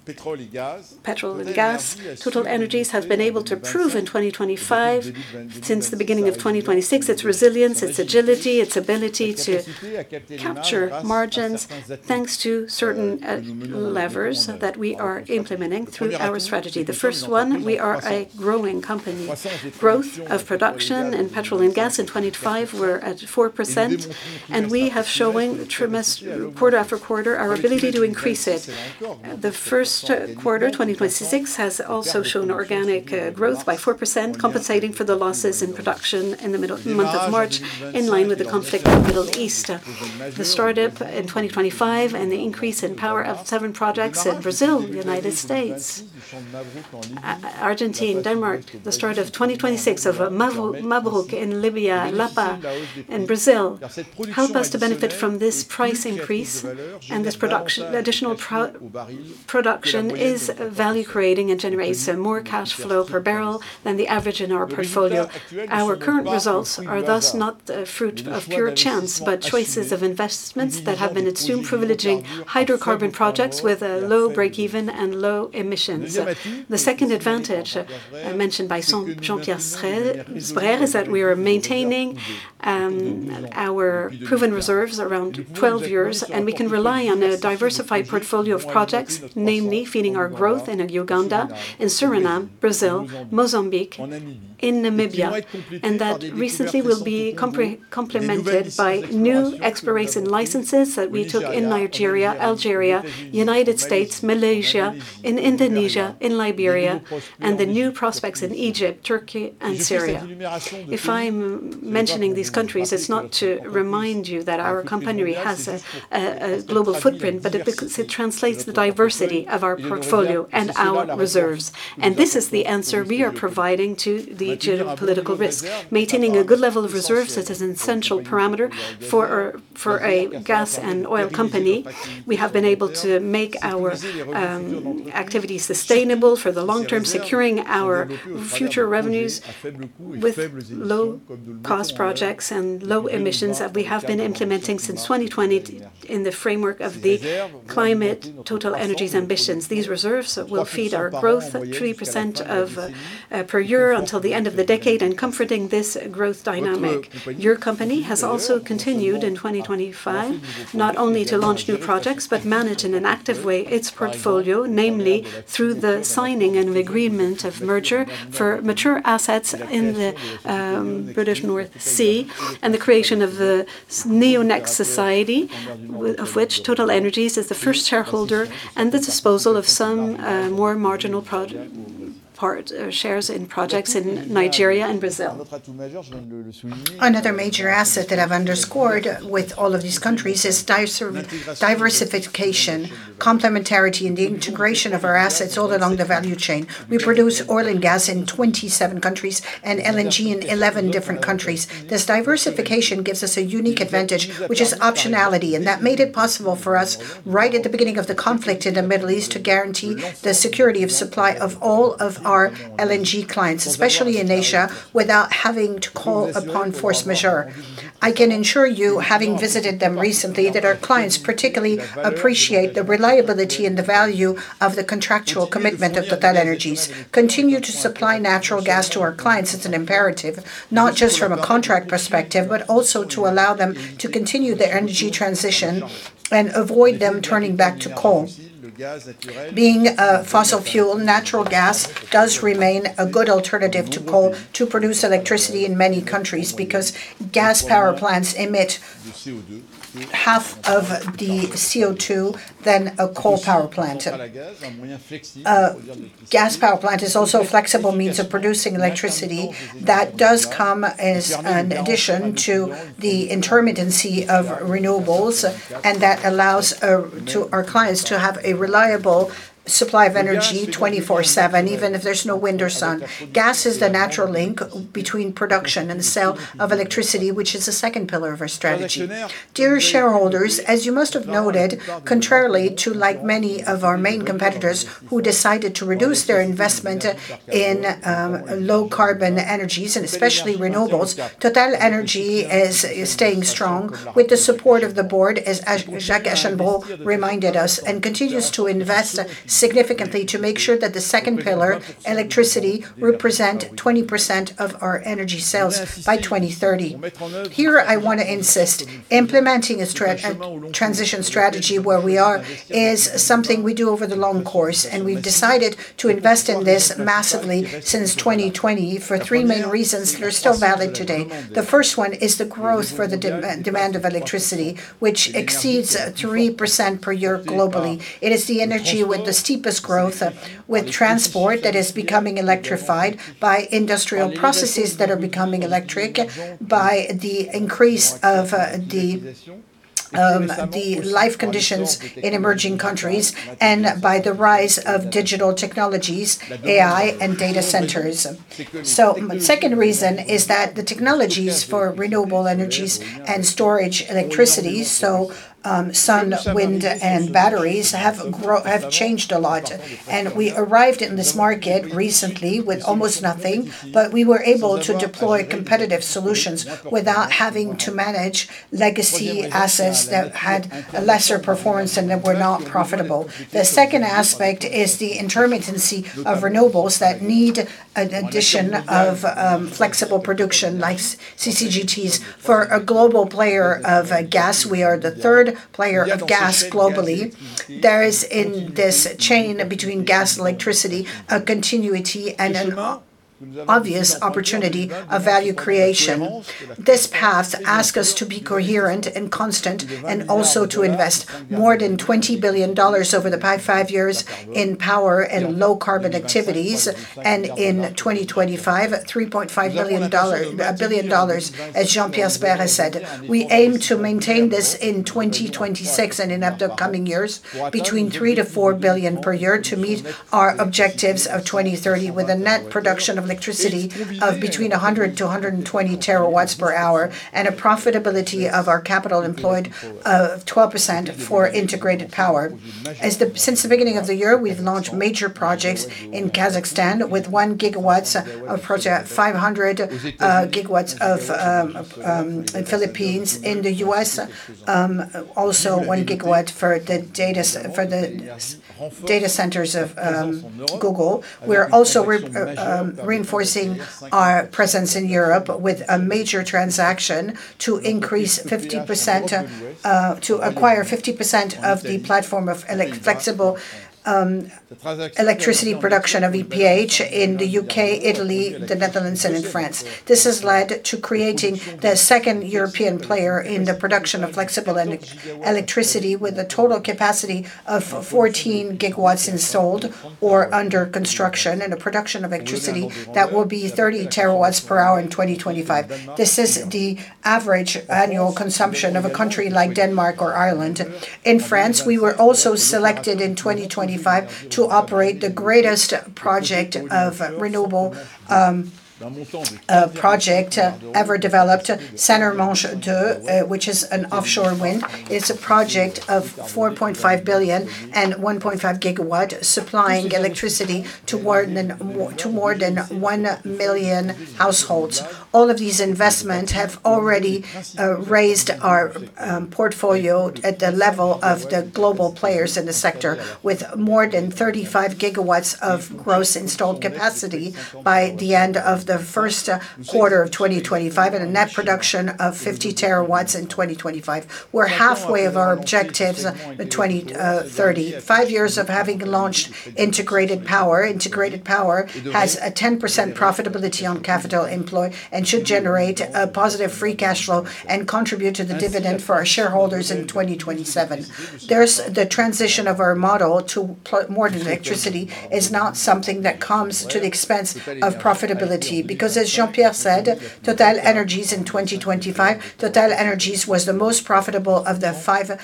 petrol and gas. TotalEnergies has been able to prove in 2025, since the beginning of 2026, its resilience, its agility, its ability to capture margins thanks to certain levers that we are implementing through our strategy. The first one, we are a growing company. Growth of production in petrol and gas in 2025 were at 4%, and we have shown quarter after quarter our ability to increase it. The first quarter 2026 has also shown organic growth by 4%, compensating for the losses in production in the month of March in line with the conflict in the Middle East. The start-up in 2025 and the increase in power of certain projects in Brazil, U.S., Argentina, Denmark, the start of 2026 of Mabruk in Libya, Lapa in Brazil, help us to benefit from this price increase. This additional production is value-creating and generates more cash flow per barrel than the average in our portfolio. Our current results are thus not the fruit of pure chance, but choices of investments that have been privileging hydrocarbon projects with a low break-even and low emissions. The second advantage mentioned by Jean-Pierre Sbraire is that we are maintaining our proven reserves around 12 years, and we can rely on a diversified portfolio of projects, namely feeding our growth in Uganda, in Suriname, Brazil, Mozambique, in Namibia. That recently will be complemented by new exploration licenses that we took in Nigeria, Algeria, U.S., Malaysia, in Indonesia, in Liberia, and the new prospects in Egypt, Turkey and Syria. If I'm mentioning these countries, it's not to remind you that our company has a global footprint, but because it translates the diversity of our portfolio and our reserves. This is the answer we are providing to the geopolitical risk. Maintaining a good level of reserves is an essential parameter for a gas and oil company. We have been able to make our activities sustainable for the long-term, securing our future revenues with low-cost projects and low emissions that we have been implementing since 2020 in the framework of the climate TotalEnergies ambitions. These reserves will feed our growth at 3% per year until the end of the decade and comforting this growth dynamic. Your company has also continued in 2025, not only to launch new projects, but manage in an active way its portfolio, namely through the signing of agreement of merger for mature assets in the British North Sea and the creation of the NEO NEXT society, of which TotalEnergies is the first shareholder, and the disposal of some more marginal projects. shares in projects in Nigeria and Brazil. Another major asset that I've underscored with all of these countries is diversification, complementarity, and the integration of our assets all along the value chain. We produce oil and gas in 27 countries and LNG in 11 different countries. This diversification gives us a unique advantage, which is optionality, and that made it possible for us right at the beginning of the conflict in the Middle East to guarantee the security of supply of all of our LNG clients, especially in Asia, without having to call upon force majeure. I can assure you, having visited them recently, that our clients particularly appreciate the reliability and the value of the contractual commitment of TotalEnergies. Continue to supply natural gas to our clients is an imperative, not just from a contract perspective, but also to allow them to continue their energy transition and avoid them turning back to coal. Being a fossil fuel, natural gas does remain a good alternative to coal to produce electricity in many countries because gas power plants emit half of the CO2 than a coal power plant. A gas power plant is also a flexible means of producing electricity that does come as an addition to the intermittency of renewables and that allows our clients to have a reliable supply of energy 24/7, even if there's no wind or sun. Gas is the natural link between production and the sale of electricity, which is the second pillar of our strategy. Dear shareholders, as you must have noted, contrarily to like many of our main competitors who decided to reduce their investment in low-carbon energies and especially renewables, TotalEnergies is staying strong with the support of the board, as Jacques Aschenbroich reminded us, and continues to invest significantly to make sure that the second pillar, electricity, represent 20% of our energy sales by 2030. Here I want to insist, implementing a transition strategy where we are is something we do over the long course, and we've decided to invest in this massively since 2020 for three main reasons that are still valid today. The first one is the growth for the demand of electricity, which exceeds 3% per year globally. It is the energy with the steepest growth with transport that is becoming electrified by industrial processes that are becoming electric, by the increase of the life conditions in emerging countries and by the rise of digital technologies, AI and data centers. Second reason is that the technologies for renewable energies and storage electricity, so sun, wind, and batteries have changed a lot. We arrived in this market recently with almost nothing, but we were able to deploy competitive solutions without having to manage legacy assets that had a lesser performance and that were not profitable. The second aspect is the intermittency of renewables that need an addition of flexible production like CCGTs. For a global player of gas, we are the third player of gas globally. There is in this chain between gas and electricity a continuity and an obvious opportunity of value creation. This path ask us to be coherent and constant and also to invest more than $20 billion over the past five years in power and low carbon activities, and in 2025, $3.5 billion, as Jean-Pierre Sbraire said. We aim to maintain this in 2026 and in the upcoming years between $3 billion-$4 billion per year to meet our objectives of 2030 with a net production of electricity of between 100 TWh-120 TWh and a profitability of our capital employed of 12% for Integrated Power. Since the beginning of the year, we have launched major projects in Kazakhstan with 1 GW of project, 500 GW in the Philippines in the U.S., also 1 GW for the data centers of Google. We are also reinforcing our presence in Europe with a major transaction to acquire 50% of the platform of flexible electricity production of EPH in the U.K., Italy, the Netherlands, and in France. This has led to creating the second European player in the production of flexible electricity with a total capacity of 14 GW installed or under construction and a production of electricity that will be 30 TWh in 2025. This is the average annual consumption of a country like Denmark or Ireland. In France, we were also selected in 2025 to operate the greatest project of renewable project ever developed, Saint-Nazaire, which is an offshore wind. It's a project of 4.5 billion and 1.5 GW supplying electricity to more than 1 million households. All of these investments have already raised our portfolio at the level of the global players in the sector with more than 35 GW of gross installed capacity by the end of the first quarter of 2025 and a net production of 50 TW in 2025. We are halfway of our objectives in 2030. Five years of having launched Integrated Power. Integrated Power Has a 10% profitability on capital employed and should generate a positive free cash flow and contribute to the dividend for our shareholders in 2027. The transition of our model to more to electricity is not something that comes to the expense of profitability because as Jean-Pierre said, TotalEnergies in 2025, TotalEnergies was the most profitable of the five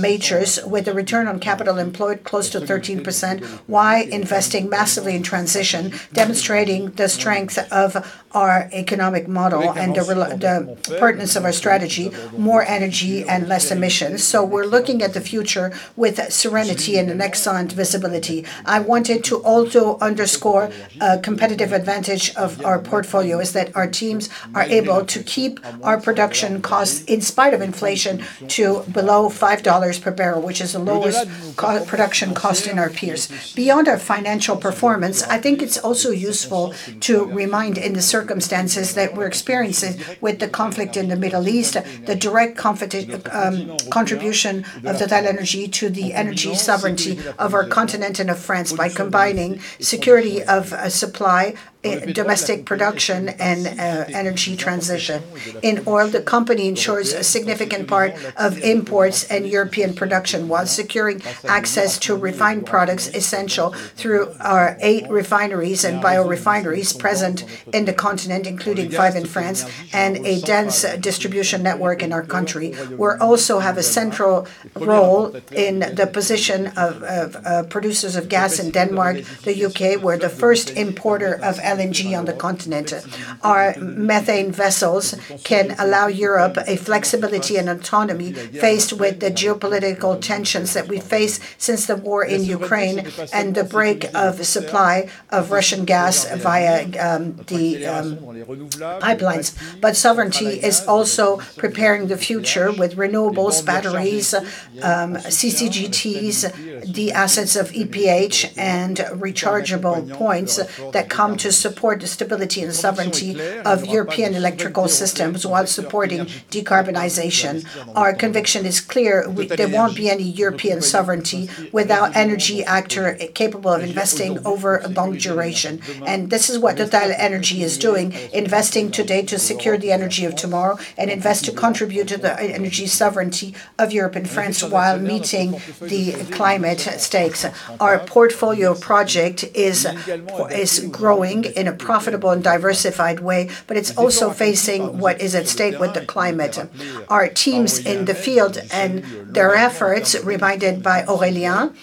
majors with a return on capital employed close to 13%. Why? Investing massively in transition, demonstrating the strength of our economic model and the pertinence of our strategy, more energy and less emissions. We're looking at the future with serenity and an excellent visibility. I wanted to also underscore a competitive advantage of our portfolio is that our teams are able to keep our production costs in spite of inflation to below $5 per barrel, which is the lowest production cost in our peers. Beyond our financial performance, I think it's also useful to remind in the circumstances that we're experiencing with the conflict in the Middle East, the direct contribution of TotalEnergies to the energy sovereignty of our continent and of France by combining security of supply, domestic production, and energy transition. In oil, the company ensures a significant part of imports and European production, while securing access to refined products essential through our eight refineries and biorefineries present in the continent, including five in France, and a dense distribution network in our country. We also have a central role in the position of producers of gas in Denmark, the U.K. We're the first importer of LNG on the continent. Our methane vessels can allow Europe a flexibility and autonomy faced with the geopolitical tensions that we face since the war in Ukraine and the break of supply of Russian gas via the pipelines. Sovereignty is also preparing the future with renewables, batteries, CCGTs, the assets of EPH, and rechargeable points that come to support the stability and sovereignty of European electrical systems while supporting decarbonization. Our conviction is clear. There won't be any European sovereignty without energy actor capable of investing over a long duration. This is what TotalEnergies is doing, investing today to secure the energy of tomorrow and invest to contribute to the energy sovereignty of Europe and France while meeting the climate stakes. Our portfolio project is growing in a profitable and diversified way, but it's also facing what is at stake with the climate. Our teams in the field and their efforts reminded by Aurélien,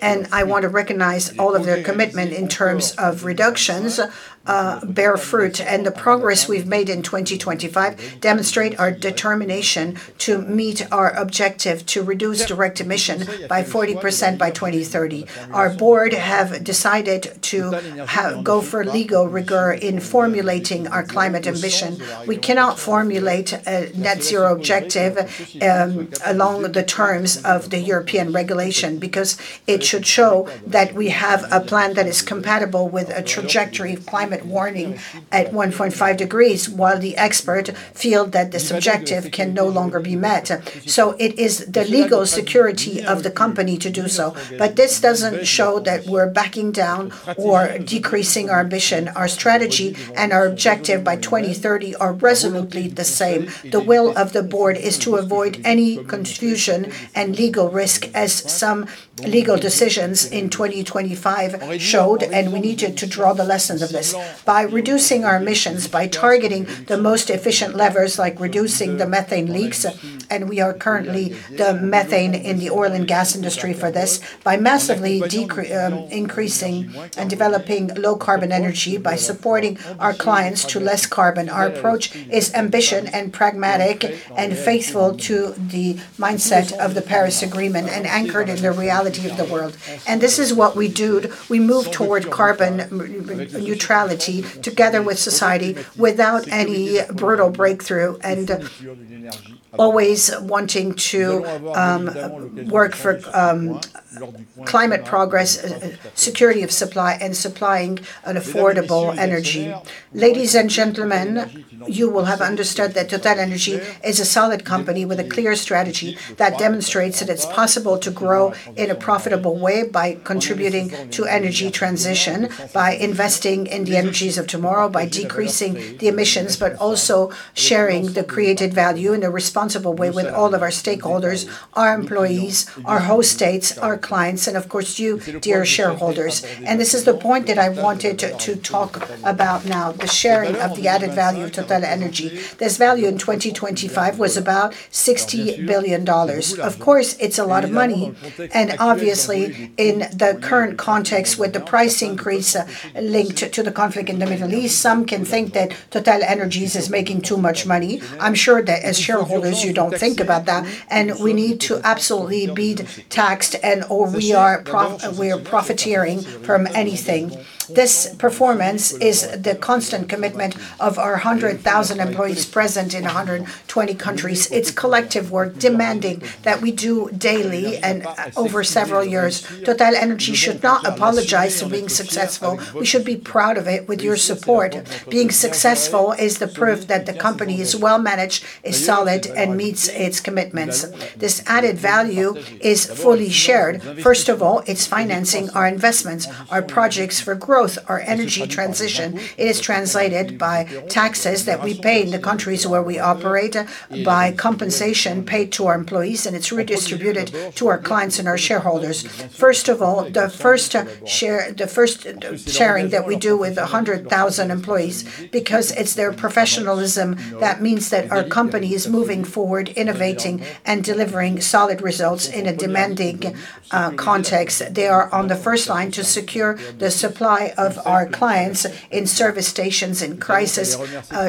and I want to recognize all of their commitment in terms of reductions bear fruit, and the progress we've made in 2025 demonstrate our determination to meet our objective to reduce direct emissions by 40% by 2030. Our board have decided to go for legal rigor in formulating our climate ambition. We cannot formulate a net zero objective along the terms of the European regulation because it should show that we have a plan that is compatible with a trajectory of climate warming at 1.5 degrees, while the experts feel that this objective can no longer be met. It is the legal security of the company to do so. This doesn't show that we're backing down or decreasing our ambition. Our strategy and our objective by 2030 are resolutely the same. The will of the board is to avoid any confusion and legal risk as some legal decisions in 2025 showed, and we needed to draw the lessons of this. By reducing our emissions, by targeting the most efficient levers like reducing the methane leaks, and we are currently the methane in the oil and gas industry for this, by massively increasing and developing low carbon energy, by supporting our clients to less carbon, our approach is ambition and pragmatic and faithful to the mindset of the Paris Agreement and anchored in the reality of the world. This is what we do. We move toward carbon neutrality together with society without any brutal breakthrough and always wanting to work for climate progress, security of supply, and supplying an affordable energy. Ladies and gentlemen, you will have understood that TotalEnergies is a solid company with a clear strategy that demonstrates that it's possible to grow in a profitable way by contributing to energy transition, by investing in the energies of tomorrow, by decreasing the emissions, also sharing the created value in a responsible way with all of our stakeholders, our employees, our host states, our clients, and of course, you, dear shareholders. This is the point that I wanted to talk about now, the sharing of the added value of TotalEnergies. This value in 2025 was about $60 billion. Of course, it's a lot of money, obviously, in the current context with the price increase linked to the conflict in the Middle East, some can think that TotalEnergies is making too much money. I'm sure that as shareholders, you don't think about that, and we need to absolutely be taxed and we are profiteering from anything. This performance is the constant commitment of our 100,000 employees present in 120 countries. It's collective work demanding that we do daily and over several years. TotalEnergies should not apologize for being successful. We should be proud of it with your support. Being successful is the proof that the company is well managed, is solid, and meets its commitments. This added value is fully shared. First of all, it's financing our investments, our projects for growth, our energy transition. It is translated by taxes that we pay in the countries where we operate, by compensation paid to our employees, and it's redistributed to our clients and our shareholders. First of all, the first sharing that we do with 100,000 employees because it's their professionalism that means that our company is moving forward, innovating, and delivering solid results in a demanding context. They are on the first line to secure the supply of our clients in service stations in crisis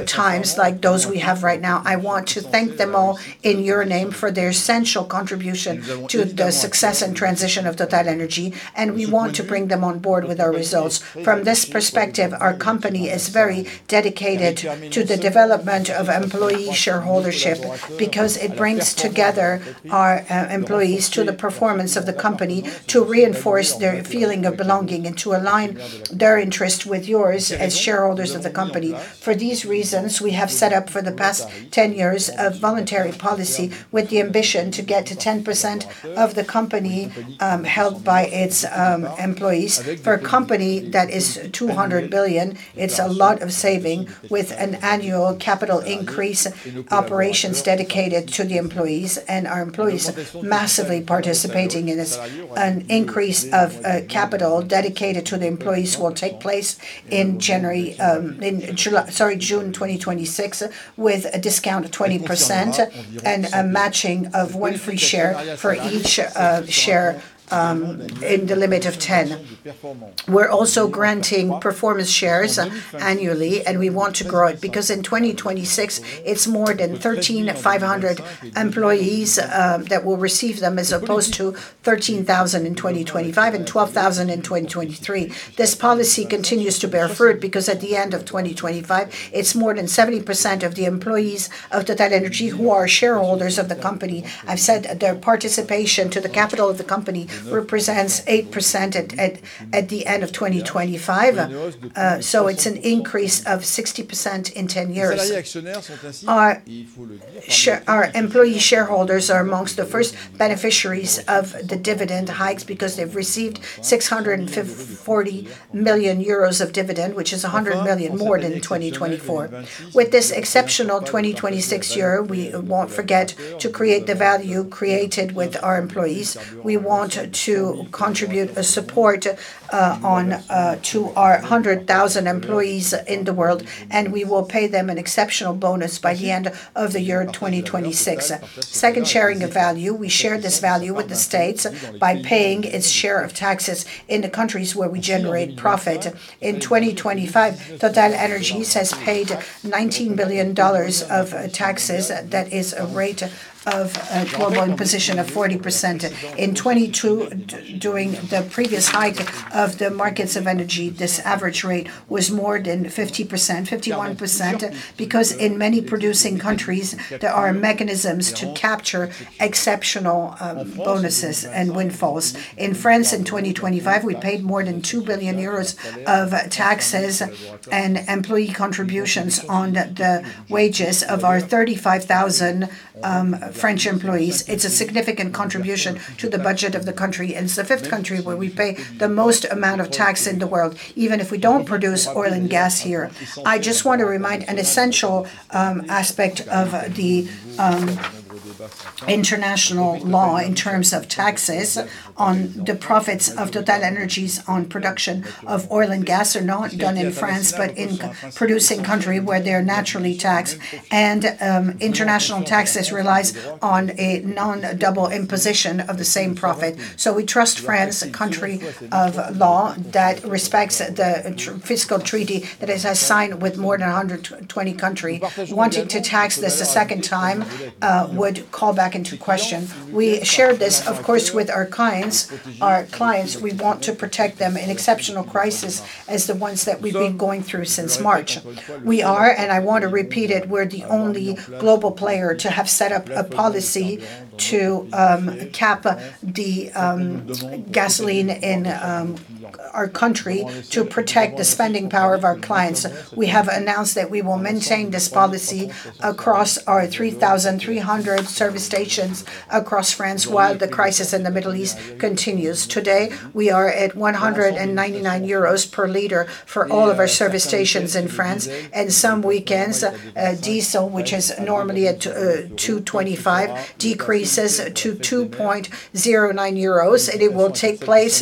times like those we have right now. I want to thank them all in your name for their essential contribution to the success and transition of TotalEnergies. We want to bring them on board with our results. From this perspective, our company is very dedicated to the development of employee share ownership because it brings together our employees to the performance of the company. To reinforce their feeling of belonging and to align their interest with yours as shareholders of the company. For these reasons, we have set up for the past 10 years a voluntary policy with the ambition to get to 10% of the company held by its employees. For a company that is 200 billion, it's a lot of saving with an annual capital increase, operations dedicated to the employees, and our employees massively participating in this. An increase of capital dedicated to the employees will take place in June 2026 with a discount of 20% and a matching of one free share for each share in the limit of 10. We're also granting performance shares annually, and we want to grow it because in 2026 it's more than 13,500 employees that will receive them as opposed to 13,000 in 2025 and 12,000 in 2023. This policy continues to bear fruit because at the end of 2025, it's more than 70% of the employees of TotalEnergies who are shareholders of the company. I've said their participation to the capital of the company represents 8% at the end of 2025. It's an increase of 60% in 10 years. Our employee shareholders are amongst the first beneficiaries of the dividend hikes because they've received 640 million euros of dividend, which is $100 million more than in 2024. With this exceptional 2026 year, we won't forget to create the value created with our employees. We want to contribute a support to our 100,000 employees in the world, and we will pay them an exceptional bonus by the end of the year 2026. Second, sharing of value. We share this value with the states by paying its share of taxes in the countries where we generate profit. In 2025, TotalEnergies has paid EUR 19 billion of taxes. That is a rate of a global imposition of 40%. In 2022, during the previous hike of the markets of energy, this average rate was more than 50%, 51%, because in many producing countries, there are mechanisms to capture exceptional bonuses and windfalls. In France in 2025, we paid more than 2 billion euros of taxes and employee contributions on the wages of our 35,000 French employees. It's a significant contribution to the budget of the country, it's the fifth country where we pay the most amount of tax in the world, even if we don't produce oil and gas here. I just want to remind an essential aspect of the international law in terms of taxes on the profits of TotalEnergies on production of oil and gas are not done in France, but in producing country where they are naturally taxed, and international taxes relies on a non-double imposition of the same profit. We trust France, a country of law that respects the fiscal treaty that it has signed with more than 120 country. Wanting to tax this a second time would call back into question. We share this, of course, with our clients. We want to protect them in exceptional crisis as the ones that we've been going through since March. We are, and I want to repeat it, we're the only global player to have set up a policy to cap the gasoline in our country to protect the spending power of our clients. We have announced that we will maintain this policy across our 3,300 service stations across France while the crisis in the Middle East continues. Today, we are at 1.99 euros per liter for all of our service stations in France. Some weekends, diesel, which is normally at 2.25, decreases to 2.09 euros, and it will take place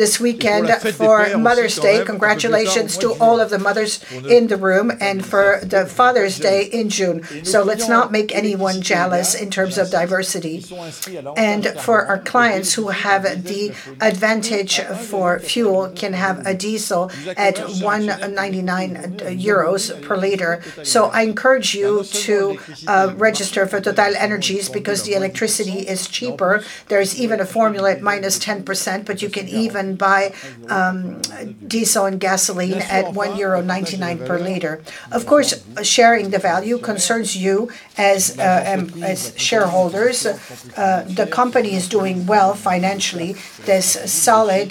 this weekend for Mother's Day. Congratulations to all of the mothers in the room and for the Father's Day in June. Let's not make anyone jealous in terms of diversity. For our clients who have the advantage for fuel can have a diesel at 1.99 euros per liter. I encourage you to register for TotalEnergies because the electricity is cheaper. There is even a formula at -10%, you can even buy diesel and gasoline at 1.99 euro per liter. Of course, sharing the value concerns you as shareholders. The company is doing well financially. This solid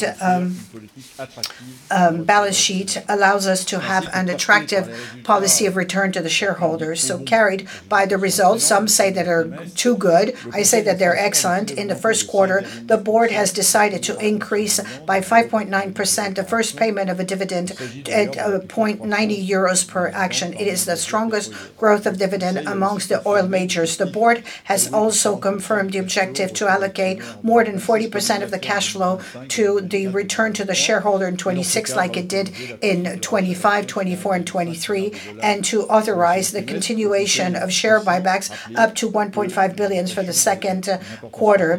balance sheet allows us to have an attractive policy of return to the shareholders. Carried by the results, some say that are too good. I say that they're excellent. In the first quarter, the board has decided to increase by 5.9% the first payment of a dividend at EUR .90 per action. It is the strongest growth of dividend amongst the oil majors. The board has also confirmed the objective to allocate more than 40% of the cash flow to the return to the shareholder in 2026 like it did in 2025, 2024, and 2023, and to authorize the continuation of share buybacks up to 1.5 billion for the second quarter.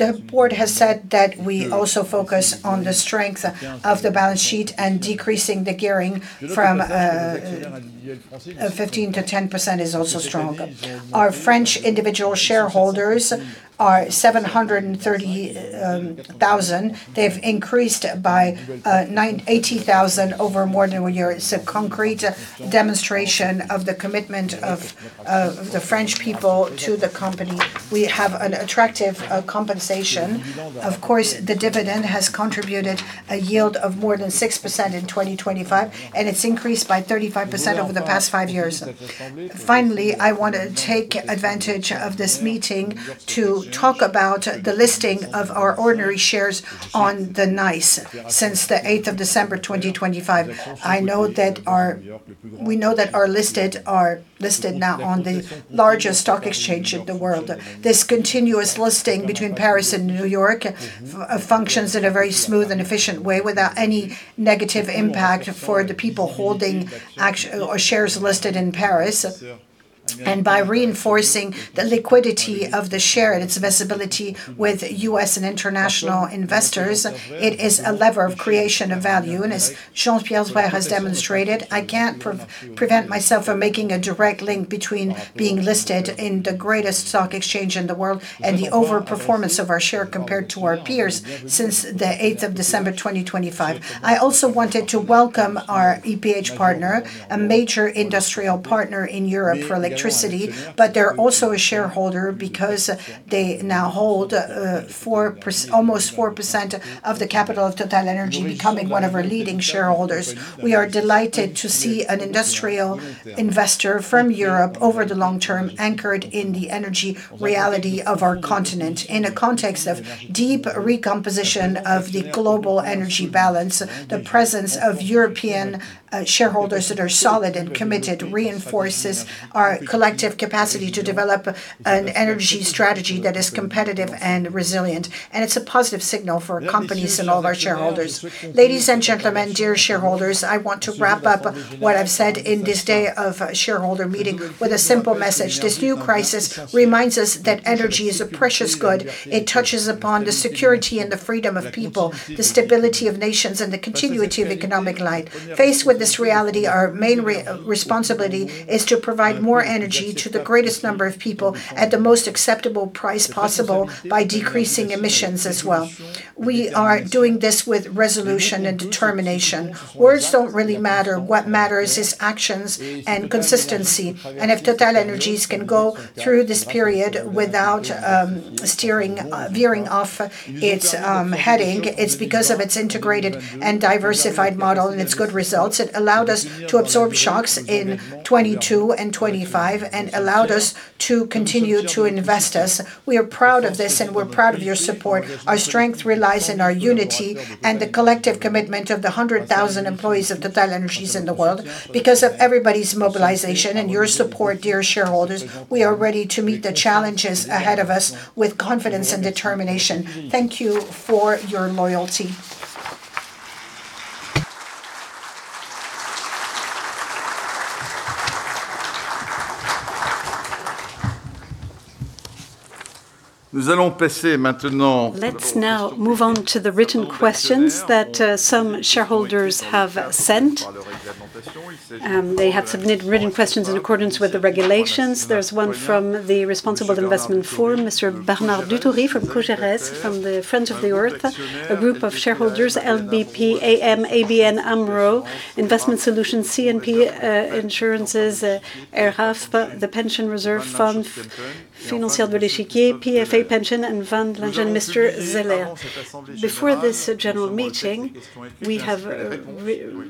The board has said that we also focus on the strength of the balance sheet and decreasing the gearing from 15%-10% is also strong. Our French individual shareholders are 730,000. They've increased by 80,000 over more than one year. It's a concrete demonstration of the commitment of the French people to the company. We have an attractive compensation. Of course, the dividend has contributed a yield of more than 6% in 2025, and it's increased by 35% over the past five years. Finally, I want to take advantage of this meeting to talk about the listing of our ordinary shares on the NYSE since the 8th of December, 2025. We know that are listed now on the largest stock exchange in the world. This continuous listing between Paris and New York functions in a very smooth and efficient way without any negative impact for the people holding shares listed in Paris. By reinforcing the liquidity of the share and its visibility with U.S. and international investors, it is a lever of creation of value. As Jean-Pierre Sbraire has demonstrated, I can't prevent myself from making a direct link between being listed in the greatest stock exchange in the world and the over-performance of our share compared to our peers since the 8th of December, 2025. I also wanted to welcome our EPH partner, a major industrial partner in Europe for electricity, but they're also a shareholder because they now hold almost 4% of the capital of TotalEnergies, becoming one of our leading shareholders. We are delighted to see an industrial investor from Europe over the long-term anchored in the energy reality of our continent. In a context of deep recomposition of the global energy balance, the presence of European shareholders that are solid and committed reinforces our collective capacity to develop an energy strategy that is competitive and resilient. It's a positive signal for companies and all of our shareholders. Ladies and gentlemen, dear shareholders, I want to wrap up what I've said in this day of shareholder meeting with a simple message. This new crisis reminds us that energy is a precious good. It touches upon the security and the freedom of people, the stability of nations, and the continuity of economic life. Faced with this reality, our main responsibility is to provide more energy to the greatest number of people at the most acceptable price possible by decreasing emissions as well. We are doing this with resolution and determination. Words don't really matter. What matters is actions and consistency. If TotalEnergies can go through this period without veering off its heading, it's because of its integrated and diversified model and its good results. It allowed us to absorb shocks in 2022 and 2025 and allowed us to continue to invest us. We are proud of this, and we're proud of your support. Our strength relies on our unity and the collective commitment of the 100,000 employees of TotalEnergies in the world. Because of everybody's mobilization and your support, dear shareholders, we are ready to meet the challenges ahead of us with confidence and determination. Thank you for your loyalty. Let's now move on to the written questions that some shareholders have sent. They had submitted written questions in accordance with the regulations. There's one from the Responsible Investment Forum, Mr. Bernard Dutoit from [Progeres], from the Friends of the Earth, a group of shareholders, LBP AM, ABN AMRO Investment Solutions, CNP Assurances, Air Liquide, the Pension Reserve Fund, Financière de l'Échiquier, PFA Pension and Van Lanschot Kempen, Mr. Zeller. Before this general meeting, we have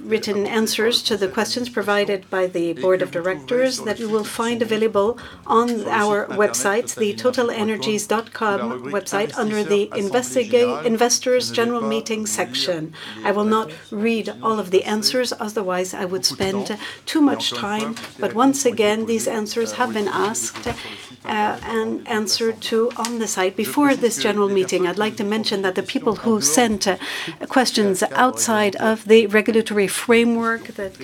written answers to the questions provided by the Board of Directors that you will find available on our website, the totalenergies.com website under the Investors General Meeting section. I will not read all of the answers, otherwise I would spend too much time. Once again, these answers have been asked and answered too on the site. Before this general meeting, I'd like to mention that the people who sent questions outside of the regulatory framework that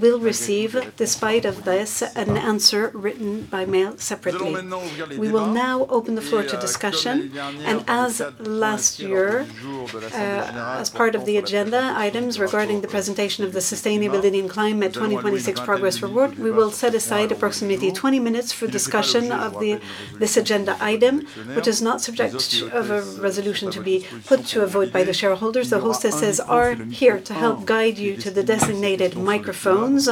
will receive, despite of this, an answer written by mail separately. We will now open the floor to discussion. As last year, as part of the agenda items regarding the presentation of the Sustainability and Climate 2026 Progress Report, we will set aside approximately 20 minutes for discussion of this agenda item, which is not subject of a resolution to be put to a vote by the shareholders. The hostesses are here to help guide you to the designated microphones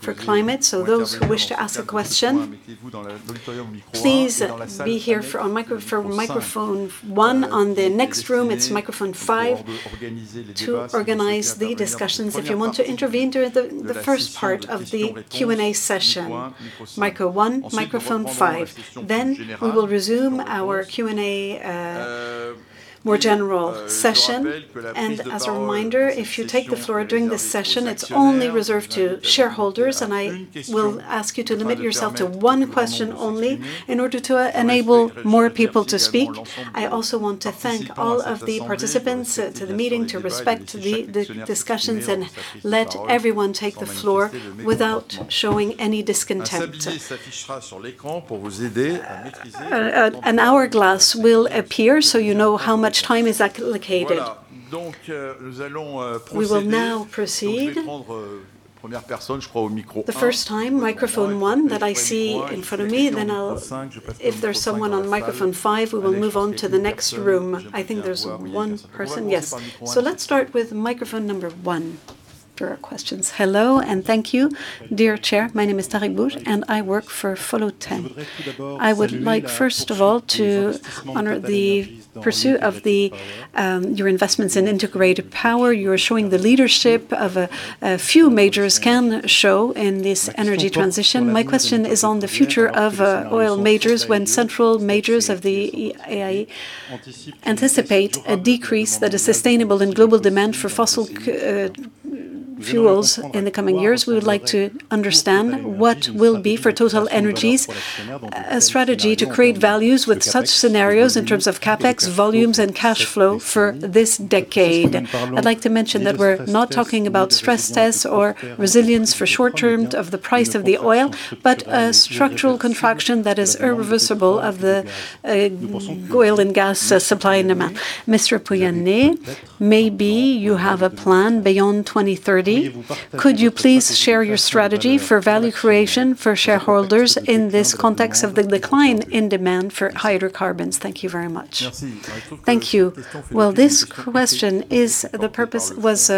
for climate. Those who wish to ask a question, please be here for microphone one. On the next room, it's microphone five to organize the discussions. If you want to intervene during the first part of the Q&A session, micro one, microphone five. We will resume our Q&A more general session. As a reminder, if you take the floor during this session, it's only reserved to shareholders, and I will ask you to limit yourself to one question only in order to enable more people to speak. I also want to thank all of the participants to the meeting to respect the discussions and let everyone take the floor without showing any discontent. An hourglass will appear so you know how much time is allocated. We will now proceed. The first time, microphone one that I see in front of me. If there's someone on microphone five, we will move on to the next room. I think there's one person. Yes. Let's start with microphone number one for our questions. Hello and thank you. Dear Chair, my name is Tarek Bouhouch, and I work for Follow This. I would like first of all to honor the pursuit of your investments in Integrated Power. You are showing the leadership of a few majors can show in this energy transition. My question is on the future of oil majors when central majors of the IEA anticipate a decrease that is sustainable in global demand for fossil fuels in the coming years. We would like to understand what will be for TotalEnergies a strategy to create values with such scenarios in terms of CapEx, volumes, and cash flow for this decade. I'd like to mention that we're not talking about stress tests or resilience for short-term of the price of the oil, but a structural contraction that is irreversible of the oil and gas supply and demand. Mr. Pouyanné, maybe you have a plan beyond 2030. Could you please share your strategy for value creation for shareholders in this context of the decline in demand for hydrocarbons? Thank you very much. Thank you. This question, the purpose was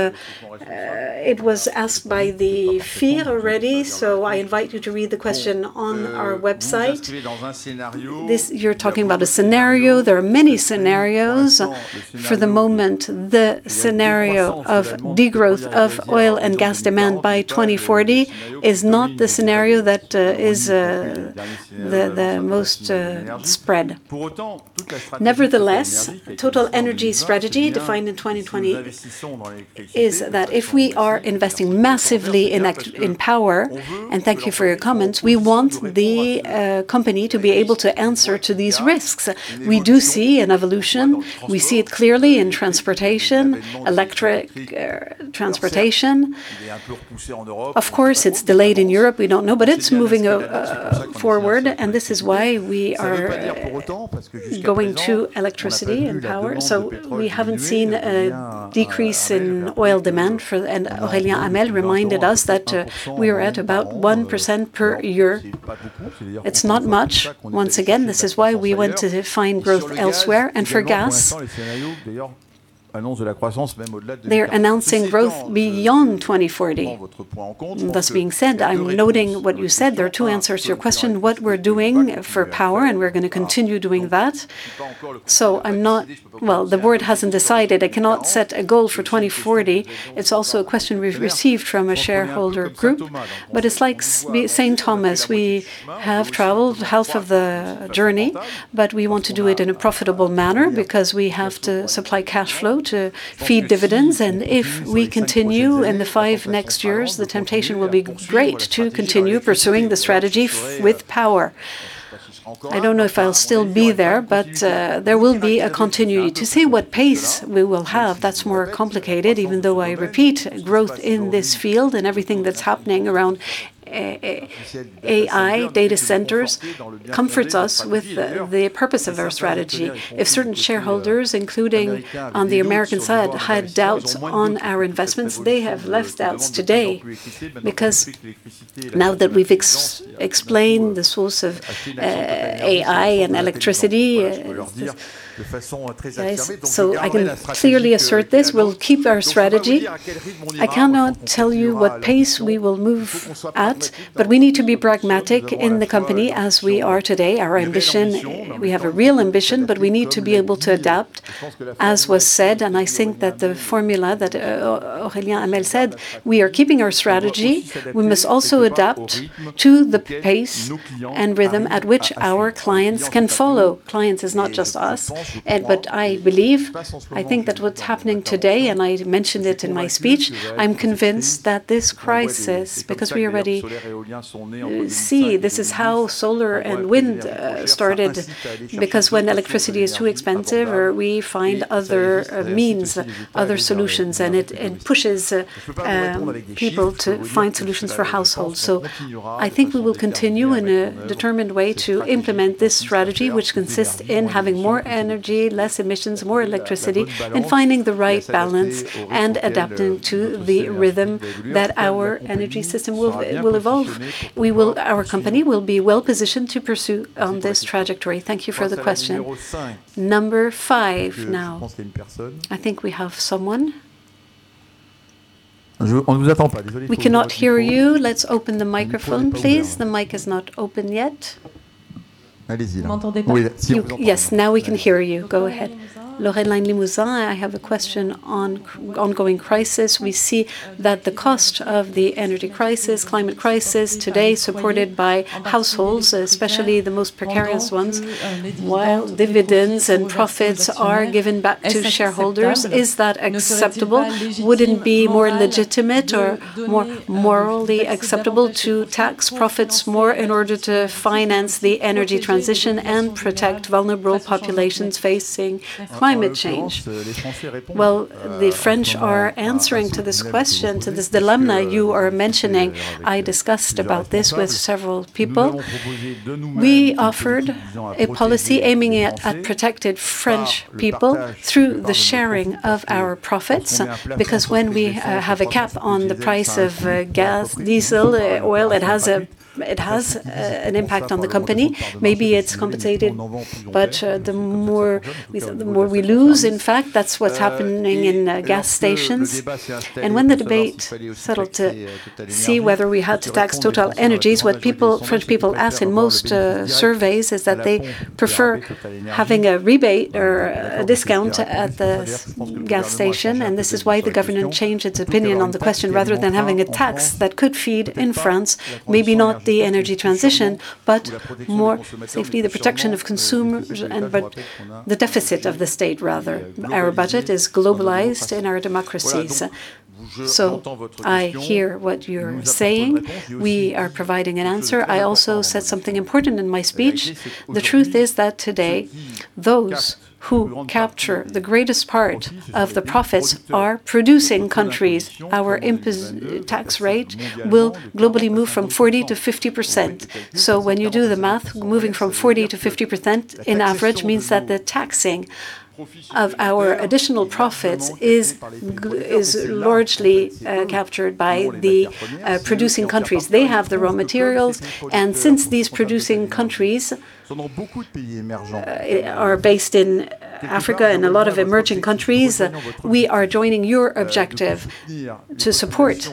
it was asked by the FIR already, so I invite you to read the question on our website. You are talking about a scenario. There are many scenarios. For the moment, the scenario of degrowth of oil and gas demand by 2040 is not the scenario that is the most spread. Nevertheless, TotalEnergies' strategy defined in 2020 is that if we are investing massively in power, and thank you for your comments, we want the company to be able to answer to these risks. We do see an evolution. We see it clearly in transportation, electric transportation. Of course, it is delayed in Europe. We don't know, but it's moving forward, and this is why we are going to electricity and power. We haven't seen a decrease in oil demand and Aurélien Hamelle reminded us that we are at about 1% per year. It's not much. Once again, this is why we want to find growth elsewhere. For gas, they are announcing growth beyond 2040. That being said, I'm noting what you said. There are two answers to your question, what we're doing for power, and we're going to continue doing that. The board hasn't decided. I cannot set a goal for 2040. It's also a question we've received from a shareholder group, but it's like Saint Thomas. We have traveled half of the journey, but we want to do it in a profitable manner because we have to supply cash flow to feed dividends. If we continue in the five next years, the temptation will be great to continue pursuing the strategy with power. I don't know if I'll still be there, but there will be a continuity. To say what pace we will have, that's more complicated. Even though I repeat, growth in this field and everything that's happening around AI, data centers, comforts us with the purpose of our strategy. If certain shareholders, including on the American side, had doubts on our investments, they have less doubts today because now that we've explained the source of AI and electricity. I can clearly assert this. We'll keep our strategy. I cannot tell you what pace we will move at, but we need to be pragmatic in the company as we are today. Our ambition, we have a real ambition, but we need to be able to adapt, as was said, I think that the formula that Aurélien Hamelle said, we are keeping our strategy. We must also adapt to the pace and rhythm at which our clients can follow. Clients, it's not just us. I believe, I think that what's happening today, I mentioned it in my speech, I'm convinced that this crisis, because we already see this is how solar and wind started, because when electricity is too expensive, we find other means, other solutions, and it pushes people to find solutions for households. I think we will continue in a determined way to implement this strategy, which consists in having more energy, less emissions, more electricity, finding the right balance and adapting to the rhythm that our energy system will evolve. Our company will be well positioned to pursue on this trajectory. Thank you for the question. Number five now. I think we have someone. We cannot hear you. Let's open the microphone, please. The mic is not open yet. Yes, now we can hear you. Go ahead. Lorelei Limousin, I have a question on ongoing crisis. We see that the cost of the energy crisis, climate crisis today is supported by households, especially the most precarious ones, while dividends and profits are given back to shareholders. Is that acceptable? Wouldn't it be more legitimate or more morally acceptable to tax profits more in order to finance the energy transition and protect vulnerable populations facing climate change? Well, the French are answering to this question, to this dilemma you are mentioning. I discussed about this with several people. We offered a policy aiming at protecting French people through the sharing of our profits because when we have a cap on the price of gas, diesel, oil, it has an impact on the company. Maybe it's compensated, but the more we lose, in fact, that's what's happening in gas stations. When the debate settled to see whether we had to tax TotalEnergies, what French people asked in most surveys is that they prefer having a rebate or a discount at the gas station. This is why the government changed its opinion on the question rather than having a tax that could feed, in France, maybe not the energy transition, but more safely the protection of consumers and the deficit of the state, rather. Our budget is globalized in our democracies. I hear what you're saying. We are providing an answer. I also said something important in my speech. The truth is that today, those who capture the greatest part of the profits are producing countries. Our tax rate will globally move from 40%-50%. When you do the math, moving from 40%-50% on average means that the taxing of our additional profits is largely captured by the producing countries. They have the raw materials, since these producing countries are based in Africa and a lot of emerging countries, we are joining your objective to support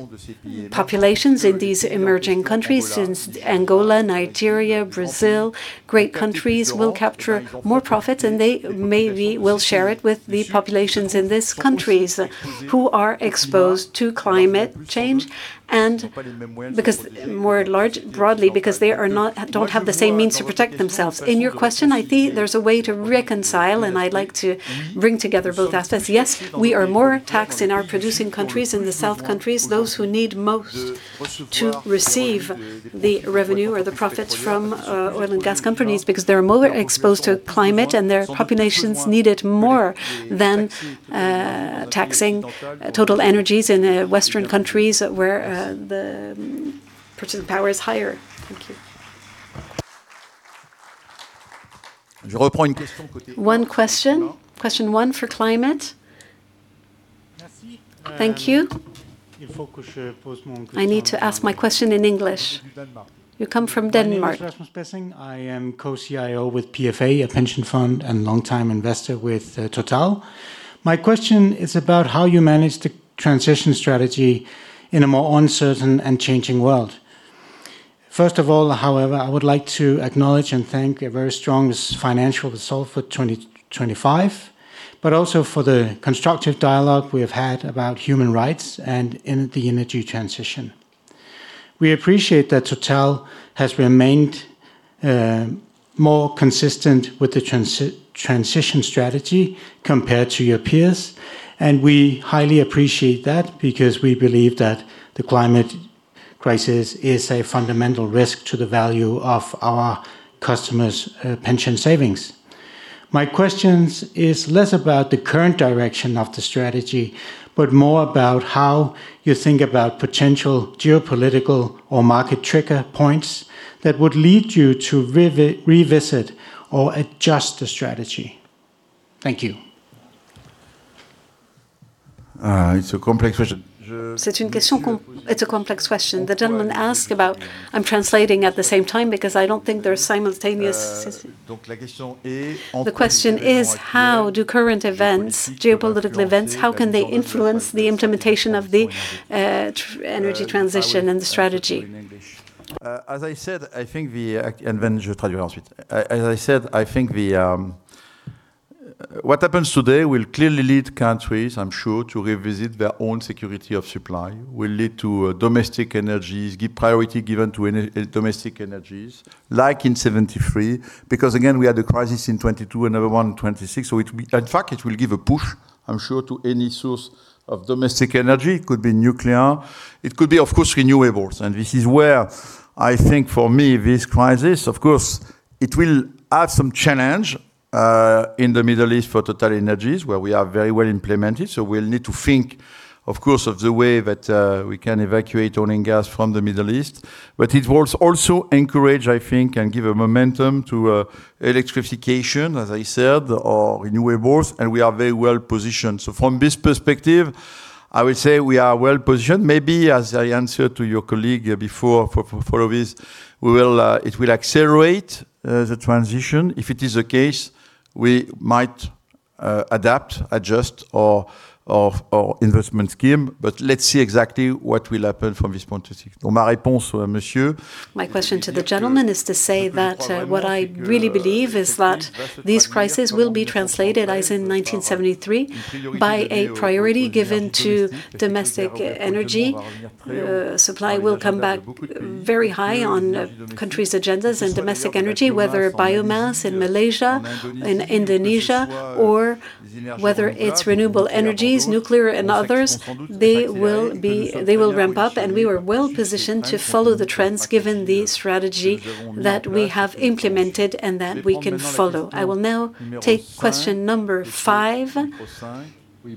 populations in these emerging countries since Angola, Nigeria, Brazil, great countries will capture more profits and they maybe will share it with the populations in these countries who are exposed to climate change, broadly because they don't have the same means to protect themselves. In your question, I think there is a way to reconcile, and I would like to bring together both aspects. Yes, we are more taxed in our producing countries, in the South countries, those who need most to receive the revenue or the profits from oil and gas companies because they are more exposed to climate and their populations need it more than taxing TotalEnergies in the Western countries where the purchasing power is higher. Thank you. One question. Question one for climate. Thank you. I need to ask my question in English. You come from Denmark. My name is Rasmus Bessing. I am co-CIO with PFA, a pension fund and longtime investor with Total. My question is about how you manage the transition strategy in a more uncertain and changing world. First of all, however, I would like to acknowledge and thank a very strong financial result for 2025, but also for the constructive dialogue we have had about human rights and in the energy transition. We appreciate that Total has remained more consistent with the transition strategy compared to your peers, and we highly appreciate that because we believe that the climate crisis is a fundamental risk to the value of our customers' pension savings. My question is less about the current direction of the strategy, but more about how you think about potential geopolitical or market trigger points that would lead you to revisit or adjust the strategy. Thank you. It's a complex question. The gentleman asked about, I'm translating at the same time because I don't think there's simultaneous. The question is, how do current events, geopolitical events, how can they influence the implementation of the energy transition and the strategy? As I said, I think what happens today will clearly lead countries, I'm sure, to revisit their own security of supply, will lead to domestic energies, priority given to domestic energies like in 1973 because again, we had a crisis in 2022, another one 2026. In fact, it will give a push, I'm sure, to any source of domestic energy. It could be nuclear, it could be, of course, renewables. This is where I think for me, this crisis, of course, it will add some challenge in the Middle East for TotalEnergies, where we are very well implemented. We'll need to think, of course, of the way that we can evacuate oil and gas from the Middle East. It will also encourage, I think, and give a momentum to electrification, as I said, or renewables, and we are very well positioned. From this perspective, I would say we are well positioned. Maybe as I answered to your colleague before, for obvious, it will accelerate the transition. If it is the case, we might adapt, adjust our investment scheme, let's see exactly what will happen from this point of view. My question to the gentleman is to say that what I really believe is that this crisis will be translated, as in 1973, by a priority given to domestic energy. Supply will come back very high on countries' agendas and domestic energy, whether biomass in Malaysia, in Indonesia, or whether it's renewable energies, nuclear and others, they will ramp up, and we are well-positioned to follow the trends given the strategy that we have implemented and that we can follow. I will now take question number five.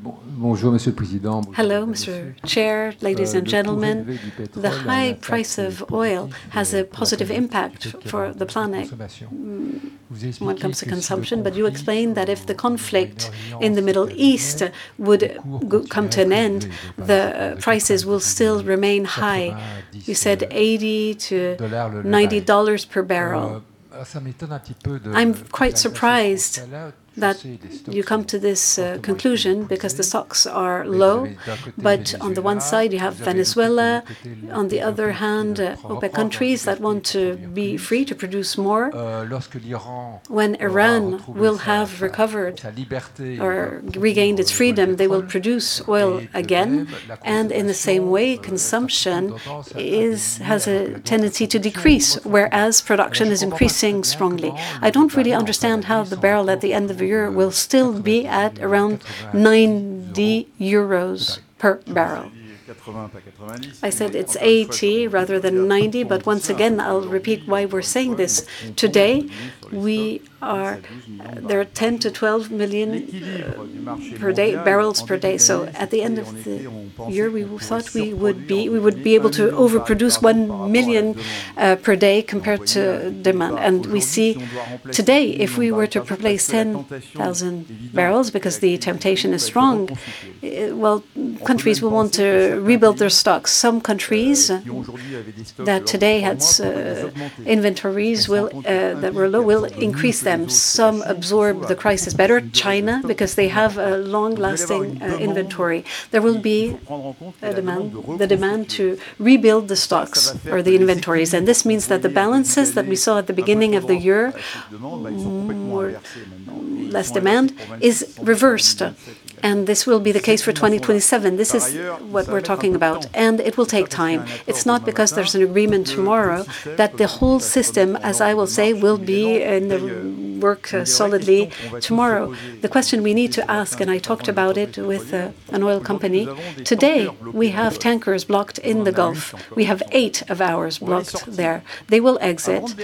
Hello, Mr. Chair. Ladies and gentlemen. The high price of oil has a positive impact for the planet when it comes to consumption. You explained that if the conflict in the Middle East would come to an end, the prices will still remain high. You said $80-$90 per barrel. I'm quite surprised that you come to this conclusion because the stocks are low. On the one side, you have Venezuela, on the other hand, OPEC countries that want to be free to produce more. When Iran will have recovered or regained its freedom, they will produce oil again. In the same way, consumption has a tendency to decrease, whereas production is increasing strongly. I don't really understand how the barrel at the end of the year will still be at around 90 euros per barrel. I said it's 80 rather than 90, but once again, I'll repeat why we're saying this. Today, there are 10 MMbpd to 12 MMbpd. At the end of the year, we thought we would be able to overproduce 1 MMbpdcompared to demand. We see today, if we were to replace 10,000 bbl because the temptation is strong, well, countries will want to rebuild their stocks. Some countries that today had inventories that were low will increase them. Some absorb the crisis better, China, because they have a long-lasting inventory. There will be the demand to rebuild the stocks or the inventories. This means that the balances that we saw at the beginning of the year, less demand, is reversed. This will be the case for 2027. This is what we're talking about, and it will take time. It's not because there's an agreement tomorrow that the whole system, as I will say, will be in work solidly tomorrow. The question we need to ask, and I talked about it with an oil company, today we have tankers blocked in the Gulf. We have eight of ours blocked there. They will exit,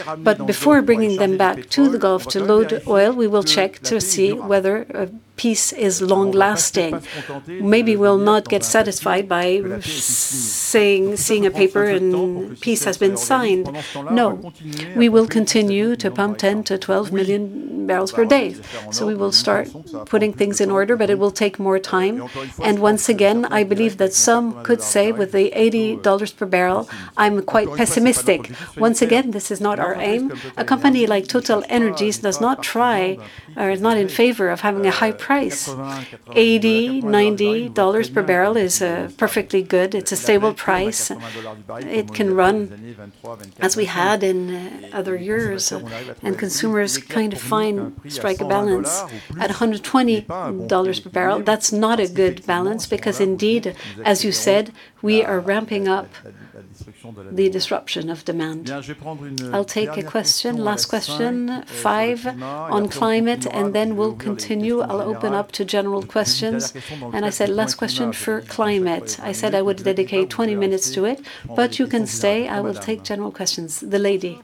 before bringing them back to the Gulf to load oil, we will check to see whether peace is long-lasting. Maybe we will not get satisfied by seeing a paper and peace has been signed. No. We will continue to pump 10 MMbpd to 12 MMbpd. We will start putting things in order, but it will take more time. Once again, I believe that some could say with the $80 per barrel, I am quite pessimistic. Once again, this is not our aim. A company like TotalEnergies does not try or is not in favor of having a high price. $80, $90 per barrel is perfectly good. It is a stable price. It can run as we had in other years, and consumers kind of strike a balance. At $120 per barrel, that's not a good balance because indeed, as you said, we are ramping up the disruption of demand. I'll take a question, last question, five, on climate, and then we'll continue. I'll open up to general questions. I said last question for climate. I said I would dedicate 20 minutes to it. You can stay. I will take general questions. The lady.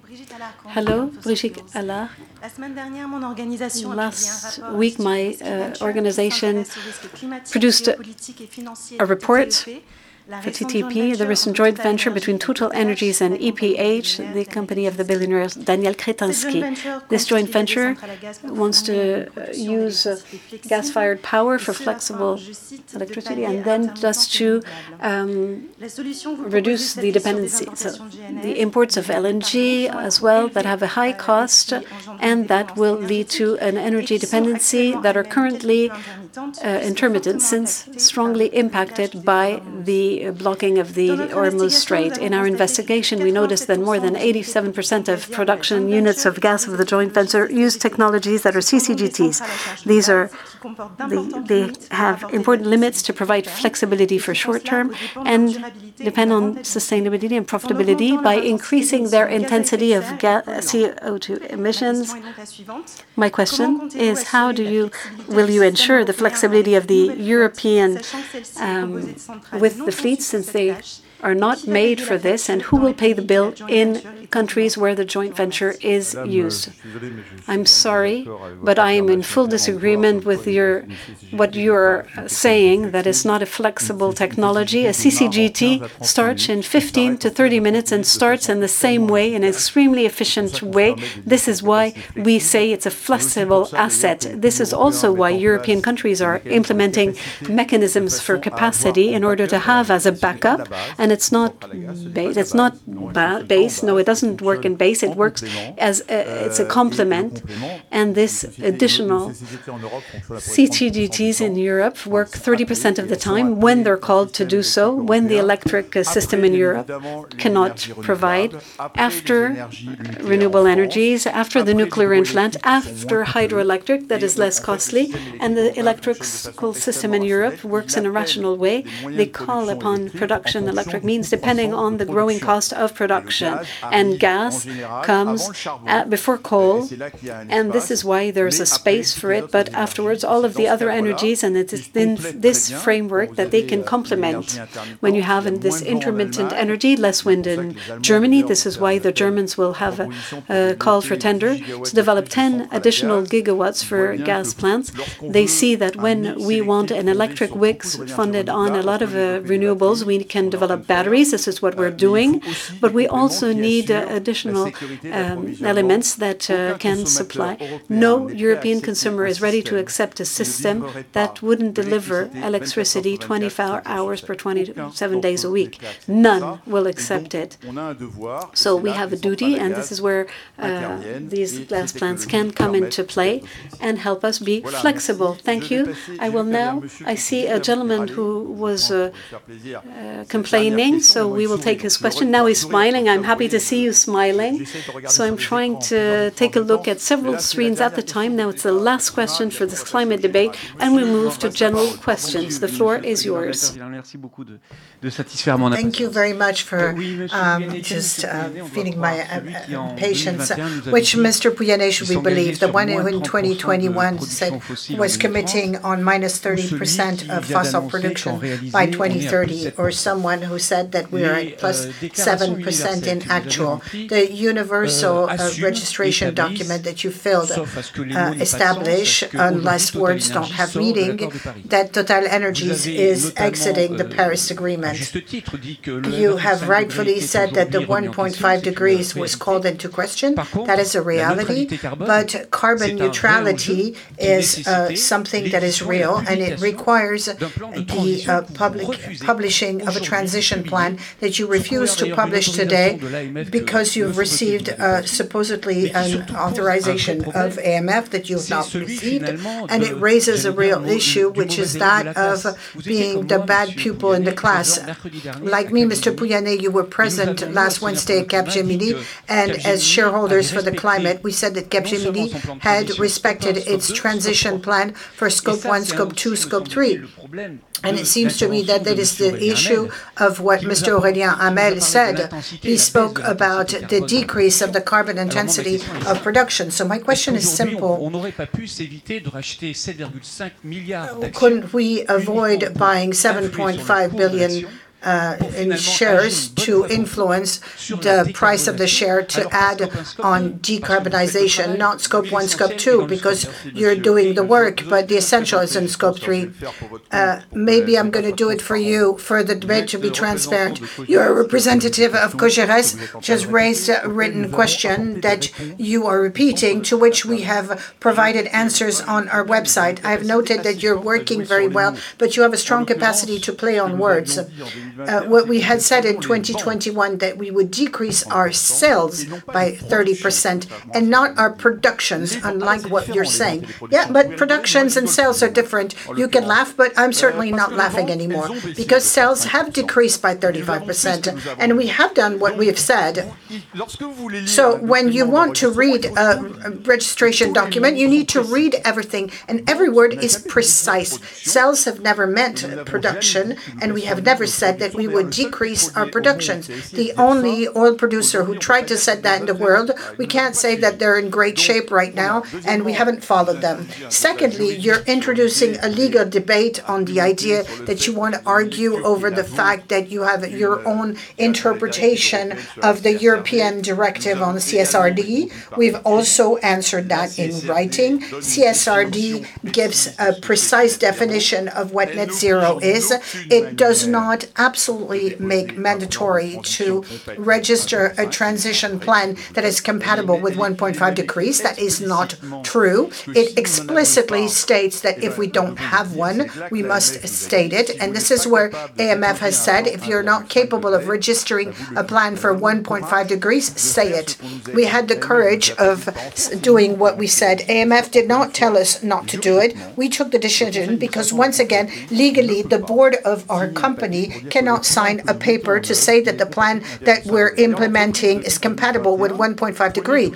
Hello, Brigitte Allart. Last week, my organization produced a report for TTP, there is a joint venture between TotalEnergies and EPH, the company of the billionaire Daniel Křetínský. This joint venture wants to use gas-fired power for flexible electricity and then just to reduce the dependency. The imports of LNG as well that have a high cost and that will lead to an energy dependency that are currently intermittent, since strongly impacted by the blocking of the Hormuz Strait. In our investigation, we noticed that more than 87% of production units of gas of the joint venture use technologies that are CCGTs. They have important limits to provide flexibility for short term and depend on sustainability and profitability by increasing their intensity of CO2 emissions. My question is how will you ensure the flexibility of the European with the fleets since they are not made for this? Who will pay the bill in countries where the joint venture is used? I'm sorry, but I am in full disagreement with what you're saying, that it's not a flexible technology. A CCGT starts in 15-30 minutes and starts in the same way, an extremely efficient way. This is why we say it's a flexible asset. This is also why European countries are implementing mechanisms for capacity in order to have as a backup, and it's not Base. No, it doesn't work in base. It's a complement, these additional CCGTs in Europe work 30% of the time when they're called to do so, when the electric system in Europe cannot provide after renewable energies, after the nuclear plant, after hydroelectric that is less costly. The electrical system in Europe works in a rational way. They call upon production, electric means, depending on the growing cost of production. Gas comes before coal, and this is why there is a space for it, but afterwards, all of the other energies, and it is in this framework that they can complement when you have this intermittent energy, less wind in Germany. This is why the Germans will have a call for tender to develop 10 additional gigawatts for gas plants. They see that when we want an electric mix funded on a lot of renewables, we can develop batteries. This is what we're doing. We also need additional elements that can supply. No European consumer is ready to accept a system that wouldn't deliver electricity 24 hours for 27 days a week. None will accept it. We have a duty, and this is where these gas plants can come into play and help us be flexible. Thank you. I see a gentleman who was complaining, we will take his question. Now he's smiling. I'm happy to see you smiling. I'm trying to take a look at several screens at a time. Now, it's the last question for this climate debate, and we move to general questions. The floor is yours. Thank you very much for just feeding my patience. Which Mr. Pouyanné should we believe? The one who in 2021 was committing on -30% of fossil production by 2030, or someone who said that we are at +7% in actual. The universal registration document that you filled established, unless words don't have meaning, that TotalEnergies is exiting the Paris Agreement. You have rightfully said that the 1.5 degrees was called into question. That is a reality. Carbon neutrality is something that is real, and it requires the publishing of a transition plan that you refuse to publish today because you received supposedly an authorization of AMF that you have not received. It raises a real issue, which is that of being the bad pupil in the class. Like me, Mr. Pouyanné, you were present last Wednesday at Capgemini. As shareholders for the climate, we said that Capgemini had respected its transition plan for Scope 1, Scope 2, Scope 3. It seems to me that that is the issue of what Mr. Aurélien Hamelle said. He spoke about the decrease of the carbon intensity of production. My question is simple. Couldn't we avoid buying 7.5 billion in shares to influence the price of the share to add on decarbonization, not Scope 1, Scope 2, because you're doing the work, but the essential is in Scope 3. Maybe I'm going to do it for you for the debate to be transparent. Your representative of just raised a written question that you are repeating, to which we have provided answers on our website. I have noted that you're working very well, but you have a strong capacity to play on words. What we had said in 2021, that we would decrease our sales by 30% and not our productions, unlike what you're saying. Productions and sales are different. You can laugh, but I'm certainly not laughing anymore because sales have decreased by 35%, and we have done what we have said. When you want to read a registration document, you need to read everything, and every word is precise. Sales have never meant production, and we have never said that we would decrease our production. The only oil producer who tried to set that in the world, we can't say that they're in great shape right now, and we haven't followed them. Secondly, you're introducing a legal debate on the idea that you want to argue over the fact that you have your own interpretation of the European directive on CSRD. We've also answered that in writing. CSRD gives a precise definition of what net zero is. It does not absolutely make mandatory to register a transition plan that is compatible with 1.5 degrees. That is not true. It explicitly states that if we don't have one, we must state it, and this is where AMF has said, If you're not capable of registering a plan for 1.5 degrees, say it. We had the courage of doing what we said. AMF did not tell us not to do it. We took the decision because, once again, legally, the board of our company cannot sign a paper to say that the plan that we're implementing is compatible with 1.5 degree.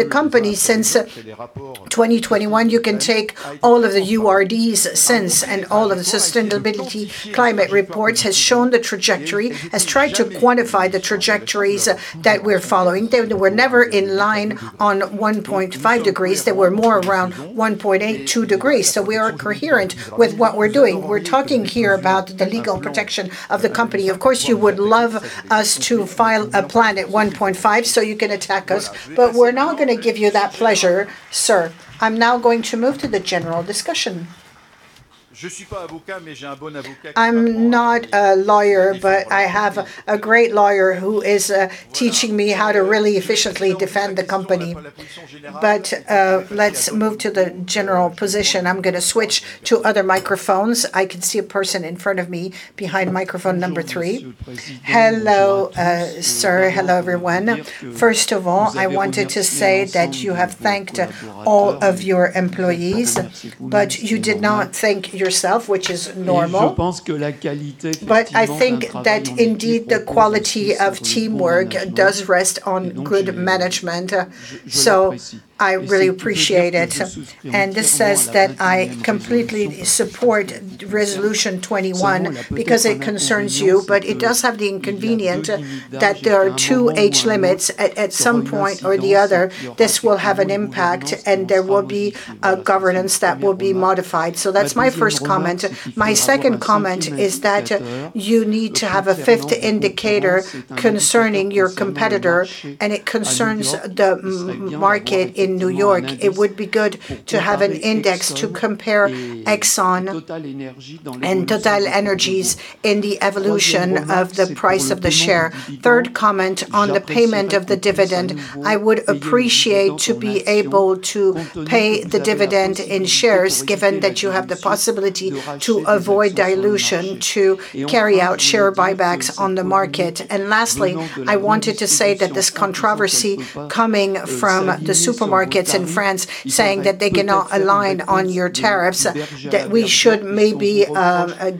The company, since 2021, you can take all of the URDs since and all of the sustainability climate reports, has shown the trajectory, has tried to quantify the trajectories that we're following. They were never in line on 1.5 degrees. They were more around 1.82 degrees. We are coherent with what we're doing. We're talking here about the legal protection of the company. Of course, you would love us to file a plan at 1.5 so you can attack us, but we're not going to give you that pleasure, sir. I'm now going to move to the general discussion I'm not a lawyer, but I have a great lawyer who is teaching me how to really efficiently defend the company. Let's move to the general position. I'm going to switch to other microphones. I can see a person in front of me behind microphone number three. Hello, sir. Hello, everyone. First of all, I wanted to say that you have thanked all of your employees, but you did not thank yourself, which is normal. I think that indeed, the quality of teamwork does rest on good management, so I really appreciate it. This says that I completely support Resolution 21 because it concerns you, but it does have the inconvenience that there are two age limits. At some point or the other, this will have an impact, and there will be a governance that will be modified. That's my first comment. My second comment is that you need to have a fifth indicator concerning your competitor, and it concerns the market in New York. It would be good to have an index to compare Exxon and TotalEnergies in the evolution of the price of the share. Third comment on the payment of the dividend. I would appreciate to be able to pay the dividend in shares, given that you have the possibility to avoid dilution, to carry out share buybacks on the market. Lastly, I wanted to say that this controversy coming from the supermarkets in France saying that they cannot align on your tariffs, that we should maybe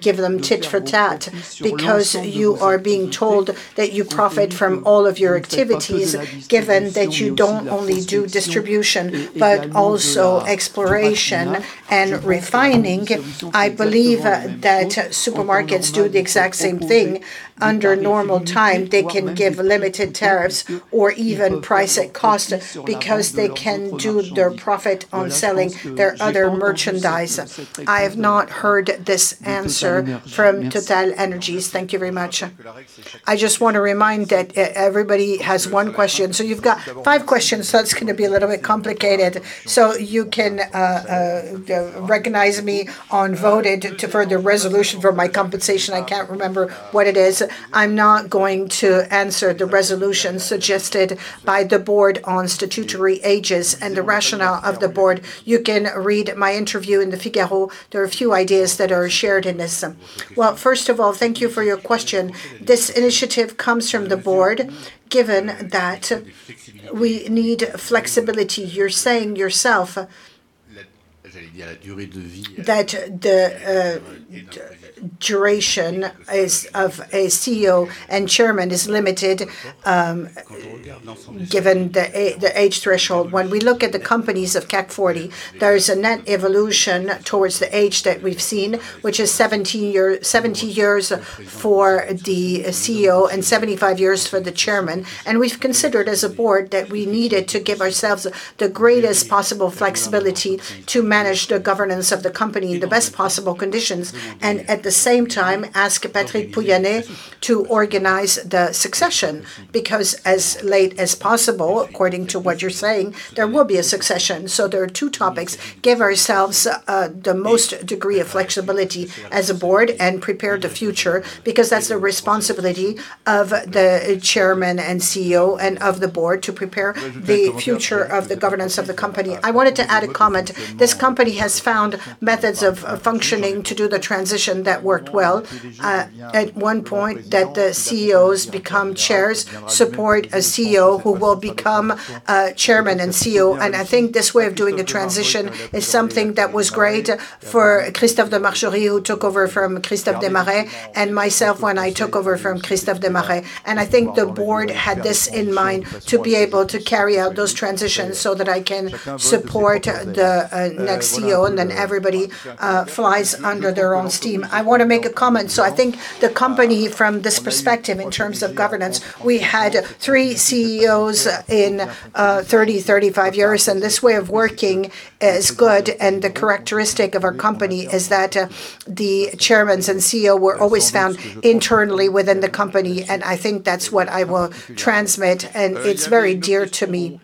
give them tit for tat because you are being told that you profit from all of your activities, given that you don't only do distribution, but also exploration and refining. I believe that supermarkets do the exact same thing. Under normal time, they can give limited tariffs or even price at cost because they can do their profit on selling their other merchandise. I have not heard this answer from TotalEnergies. Thank you very much. I just want to remind that everybody has one question. You've got five questions, so it's going to be a little bit complicated. You can recognize me on voted to further resolution for my compensation. I can't remember what it is. I'm not going to answer the resolution suggested by the board on statutory ages and the rationale of the board. You can read my interview in the Figaro. There are a few ideas that are shared in this. First of all, thank you for your question. This initiative comes from the board, given that we need flexibility. You're saying yourself that the duration of a CEO and Chairman is limited given the age threshold. We look at the companies of CAC 40, there is a net evolution towards the age that we've seen, which is 70 years for the CEO and 75 years for the Chairman. We've considered as a board that we needed to give ourselves the greatest possible flexibility to manage the governance of the company in the best possible conditions, and at the same time, ask Patrick Pouyanné to organize the succession, because as late as possible, according to what you're saying, there will be a succession. There are two topics. Give ourselves the most degree of flexibility as a board and prepare the future, because that's the responsibility of the Chairman and CEO and of the board to prepare the future of the governance of the company. I wanted to add a comment. This company has found methods of functioning to do the transition that worked well. At one point that the CEOs become chairs support a CEO who will become Chairman and CEO. I think this way of doing a transition is something that was great for Christophe de Margerie, who took over from Christophe de Margerie, and myself when I took over from Christophe de Margerie. I think the board had this in mind to be able to carry out those transitions so that I can support the next CEO, and then everybody flies under their own steam. I want to make a comment. I think the company from this perspective, in terms of governance, we had three CEOs in 30, 35 years, and this way of working is good, and the characteristic of our company is that the Chairmans and CEO were always found internally within the company, and I think that's what I will transmit, and it's very dear to me.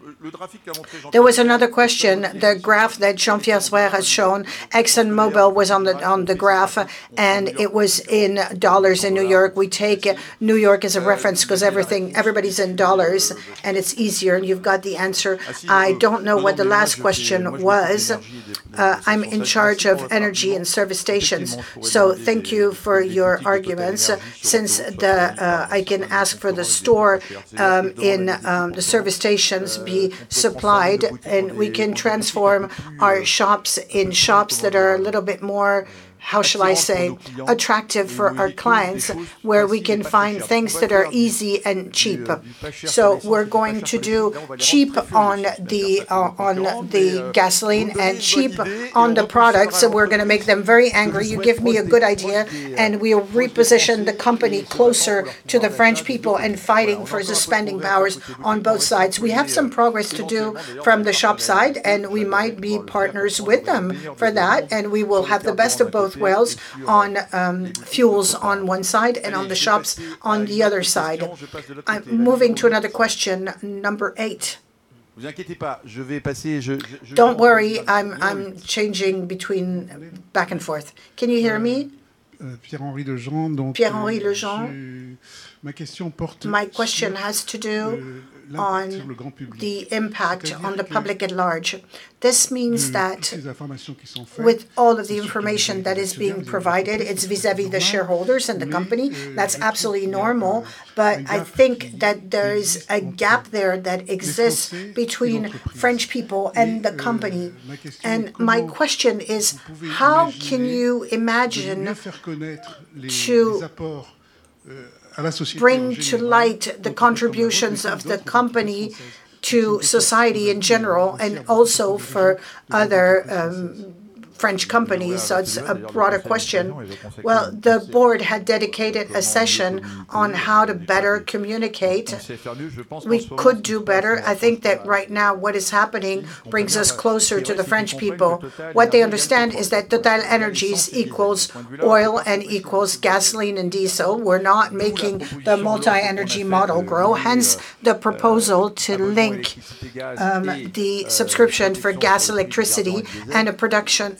There was another question. The graph that Jean-Pierre has shown, ExxonMobil was on the graph, and it was in dollars in New York. We take New York as a reference because everybody's in dollars and it's easier, and you've got the answer. I don't know what the last question was. I'm in charge of energy and service stations. Thank you for your arguments. Since I can ask for the store in the service stations be supplied and we can transform our shops in shops that are a little bit more, how shall I say, attractive for our clients, where we can find things that are easy and cheap. We're going to do cheap on the gasoline and cheap on the products. We're going to make them very angry. You give me a good idea, and we reposition the company closer to the French people and fighting for the spending powers on both sides. We have some progress to do from the shop side, and we might be partners with them for that, and we will have the best of both worlds on fuels on one side and on the shops on the other side. I'm moving to another question, number eight. Don't worry, I'm changing between back and forth. Can you hear me? Pierre-Henri Dejean. My question has to do on the impact on the public at large. This means that with all of the information that is being provided, it's vis-à-vis the shareholders and the company, that's absolutely normal. I think that there is a gap there that exists between French people and the company. My question is how can you imagine to bring to light the contributions of the company to society in general and also for other French companies? It's a broader question. Well, the board had dedicated a session on how to better communicate. We could do better. I think that right now what is happening brings us closer to the French people. What they understand is that TotalEnergies equals oil and equals gasoline and diesel. We're not making the multi-energy model grow, hence the proposal to link the subscription for gas, electricity, and a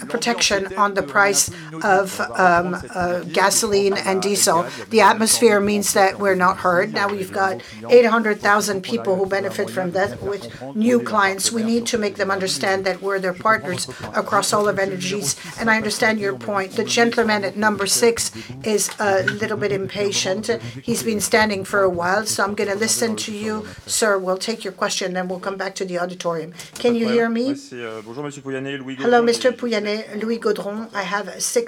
protection on the price of gasoline and diesel. The atmosphere means that we're not heard. We've got 800,000 people who benefit from that with new clients. We need to make them understand that we're their partners across all of energies. I understand your point. The gentleman at number six is a little bit impatient. He's been standing for a while. I'm going to listen to you. Sir, we'll take your question. We'll come back to the auditorium. Can you hear me? Hello, Mr. Pouyanné. Louis Godron. I have six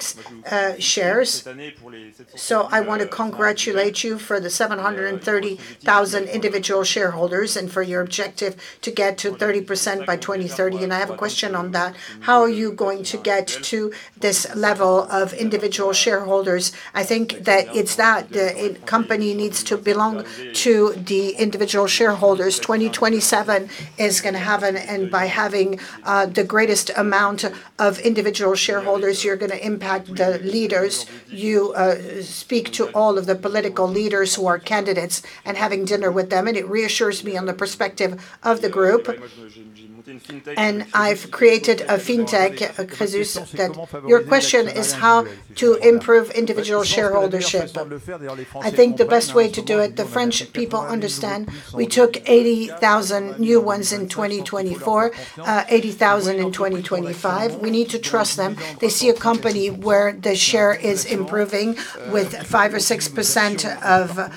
shares. I want to congratulate you for the 730,000 individual shareholders and for your objective to get to 30% by 2030. I have a question on that. How are you going to get to this level of individual shareholders? I think that it's that. The company needs to belong to the individual shareholders. 2027 is going to happen, and by having the greatest amount of individual shareholders, you're going to impact the leaders. You speak to all of the political leaders who are candidates and having dinner with them, and it reassures me on the perspective of the group. I've created a fintech, Crésus. Your question is how to improve individual share ownership. I think the best way to do it, the French people understand. We took 80,000 new ones in 2024, 80,000 in 2025. We need to trust them. They see a company where the share is improving with 5% or 6% of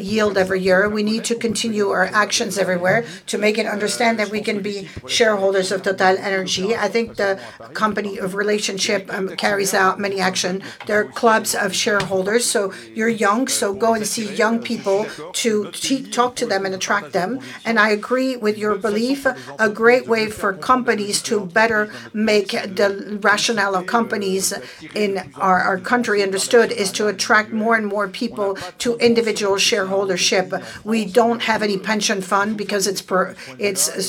yield every year. We need to continue our actions everywhere to make it understand that we can be shareholders of TotalEnergies. I think the company of relationship carries out many action. There are clubs of shareholders. You're young, so go and see young people to talk to them and attract them. I agree with your belief. A great way for companies to better make the rationale of companies in our country understood is to attract more and more people to individual share ownership. We don't have any pension fund because it's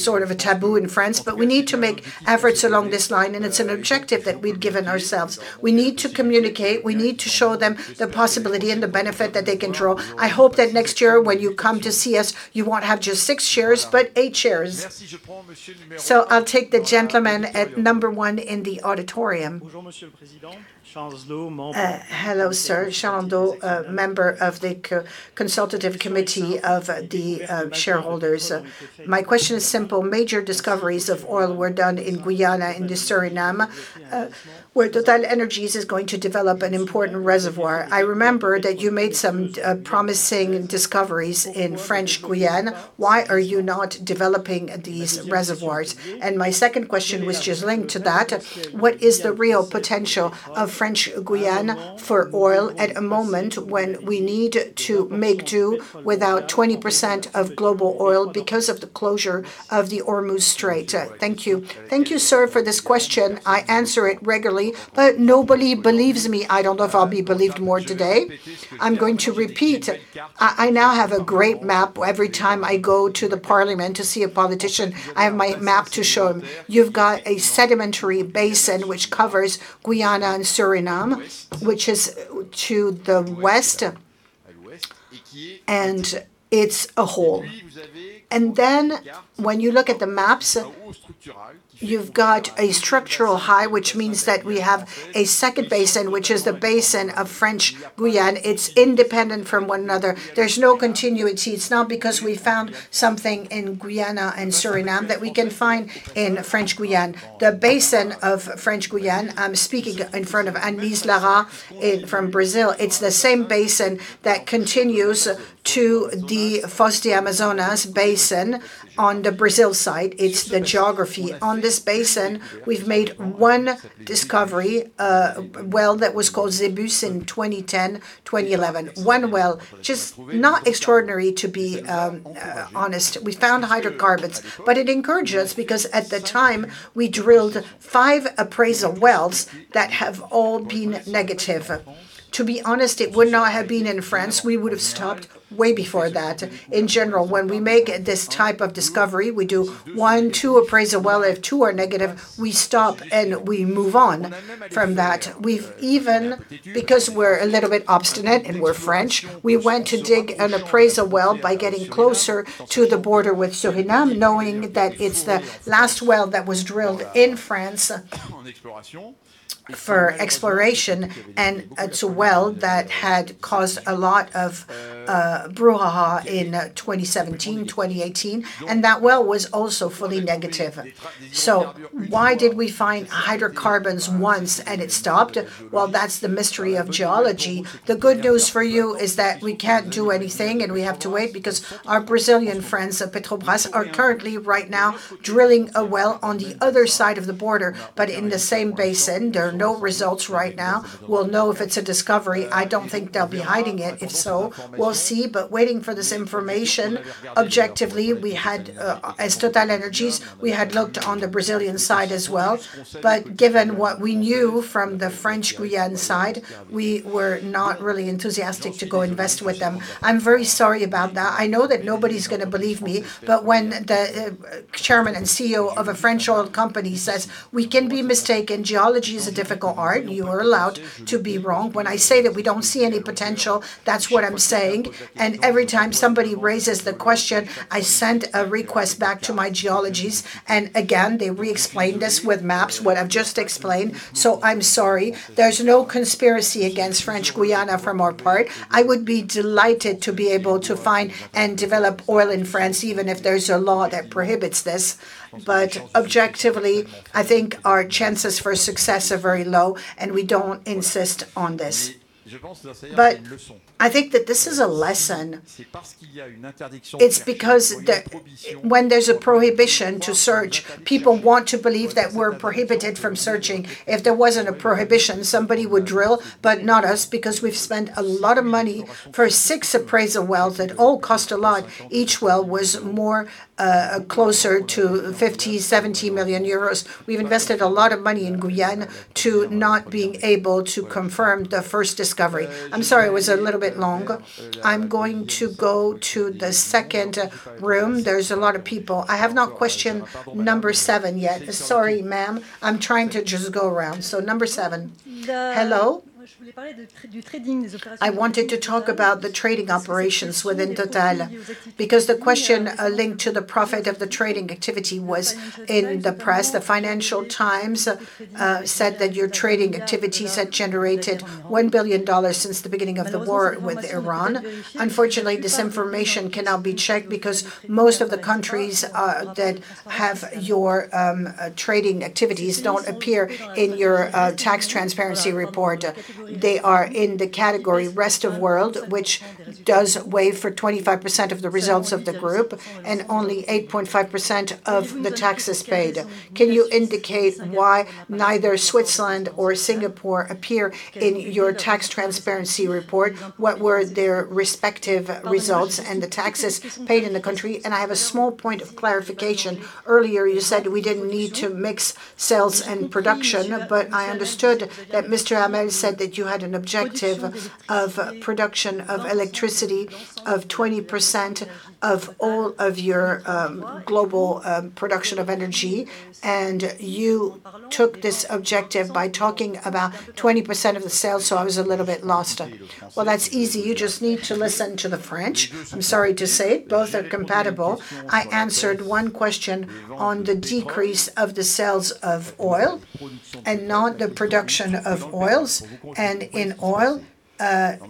sort of a taboo in France, but we need to make efforts along this line, and it's an objective that we've given ourselves. We need to communicate. We need to show them the possibility and the benefit that they can draw. I hope that next year when you come to see us, you won't have just six shares, but eight shares. I'll take the gentleman at number one in the auditorium. Hello, sir. Jean Audot, a member of the consultative committee of the shareholders. My question is simple. Major discoveries of oil were done in Guyana and Suriname, where TotalEnergies is going to develop an important reservoir. I remember that you made some promising discoveries in French Guiana. Why are you not developing these reservoirs? My second question was just linked to that. What is the real potential of French Guiana for oil at a moment when we need to make do without 20% of global oil because of the closure of the Hormuz Strait? Thank you. Thank you, sir, for this question. I answer it regularly, but nobody believes me. I don't know if I'll be believed more today. I'm going to repeat. I now have a great map. Every time I go to the parliament to see a politician, I have my map to show him. You've got a sedimentary basin which covers Guiana and Suriname, which is to the west, and it's a hole. When you look at the maps, you've got a structural high, which means that we have a second basin, which is the basin of French Guiana. It's independent from one another. There's no continuity. It's not because we found something in Guiana and Suriname that we can find in French Guiana. The basin of French Guiana, I'm speaking in front of Anelise Lara from Brazil, it's the same basin that continues to the Foz do Amazonas basin on the Brazil side. It's the geography. On this basin, we've made one discovery well that was called Zaedyus in 2010, 2011. One well. Just not extraordinary, to be honest. We found hydrocarbons, but it encouraged us because at the time we drilled five appraisal wells that have all been negative. To be honest, it would not have been in France. We would have stopped way before that. In general, when we make this type of discovery, we do one, two appraisal well. If two are negative, we stop and we move on from that. Even because we're a little bit obstinate and we're French, we went to dig an appraisal well by getting closer to the border with Suriname, knowing that it's the last well that was drilled in France. For exploration, it's a well that had caused a lot of brouhaha in 2017, 2018, that well was also fully negative. Why did we find hydrocarbons once and it stopped? Well, that's the mystery of geology. The good news for you is that we can't do anything, and we have to wait because our Brazilian friends at Petrobras are currently right now drilling a well on the other side of the border, but in the same basin. There are no results right now. We'll know if it's a discovery. I don't think they'll be hiding it if so. We'll see. Waiting for this information, objectively, as TotalEnergies, we had looked on the Brazilian side as well. Given what we knew from the French Guiana side, we were not really enthusiastic to go invest with them. I'm very sorry about that. I know that nobody's going to believe me, but when the Chairman and CEO of a French oil company says we can be mistaken, geology is a difficult art, you are allowed to be wrong. When I say that we don't see any potential, that's what I'm saying. Every time somebody raises the question, I send a request back to my geologists, and again, they re-explain this with maps, what I've just explained. I'm sorry. There's no conspiracy against French Guiana on our part. I would be delighted to be able to find and develop oil in France, even if there's a law that prohibits this. Objectively, I think our chances for success are very low, and we don't insist on this. I think that this is a lesson. It's because when there's a prohibition to search, people want to believe that we're prohibited from searching. If there wasn't a prohibition, somebody would drill, but not us, because we've spent a lot of money for six appraisal wells that all cost a lot. Each well was closer to 50 million 70 million euros. We've invested a lot of money in Guyana to not being able to confirm the first discovery. I'm sorry it was a little bit long. I'm going to go to the second room. There's a lot of people. I have not questioned number seven yet. Sorry, ma'am. I'm trying to just go around. Number seven. Hello. I wanted to talk about the trading operations within TotalEnergies because the question linked to the profit of the trading activity was in the press. The Financial Times said that your trading activities had generated $1 billion since the beginning of the war with Iran. Unfortunately, this information cannot be checked because most of the countries that have your trading activities don't appear in your tax transparency report. They are in the category rest of world, which does weigh for 25% of the results of the group and only 8.5% of the taxes paid. Can you indicate why neither Switzerland or Singapore appear in your tax transparency report? What were their respective results and the taxes paid in the country? I have a small point of clarification. Earlier, you said we didn't need to mix sales and production. I understood that Mr. Hamelle said that you had an objective of production of electricity of 20% of all of your global production of energy. You took this objective by talking about 20% of the sales. I was a little bit lost. Well, that's easy. You just need to listen to the French. I'm sorry to say it. Both are compatible. I answered one question on the decrease of the sales of oil and not the production of oils. In oil, in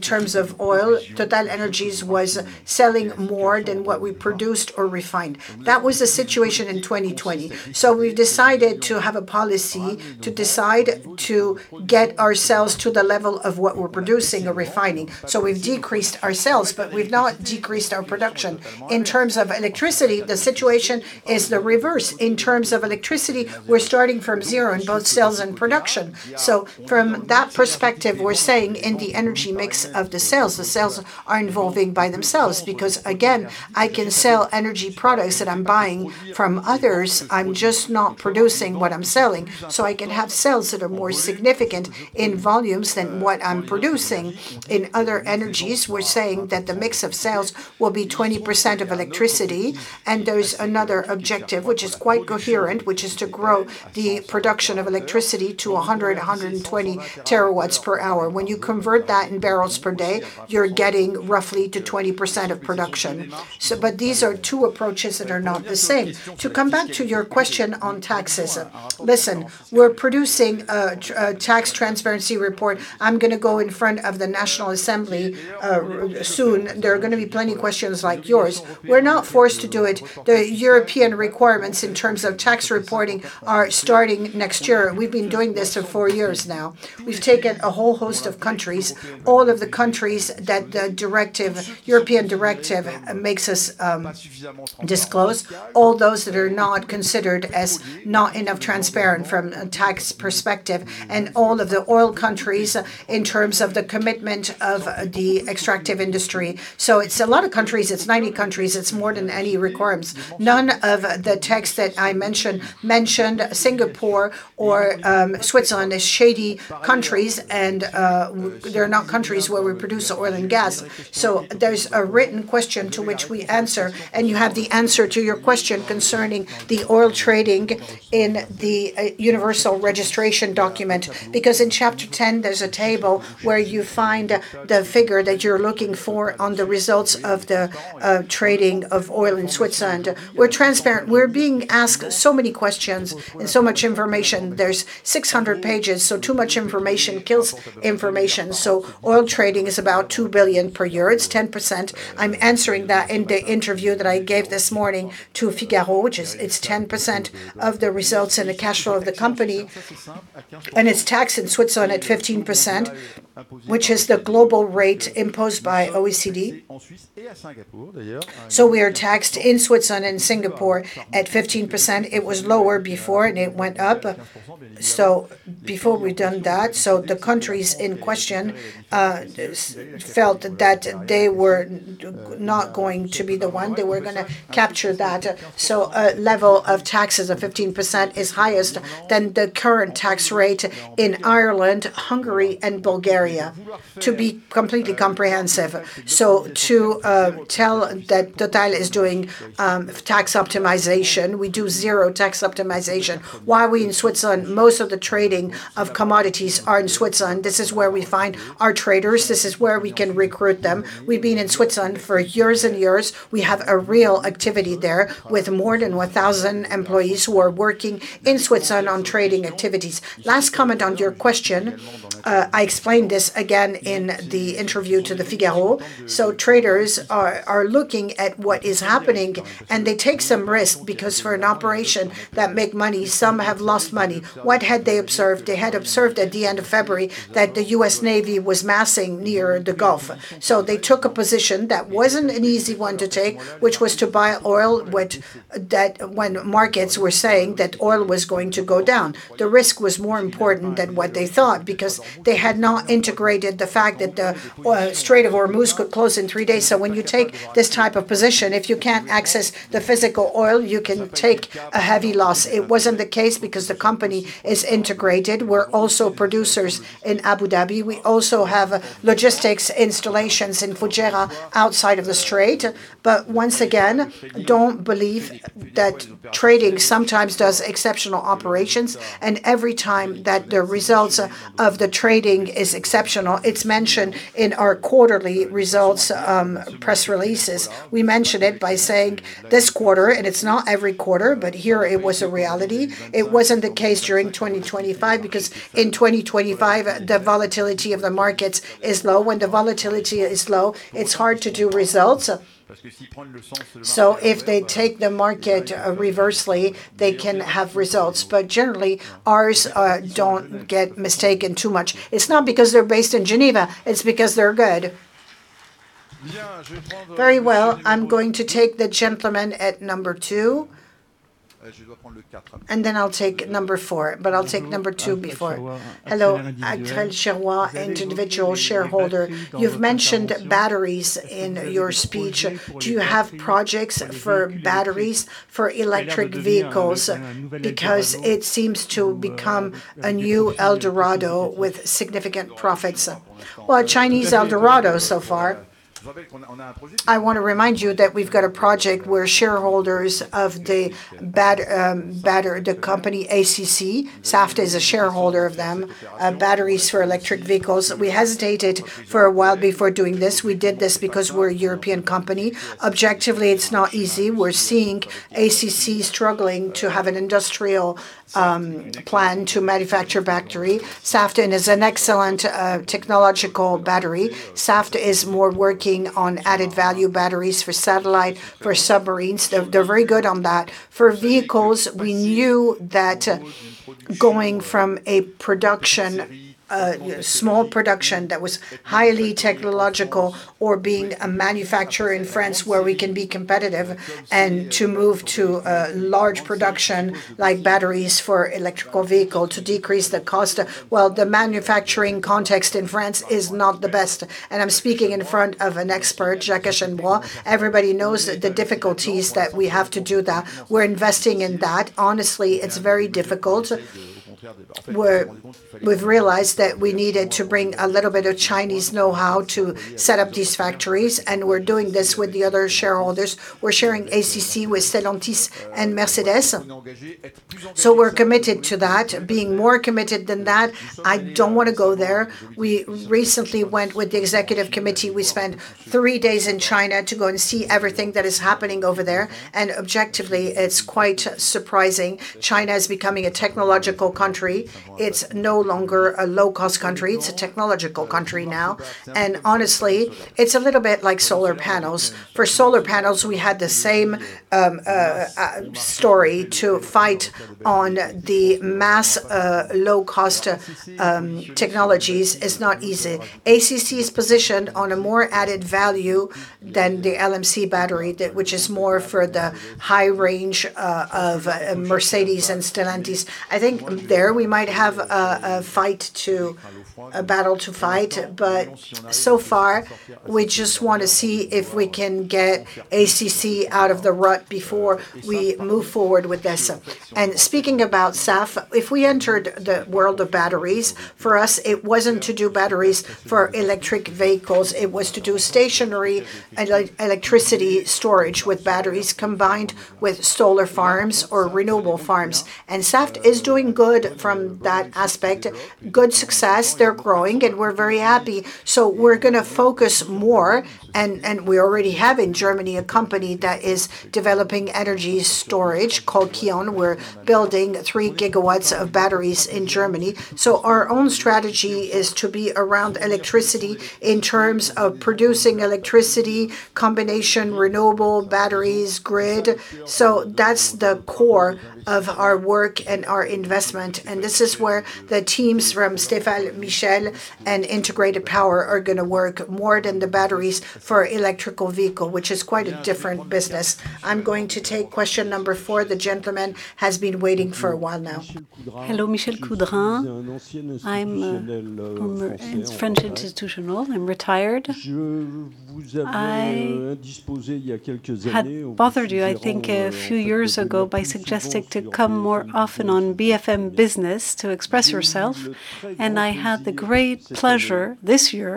terms of oil, TotalEnergies was selling more than what we produced or refined. That was the situation in 2020. We've decided to have a policy to decide to get our sales to the level of what we're producing or refining. We've decreased our sales, but we've not decreased our production. In terms of electricity, the situation is the reverse. In terms of electricity, we're starting from zero in both sales and production. From that perspective, we're saying in the energy mix of the sales, the sales are evolving by themselves because again, I can sell energy products that I'm buying from others. I'm just not producing what I'm selling. I can have sales that are more significant in volumes than what I'm producing. In other energies, we're saying that the mix of sales will be 20% of electricity, and there's another objective, which is quite coherent, which is to grow the production of electricity to 100 TWh, 120 TWh. When you convert that in barrels per day, you're getting roughly to 20% of production. To come back to your question on taxes, listen, we're producing a tax transparency report. I'm going to go in front of the National Assembly soon. There are going to be plenty questions like yours. We're not forced to do it. The European requirements in terms of tax reporting are starting next year. We've been doing this for four years now. We've taken a whole host of countries, all of the countries that the European directive makes us disclose, all those that are not considered as not enough transparent from a tax perspective, and all of the oil countries in terms of the commitment of the extractive industry. It's a lot of countries. It's 90 countries. It's more than any requirements. None of the texts that I mentioned mentioned Singapore or Switzerland as shady countries, and they're not countries where we produce oil and gas. There's a written question to which we answer, and you have the answer to your question concerning the oil trading in the Universal Registration Document. Because in Chapter 10, there's a table where you find the figure that you're looking for on the results of the trading of oil in Switzerland. We're transparent. We're being asked so many questions and so much information. There's 600 pages, too much information kills information. Oil trading is about 2 billion per year. It's 10%. I'm answering that in the interview that I gave this morning to Le Figaro, which it's 10% of the results and the cash flow of the company, and it's taxed in Switzerland at 15%, which is the global rate imposed by OECD. We are taxed in Switzerland and Singapore at 15%. It was lower before, and it went up. Before we done that, the countries in question felt that they were not going to be the one. They were going to capture that. A level of taxes of 15% is highest than the current tax rate in Ireland, Hungary, and Bulgaria, to be completely comprehensive. To tell that TotalEnergies is doing tax optimization, we do zero tax optimization. Why are we in Switzerland? Most of the trading of commodities are in Switzerland. This is where we find our traders. This is where we can recruit them. We've been in Switzerland for years and years. We have a real activity there with more than 1,000 employees who are working in Switzerland on trading activities. Last comment on your question, I explained this again in the interview to Le Figaro. Traders are looking at what is happening, and they take some risk because for an operation that make money, some have lost money. What had they observed? They had observed at the end of February that the U.S. Navy was massing near the Gulf. They took a position that wasn't an easy one to take, which was to buy oil, when markets were saying that oil was going to go down. The risk was more important than what they thought because they had not integrated the fact that the Strait of Hormuz could close in three days. When you take this type of position, if you can't access the physical oil, you can take a heavy loss. It wasn't the case because the company is integrated. We're also producers in Abu Dhabi. We also have logistics installations in Fujairah outside of the Strait. Once again, don't believe that trading sometimes does exceptional operations, and every time that the results of the trading is exceptional, it's mentioned in our quarterly results press releases. We mention it by saying this quarter, it's not every quarter, here it was a reality. It wasn't the case during 2025 because in 2025, the volatility of the markets is low. When the volatility is low, it's hard to do results. If they take the market reversely, they can have results. Generally, ours don't get mistaken too much. It's not because they're based in Geneva, it's because they're good. Very well. I'm going to take the gentleman at number two. Then I'll take number two, but I'll take number two before. Hello. Adrian Cherway, individual shareholder. You've mentioned batteries in your speech. Do you have projects for batteries for electric vehicles? It seems to become a new El Dorado with significant profits. Well, a Chinese El Dorado so far. I want to remind you that we've got a project where shareholders of the company ACC, Saft is a shareholder of them, batteries for electric vehicles. We hesitated for a while before doing this. We did this because we're a European company. Objectively, it's not easy. We're seeing ACC struggling to have an industrial plan to manufacture battery. Saft is an excellent technological battery. Saft is more working on added value batteries for satellite, for submarines. They're very good on that. For vehicles, we knew that going from a small production that was highly technological or being a manufacturer in France where we can be competitive to move to a large production like batteries for electrical vehicle to decrease the cost. Well, the manufacturing context in France is not the best. I'm speaking in front of an expert, Jacques Aschenbroich. Everybody knows the difficulties that we have to do that. We're investing in that. Honestly, it's very difficult. We've realized that we needed to bring a little bit of Chinese know-how to set up these factories, we're doing this with the other shareholders. We're sharing ACC with Stellantis and Mercedes. We're committed to that. Being more committed than that, I don't want to go there. We recently went with the Executive Committee. We spent three days in China to go and see everything that is happening over there. Objectively, it's quite surprising. China is becoming a technological country. It's no longer a low cost country. It's a technological country now. Honestly, it's a little bit like solar panels. For solar panels, we had the same story to fight on the mass low cost technologies. It's not easy. ACC is positioned on a more added value than the NMC battery, which is more for the high range of Mercedes and Stellantis. I think there we might have a battle to fight, but so far, we just want to see if we can get ACC out of the rut before we move forward with this. Speaking about Saft, if we entered the world of batteries, for us, it wasn't to do batteries for electric vehicles. It was to do stationary electricity storage with batteries combined with solar farms or renewable farms. Saft is doing good from that aspect. Good success. They're growing, and we're very happy. We're going to focus more, and we already have in Germany a company that is developing energy storage called Kyon. We're building 3 GW of batteries in Germany. Our own strategy is to be around electricity in terms of producing electricity, combination renewable batteries grid. That's the core of our work and our investment, and this is where the teams from Stéphane Michel and Integrated Power are going to work more than the batteries for electrical vehicle, which is quite a different business. I'm going to take question number four. The gentleman has been waiting for a while now. Hello, Michel Codron. I'm French institutional. I'm retired. I had bothered you, I think, a few years ago by suggesting to come more often on BFM Business to express yourself. I had the great pleasure this year.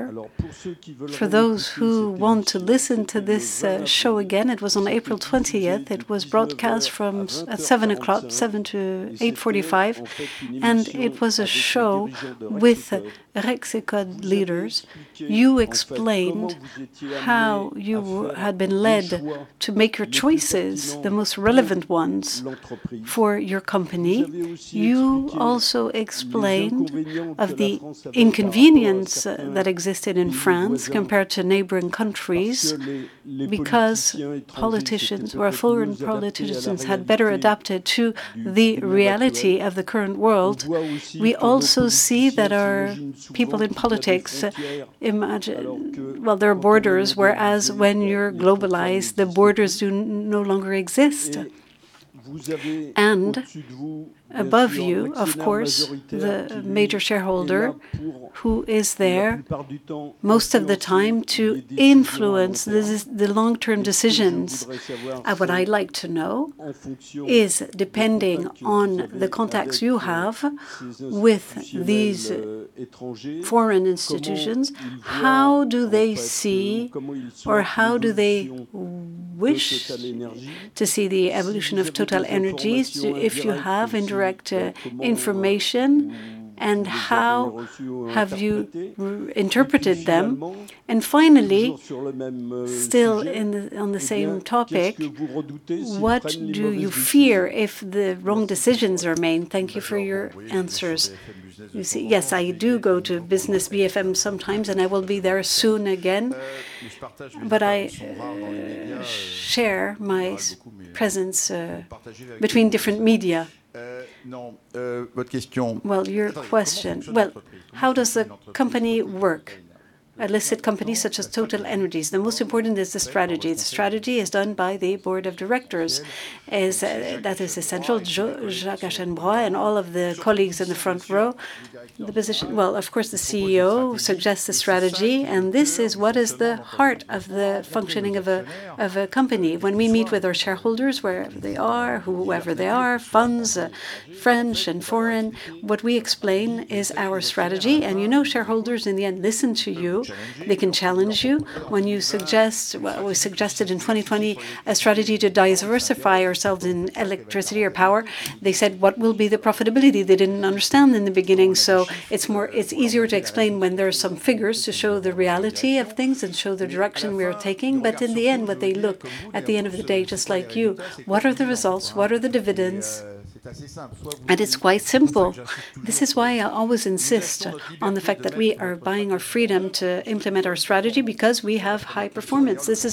For those who want to listen to this show again, it was on April 20th. It was broadcast from 7:00 A.M-8:45 A.M. It was a show with Rexecode leaders. You explained how you had been led to make your choices, the most relevant ones for your company. You also explained of the inconvenience that existed in France compared to neighboring countries because foreign politicians had better adapted to the reality of the current world. We also see that our people in politics imagine, well, there are borders, whereas when you're globalized, the borders no longer exist. Above you, of course, the major shareholder who is there most of the time to influence the long-term decisions. What I'd like to know is, depending on the contacts you have with these foreign institutions, how do they see or how do they wish to see the evolution of TotalEnergies? If you have indirect information, how have you interpreted them? Finally, still on the same topic, what do you fear if the wrong decisions are made? Thank you for your answers. Yes, I do go to BFM Business sometimes, and I will be there soon again. I share my presence between different media. Well, your question. How does a company work? A listed company such as TotalEnergies. The most important is the strategy. The strategy is done by the Board of Directors, as that is essential. Jacques Aschenbroich and all of the colleagues in the front row. Well, of course, the CEO suggests the strategy, and this is what is the heart of the functioning of a company. When we meet with our shareholders, wherever they are, whoever they are, funds, French and foreign, what we explain is our strategy. You know shareholders in the end listen to you. They can challenge you. When we suggested in 2020 a strategy to diversify ourselves in electricity or power, they said, What will be the profitability? They didn't understand in the beginning. It's easier to explain when there are some figures to show the reality of things and show the direction we are taking. In the end, what they look at the end of the day, just like you. What are the results? What are the dividends? It's quite simple. This is why I always insist on the fact that we are buying our freedom to implement our strategy because we have high performance. This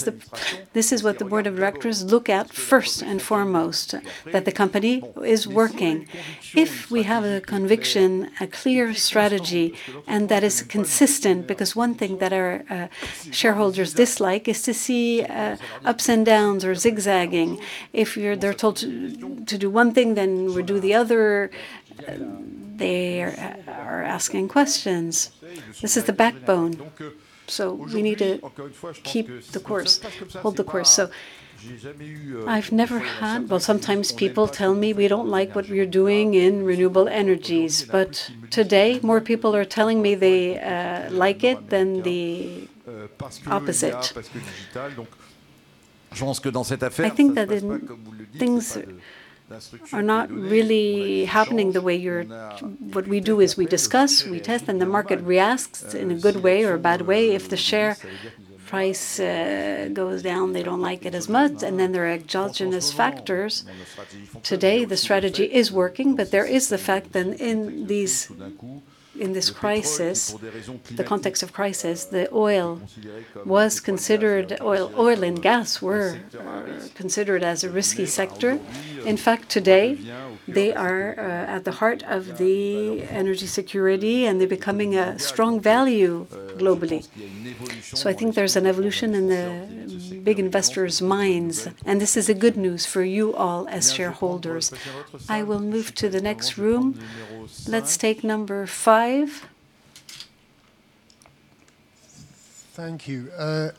is what the Board of Directors look at first and foremost, that the company is working. If we have a conviction, a clear strategy, and that is consistent, because one thing that our shareholders dislike is to see ups and downs or zigzagging. If they're told to do one thing, then we do the other, they are asking questions. This is the backbone. We need to keep the course, hold the course. Well, sometimes people tell me we don't like what we're doing in renewable energies, but today, more people are telling me they like it than the opposite. I think that things are not really happening. What we do is we discuss, we test, and the market reacts in a good way or a bad way. If the share price goes down, they don't like it as much. There are exogenous factors. Today, the strategy is working, but there is the fact that in this crisis, the context of crisis, oil and gas were considered as a risky sector. In fact, today, they are at the heart of energy security, and they're becoming a strong value globally. I think there's an evolution in the big investors' minds, and this is a good news for you all as shareholders. I will move to the next room. Let's take number five. Thank you. My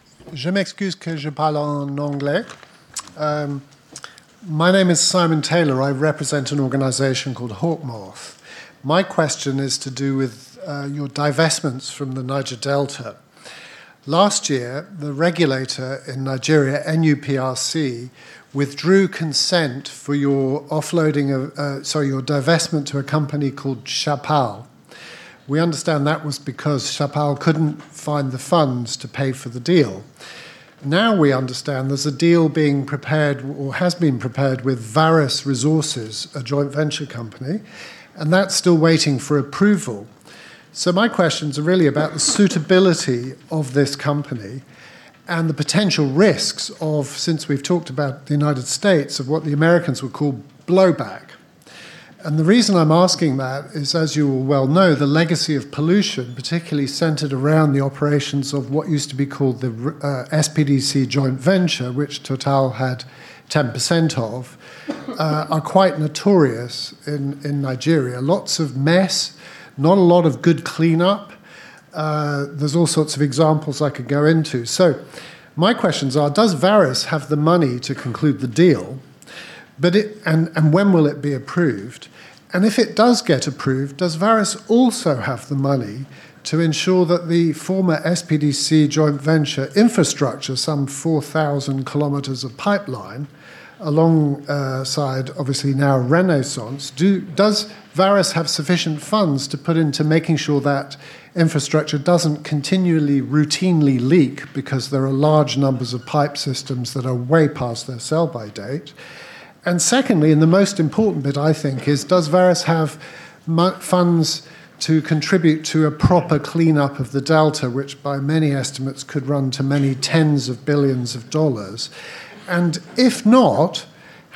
name is Simon Taylor. I represent an organization called Hawkmoth. My question is to do with your divestments from the Niger Delta. Last year, the regulator in Nigeria, NUPRC, withdrew consent for your divestment to a company called Chappal. We understand that was because Chappal couldn't find the funds to pay for the deal. Now we understand there's a deal being prepared or has been prepared with Vaaris Resources, a joint venture company, and that's still waiting for approval. My questions are really about the suitability of this company and the potential risks of, since we've talked about the U.S., of what the Americans would call blowback. The reason I'm asking that is, as you well know, the legacy of pollution, particularly centered around the operations of what used to be called the SPDC Joint Venture, which Total had 10% of, are quite notorious in Nigeria. Lots of mess, not a lot of good cleanup. There's all sorts of examples I could go into. My questions are. Does Vaaris have the money to conclude the deal? When will it be approved? If it does get approved, does Vaaris also have the money to ensure that the former SPDC Joint Venture infrastructure, some 4,000 km of pipeline, alongside, obviously now Renaissance, does Vaaris have sufficient funds to put into making sure that infrastructure doesn't continually, routinely leak because there are large numbers of pipe systems that are way past their sell-by date. Secondly, the most important bit, I think, is does Vaaris have funds to contribute to a proper cleanup of the Delta, which by many estimates could run to many tens of billions of dollars. If not,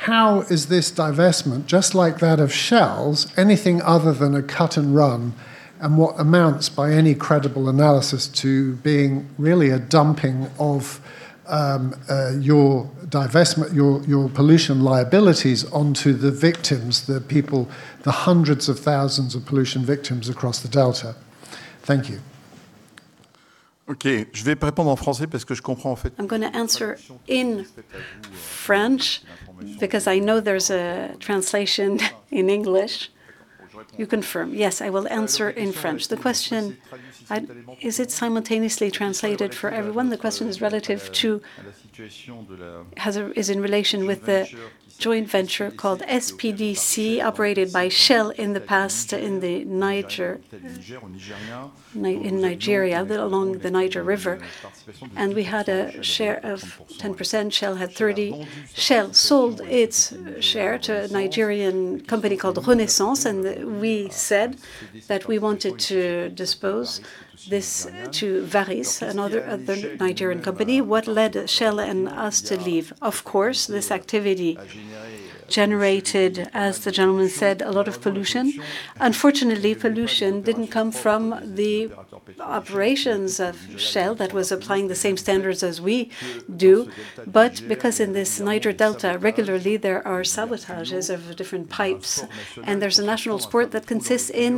how is this divestment, just like that of Shell's, anything other than a cut and run and what amounts by any credible analysis to being really a dumping of your pollution liabilities onto the victims, the hundreds of thousands of pollution victims across the Delta. Thank you. Okay. I'm going to answer in French because I know there's a translation in English. You confirm? Yes, I will answer in French. Is it simultaneously translated for everyone? The question is in relation with the joint venture called SPDC, operated by Shell in the past in Nigeria, along the Niger River. We had a share of 10%, Shell had 30%. Shell sold its share to a Nigerian company called Renaissance. We said that we wanted to dispose this to Vaaris, another Nigerian company. What led Shell and us to leave? Of course, this activity generated, as the gentleman said, a lot of pollution. Unfortunately, pollution didn't come from the operations of Shell that was applying the same standards as we do, but because in this Niger Delta, regularly there are sabotages of different pipes. There's a national sport that consists in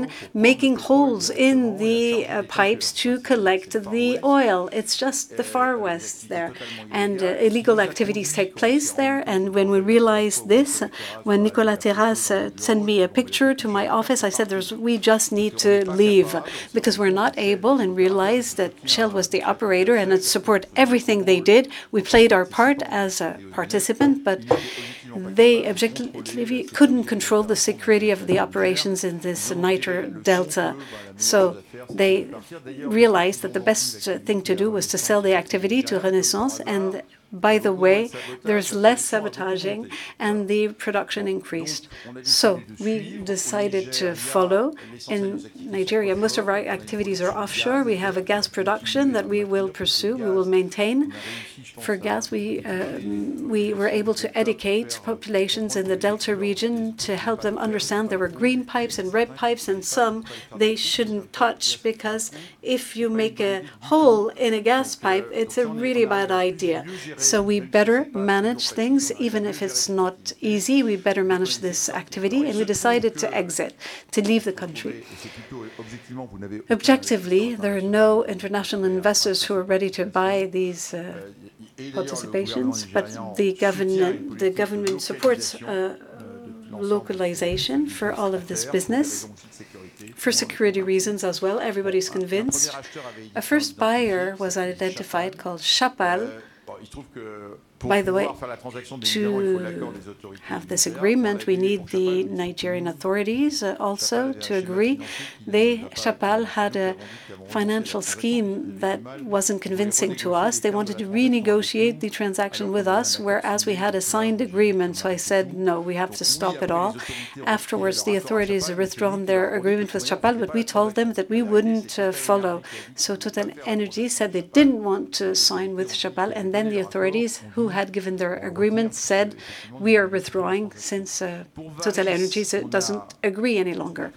making holes in the pipes to collect the oil. It's just the Far West there, and illegal activities take place there. When we realized this, when Nicolas Terraz sent me a picture to my office, I said, We just need to leave because we're not able and realized that Shell was the operator, and it support everything they did. We played our part as a participant, they objectively couldn't control the security of the operations in this Niger Delta. They realized that the best thing to do was to sell the activity to Renaissance. By the way, there's less sabotaging and the production increased. We decided to follow in Nigeria. Most of our activities are offshore. We have a gas production that we will pursue, we will maintain. For gas, we were able to educate populations in the Delta region to help them understand there were green pipes and red pipes, and some they shouldn't touch because if you make a hole in a gas pipe, it's a really bad idea. We better manage things, even if it's not easy, we better manage this activity. We decided to exit, to leave the country. Objectively, there are no international investors who are ready to buy these participations, but the government supports localization for all of this business for security reasons as well. Everybody's convinced. A first buyer was identified called Chappal. By the way, to have this agreement, we need the Nigerian authorities also to agree. Chappal had a financial scheme that wasn't convincing to us. They wanted to renegotiate the transaction with us, whereas we had a signed agreement. I said, No, we have to stop it all. Afterwards, the authorities have withdrawn their agreement with Chappal Energies, but we told them that we wouldn't follow. TotalEnergies said they didn't want to sign with Chappal Energies, and then the authorities who had given their agreement said, We are withdrawing since TotalEnergies doesn't agree any longer."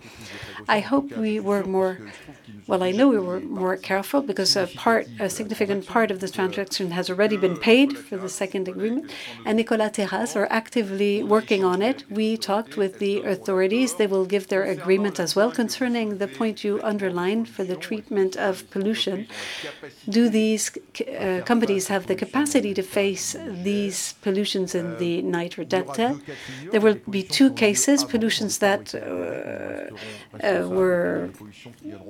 I know we were more careful because a significant part of this transaction has already been paid for the second agreement, and Nicolas Terraz are actively working on it. We talked with the authorities. They will give their agreement as well. Concerning the point you underlined for the treatment of pollution, do these companies have the capacity to face these pollutions in the Niger Delta? There will be two cases, pollutions that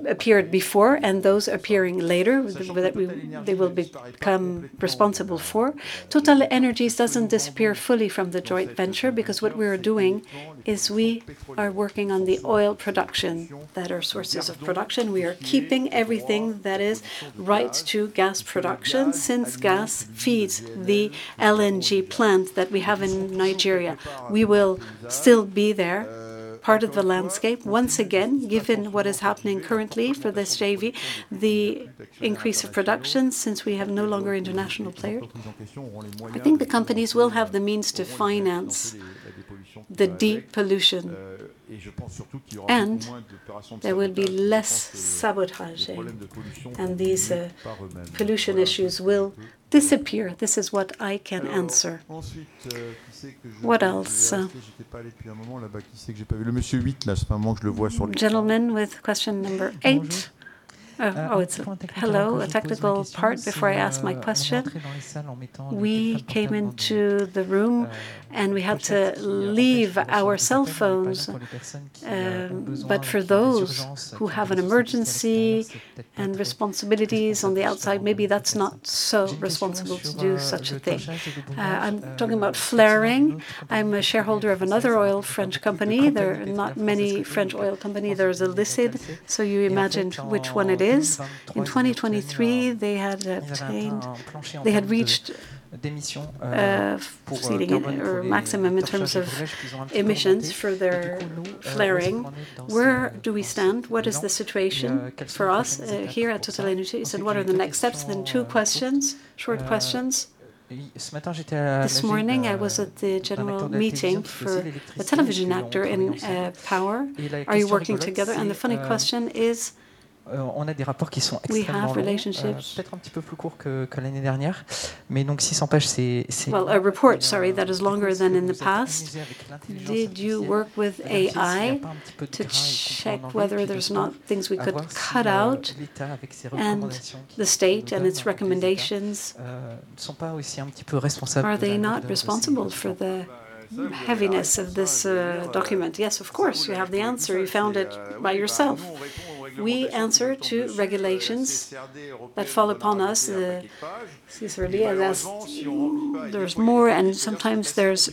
appeared before and those appearing later that they will become responsible for. TotalEnergies doesn't disappear fully from the joint venture because what we are doing is we are working on the oil production that are sources of production. We are keeping everything that is right to gas production, since gas feeds the LNG plant that we have in Nigeria. We will still be there, part of the landscape. Once again, given what is happening currently for this JV, the increase of production since we have no longer international player, I think the companies will have the means to finance the deep pollution, and there will be less sabotaging, and these pollution issues will disappear. This is what I can answer. What else? Gentleman with question number eight. Oh, Hello. Hello. A technical part before I ask my question. We came into the room, and we had to leave our cell phones. For those who have an emergency and responsibilities on the outside, maybe that's not so responsible to do such a thing. I'm talking about flaring. I'm a shareholder of another oil French company. There are not many French oil company. There's a listed, so you imagine which one it is. In 2023, they had reached a maximum in terms of emissions for their flaring. Where do we stand? What is the situation for us here at TotalEnergies, and what are the next steps? Two questions, short questions. This morning, I was at the general meeting for a television actor in power. Are you working together? The funny question is. We have relationships. Well, a report, sorry, that is longer than in the past. Did you work with AI to check whether there's not things we could cut out? The state and its recommendations, are they not responsible for the heaviness of this document? Yes, of course. We have the answer. You found it by yourself. We answer to regulations that fall upon us. The CSRD asked, there's more. Sometimes there's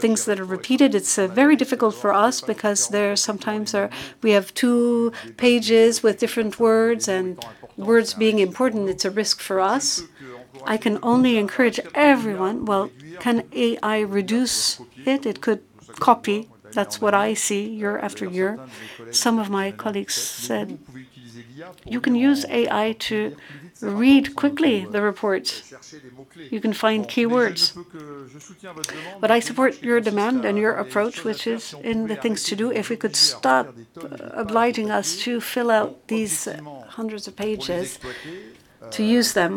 things that are repeated. It's very difficult for us because sometimes we have two pages with different words. Words being important, it's a risk for us. I can only encourage everyone. Well, can AI reduce it? It could copy. That's what I see year after year. Some of my colleagues said you can use AI to read quickly the reports. You can find keywords. I support your demand and your approach, which is in the things to do. If we could stop obliging us to fill out these hundreds of pages to use them.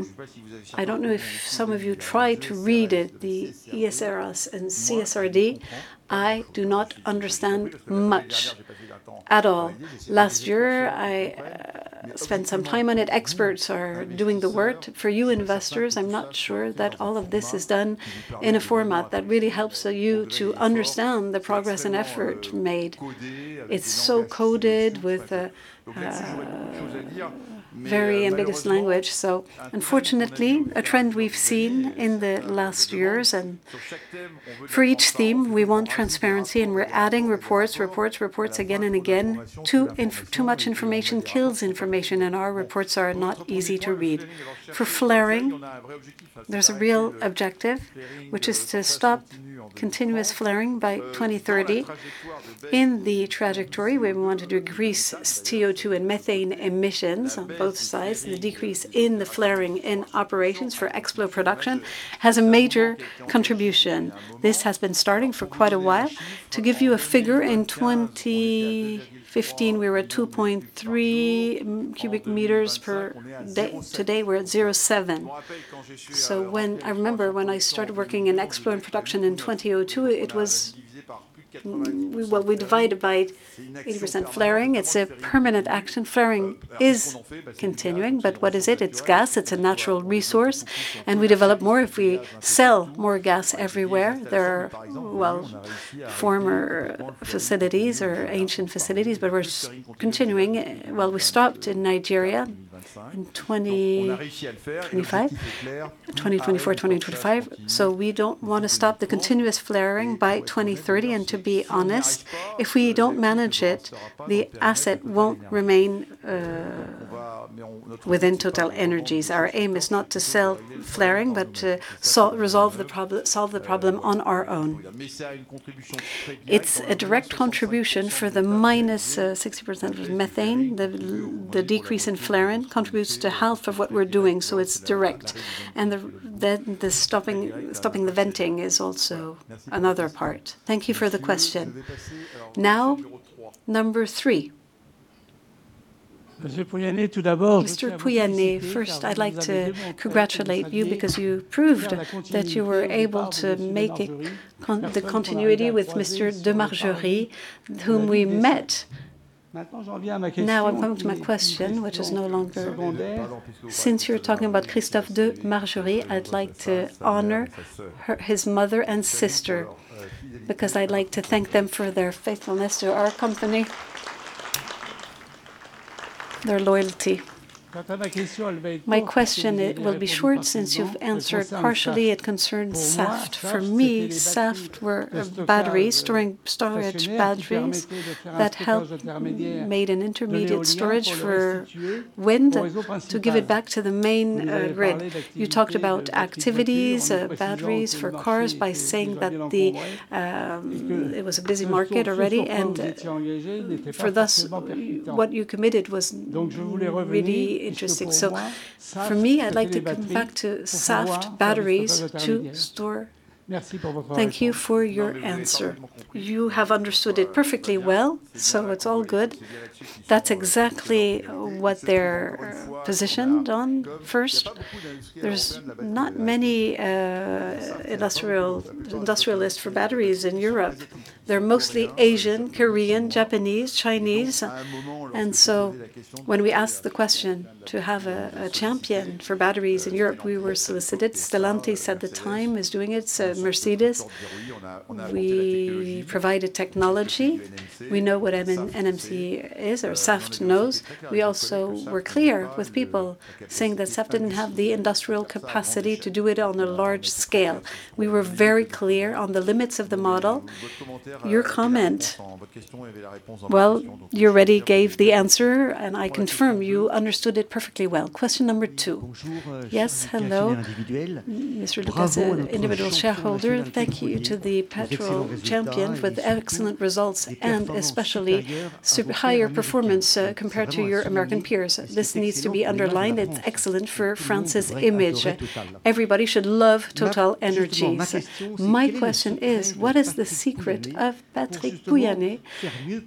I don't know if some of you tried to read it, the ESRS and CSRD. I do not understand much at all. Last year, I spent some time on it. Experts are doing the work for you investors. I'm not sure that all of this is done in a format that really helps you to understand the progress and effort made. It's so coded with a very ambiguous language. Unfortunately, a trend we've seen in the last years. For each theme, we want transparency, and we're adding reports, reports again and again. Too much information kills information, and our reports are not easy to read. For flaring, there's a real objective, which is to stop continuous flaring by 2030. In the trajectory, where we want to decrease CO2 and methane emissions on both sides, and the decrease in the flaring in operations for explore production has a major contribution. This has been starting for quite a while. To give you a figure, in 2015, we were at 2.3 m³/d. Today, we're at 0.7 m³/d. I remember when I started working in explore and production in 2002, we divided by 80% flaring. It's a permanent action. Flaring is continuing. What is it? It's gas. It's a natural resource, and we develop more if we sell more gas everywhere. There are former facilities or ancient facilities, but we're continuing. Well, we stopped in Nigeria in 2025, 2024, 2025. We want to stop the continuous flaring by 2030. To be honest, if we don't manage it, the asset won't remain within TotalEnergies. Our aim is not to sell flaring, but to solve the problem on our own. It's a direct contribution for the -60% of methane. The decrease in flaring contributes to half of what we're doing, so it's direct. Stopping the venting is also another part. Thank you for the question. Number three. Mr. Pouyanné, first, I'd like to congratulate you because you proved that you were able to make the continuity with Mr. de Margerie, whom we met. I come to my question, which is no longer there. Since you're talking about Christophe de Margerie, I'd like to honor his mother and sister because I'd like to thank them for their faithfulness to our company. Their loyalty. My question, it will be short since you've answered partially. It concerns Saft. For me, Saft were batteries, storage batteries that helped made an intermediate storage for wind to give it back to the main grid. You talked about activities, batteries for cars by saying that it was a busy market already and for thus, what you committed was really interesting. For me, I'd like to come back to Saft batteries to store. Thank you for your answer. You have understood it perfectly well, it's all good. That's exactly what they're positioned on first. There's not many industrialists for batteries in Europe. They're mostly Asian, Korean, Japanese, Chinese. When we ask the question to have a champion for batteries in Europe, we were solicited. Stellantis at the time was doing it, Mercedes. We provided technology. We know what NMC is, or Saft knows. We also were clear with people, saying that Saft didn't have the industrial capacity to do it on a large scale. We were very clear on the limits of the model. Your comment. Well, you already gave the answer, and I confirm you understood it perfectly well. Question number two. Yes, hello. Mr. Lopez, individual shareholder. Thank you to the petrol champion for the excellent results and especially higher performance compared to your American peers. This needs to be underlined. It's excellent for France's image. Everybody should love TotalEnergies. My question is, what is the secret of Patrick Pouyanné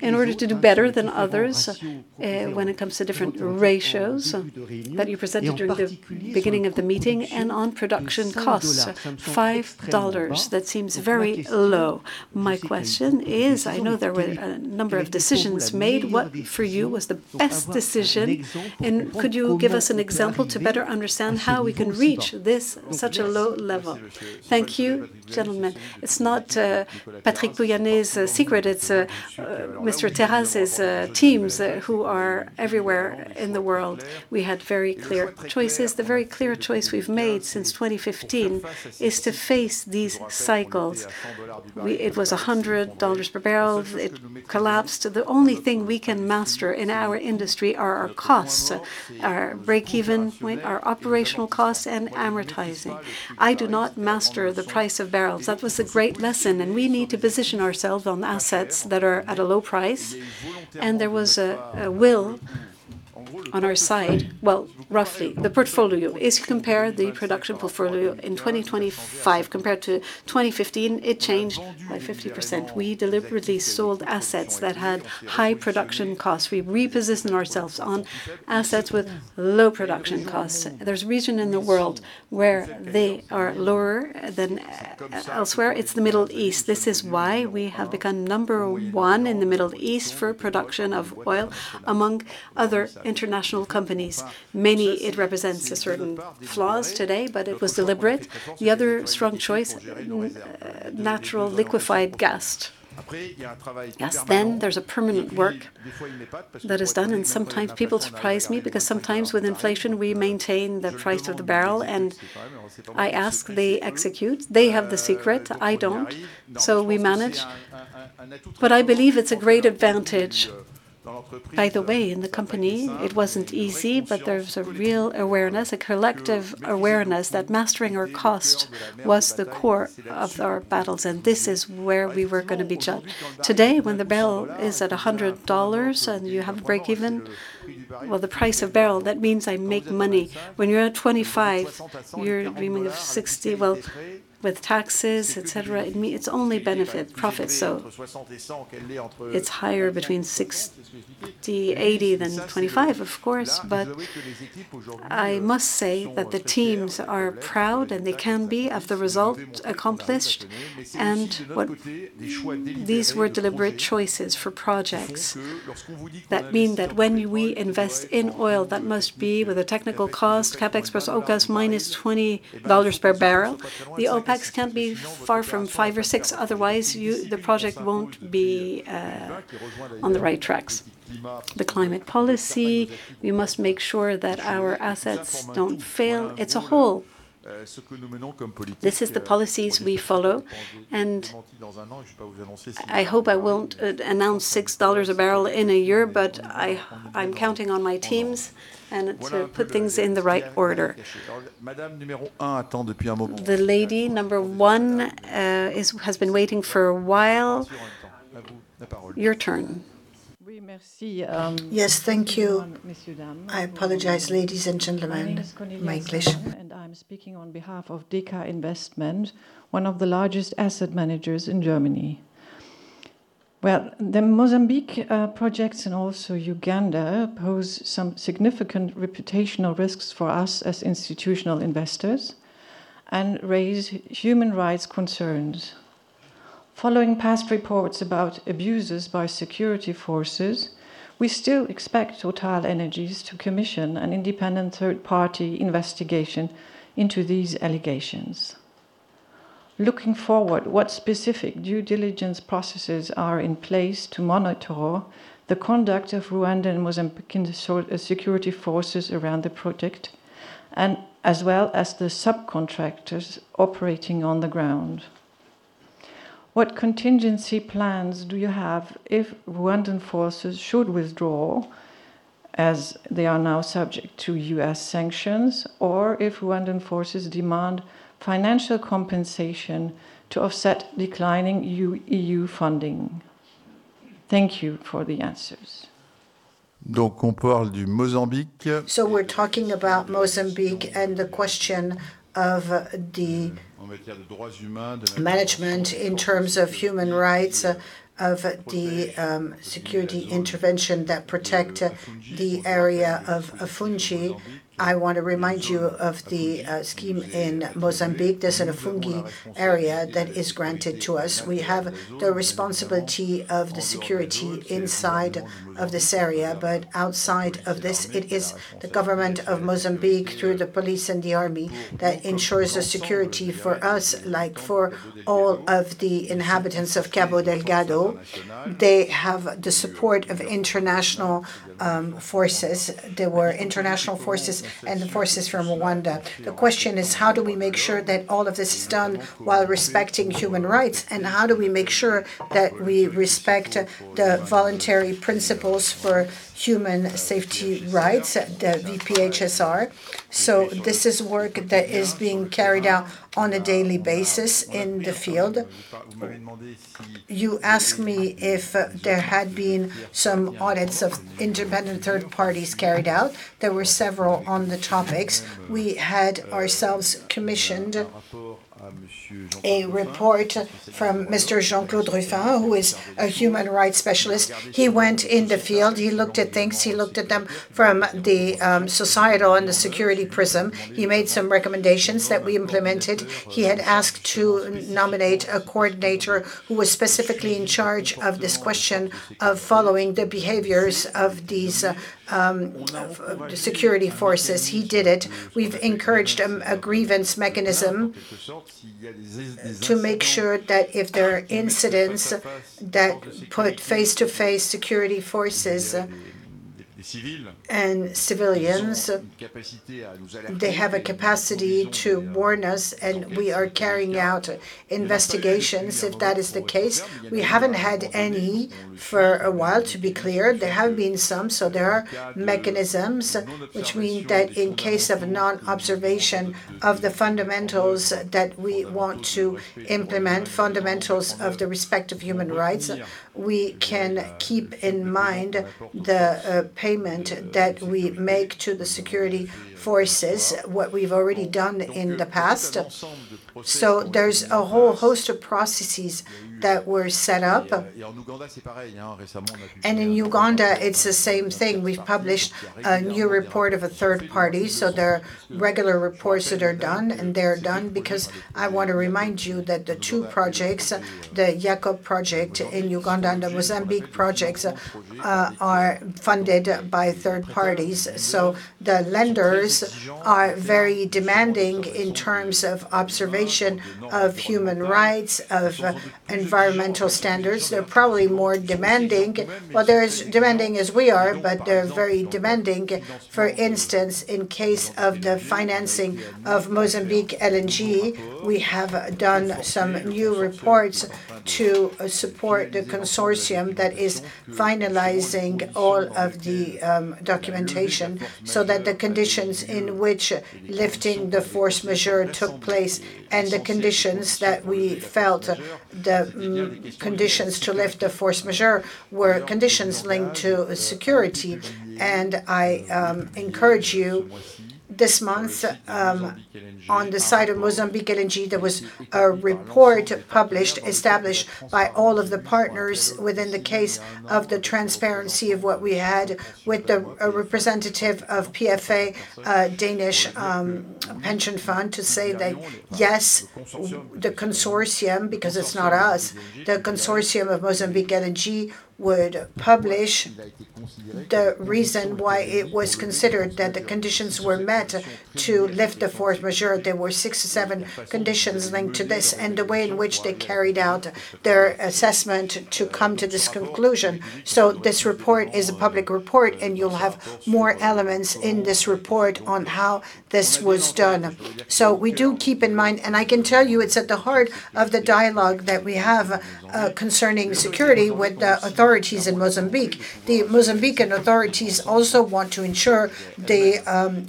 in order to do better than others, when it comes to different ratios that you presented during the beginning of the meeting and on production costs, $5, that seems very low. My question is, I know there were a number of decisions made. What, for you, was the best decision? Could you give us an example to better understand how we can reach this such a low level? Thank you. Gentlemen. It's not Patrick Pouyanné's secret. It's Mr. Terraz's teams who are everywhere in the world. We had very clear choices. The very clear choice we've made since 2015 is to face these cycles. It was $100 per barrel. It collapsed. The only thing we can master in our industry are our costs, our break-even point, our operational costs and amortizing. I do not master the price of barrels. That was a great lesson. We need to position ourselves on assets that are at a low price. There was a will on our side. Well, roughly the portfolio is compared the production portfolio in 2025 compared to 2015, it changed by 50%. We deliberately sold assets that had high production costs. We repositioned ourselves on assets with low production costs. There's a region in the world where they are lower than elsewhere. It's the Middle East. This is why we have become number one in the Middle East for production of oil among other international companies. It represents a certain flaws today, but it was deliberate. The other strong choice, natural liquefied gas. There's a permanent work that is done, and sometimes people surprise me, because sometimes with inflation we maintain the price of the barrel, and I ask, they execute. They have the secret, I don't. We manage. I believe it's a great advantage, by the way, in the company, it wasn't easy, but there's a real awareness, a collective awareness that mastering our cost was the core of our battles. This is where we were going to be judged. Today, when the barrel is at EUR 100 and you have a break-even, well, the price of barrel, that means I make money. When you're at 25, you're dreaming of 60. Well, with taxes, et cetera, it's only benefit profit. It's higher between 60-80 than 25, of course. I must say that the teams are proud, and they can be of the result accomplished. These were deliberate choices for projects that mean that when we invest in oil, that must be with a technical cost, CapEx plus OpEx minus $20 per barrel. The OpEx can't be far from five or six, otherwise the project won't be on the right tracks. The climate policy, we must make sure that our assets don't fail. It's a whole. This is the policies we follow, and I hope I won't announce $6 a barrel in a year, but I'm counting on my teams to put things in the right order. The lady number one has been waiting for a while. Your turn. Yes. Thank you. I apologize, ladies and gentlemen, my English. My name is Cornelia Schmid and I'm speaking on behalf of Deka Investment, one of the largest asset managers in Germany. Well, the Mozambique projects and also Uganda pose some significant reputational risks for us as institutional investors and raise human rights concerns. Following past reports about abuses by security forces, we still expect TotalEnergies to commission an independent third party investigation into these allegations. Looking forward, what specific due diligence processes are in place to monitor the conduct of Rwandan, Mozambican security forces around the project and as well as the subcontractors operating on the ground? What contingency plans do you have if Rwandan forces should withdraw as they are now subject to U.S. sanctions, or if Rwandan forces demand financial compensation to offset declining EU funding? Thank you for the answers. We're talking about Mozambique and the question of the management in terms of human rights of the security intervention that protect the area of Afungi. I want to remind you of the scheme in Mozambique. There's an Afungi area that is granted to us. We have the responsibility of the security inside of this area, but outside of this it is the government of Mozambique through the police and the army that ensures the security for us like for all of the inhabitants of Cabo Delgado. They have the support of international forces. There were international forces and the forces from Rwanda. The question is how do we make sure that all of this is done while respecting human rights and how do we make sure that we respect the Voluntary Principles for Human Safety Voluntary Rights, the VPSHR? This is work that is being carried out on a daily basis in the field. You asked me if there had been some audits of independent third parties carried out. There were several on the topics. We had ourselves commissioned a report from Mr. Jean-Christophe Rufin, who is a Human Rights Specialist. He went in the field, he looked at things, he looked at them from the societal and the security prism. He made some recommendations that we implemented. He had asked to nominate a coordinator who was specifically in charge of this question of following the behaviors of these security forces. He did it. We've encouraged a grievance mechanism to make sure that if there are incidents that put face-to-face security forces. Civilians, they have a capacity to warn us, and we are carrying out investigations if that is the case. We haven't had any for a while, to be clear. There have been some, there are mechanisms which mean that in case of non-observation of the fundamentals that we want to implement, fundamentals of the respect of human rights, we can keep in mind the payment that we make to the security forces, what we've already done in the past. There's a whole host of processes that were set up. In Uganda it's the same thing. We've published a new report of a third party, there are regular reports that are done, and they're done because I want to remind you that the two projects, the EACOP project in Uganda and the Mozambique projects, are funded by third parties. The lenders are very demanding in terms of observation of human rights, of environmental standards. They're probably more demanding, well, they're as demanding as we are, but they're very demanding. For instance, in case of the financing of Mozambique LNG, we have done some new reports to support the consortium that is finalizing all of the documentation, so that the conditions in which lifting the force majeure took place and the conditions that we felt the conditions to lift the force majeure were conditions linked to security. I encourage you this month, on the site of Mozambique LNG, there was a report published, established by all of the partners within the case of the transparency of what we had with the representative of PFA, a Danish pension fund, to say that yes, the consortium, because it's not us, the consortium of Mozambique LNG would publish the reason why it was considered that the conditions were met to lift the force majeure. There were six to seven conditions linked to this and the way in which they carried out their assessment to come to this conclusion. This report is a public report, and you'll have more elements in this report on how this was done. We do keep in mind, and I can tell you it's at the heart of the dialogue that we have concerning security with the authorities in Mozambique. The Mozambican authorities also want to ensure the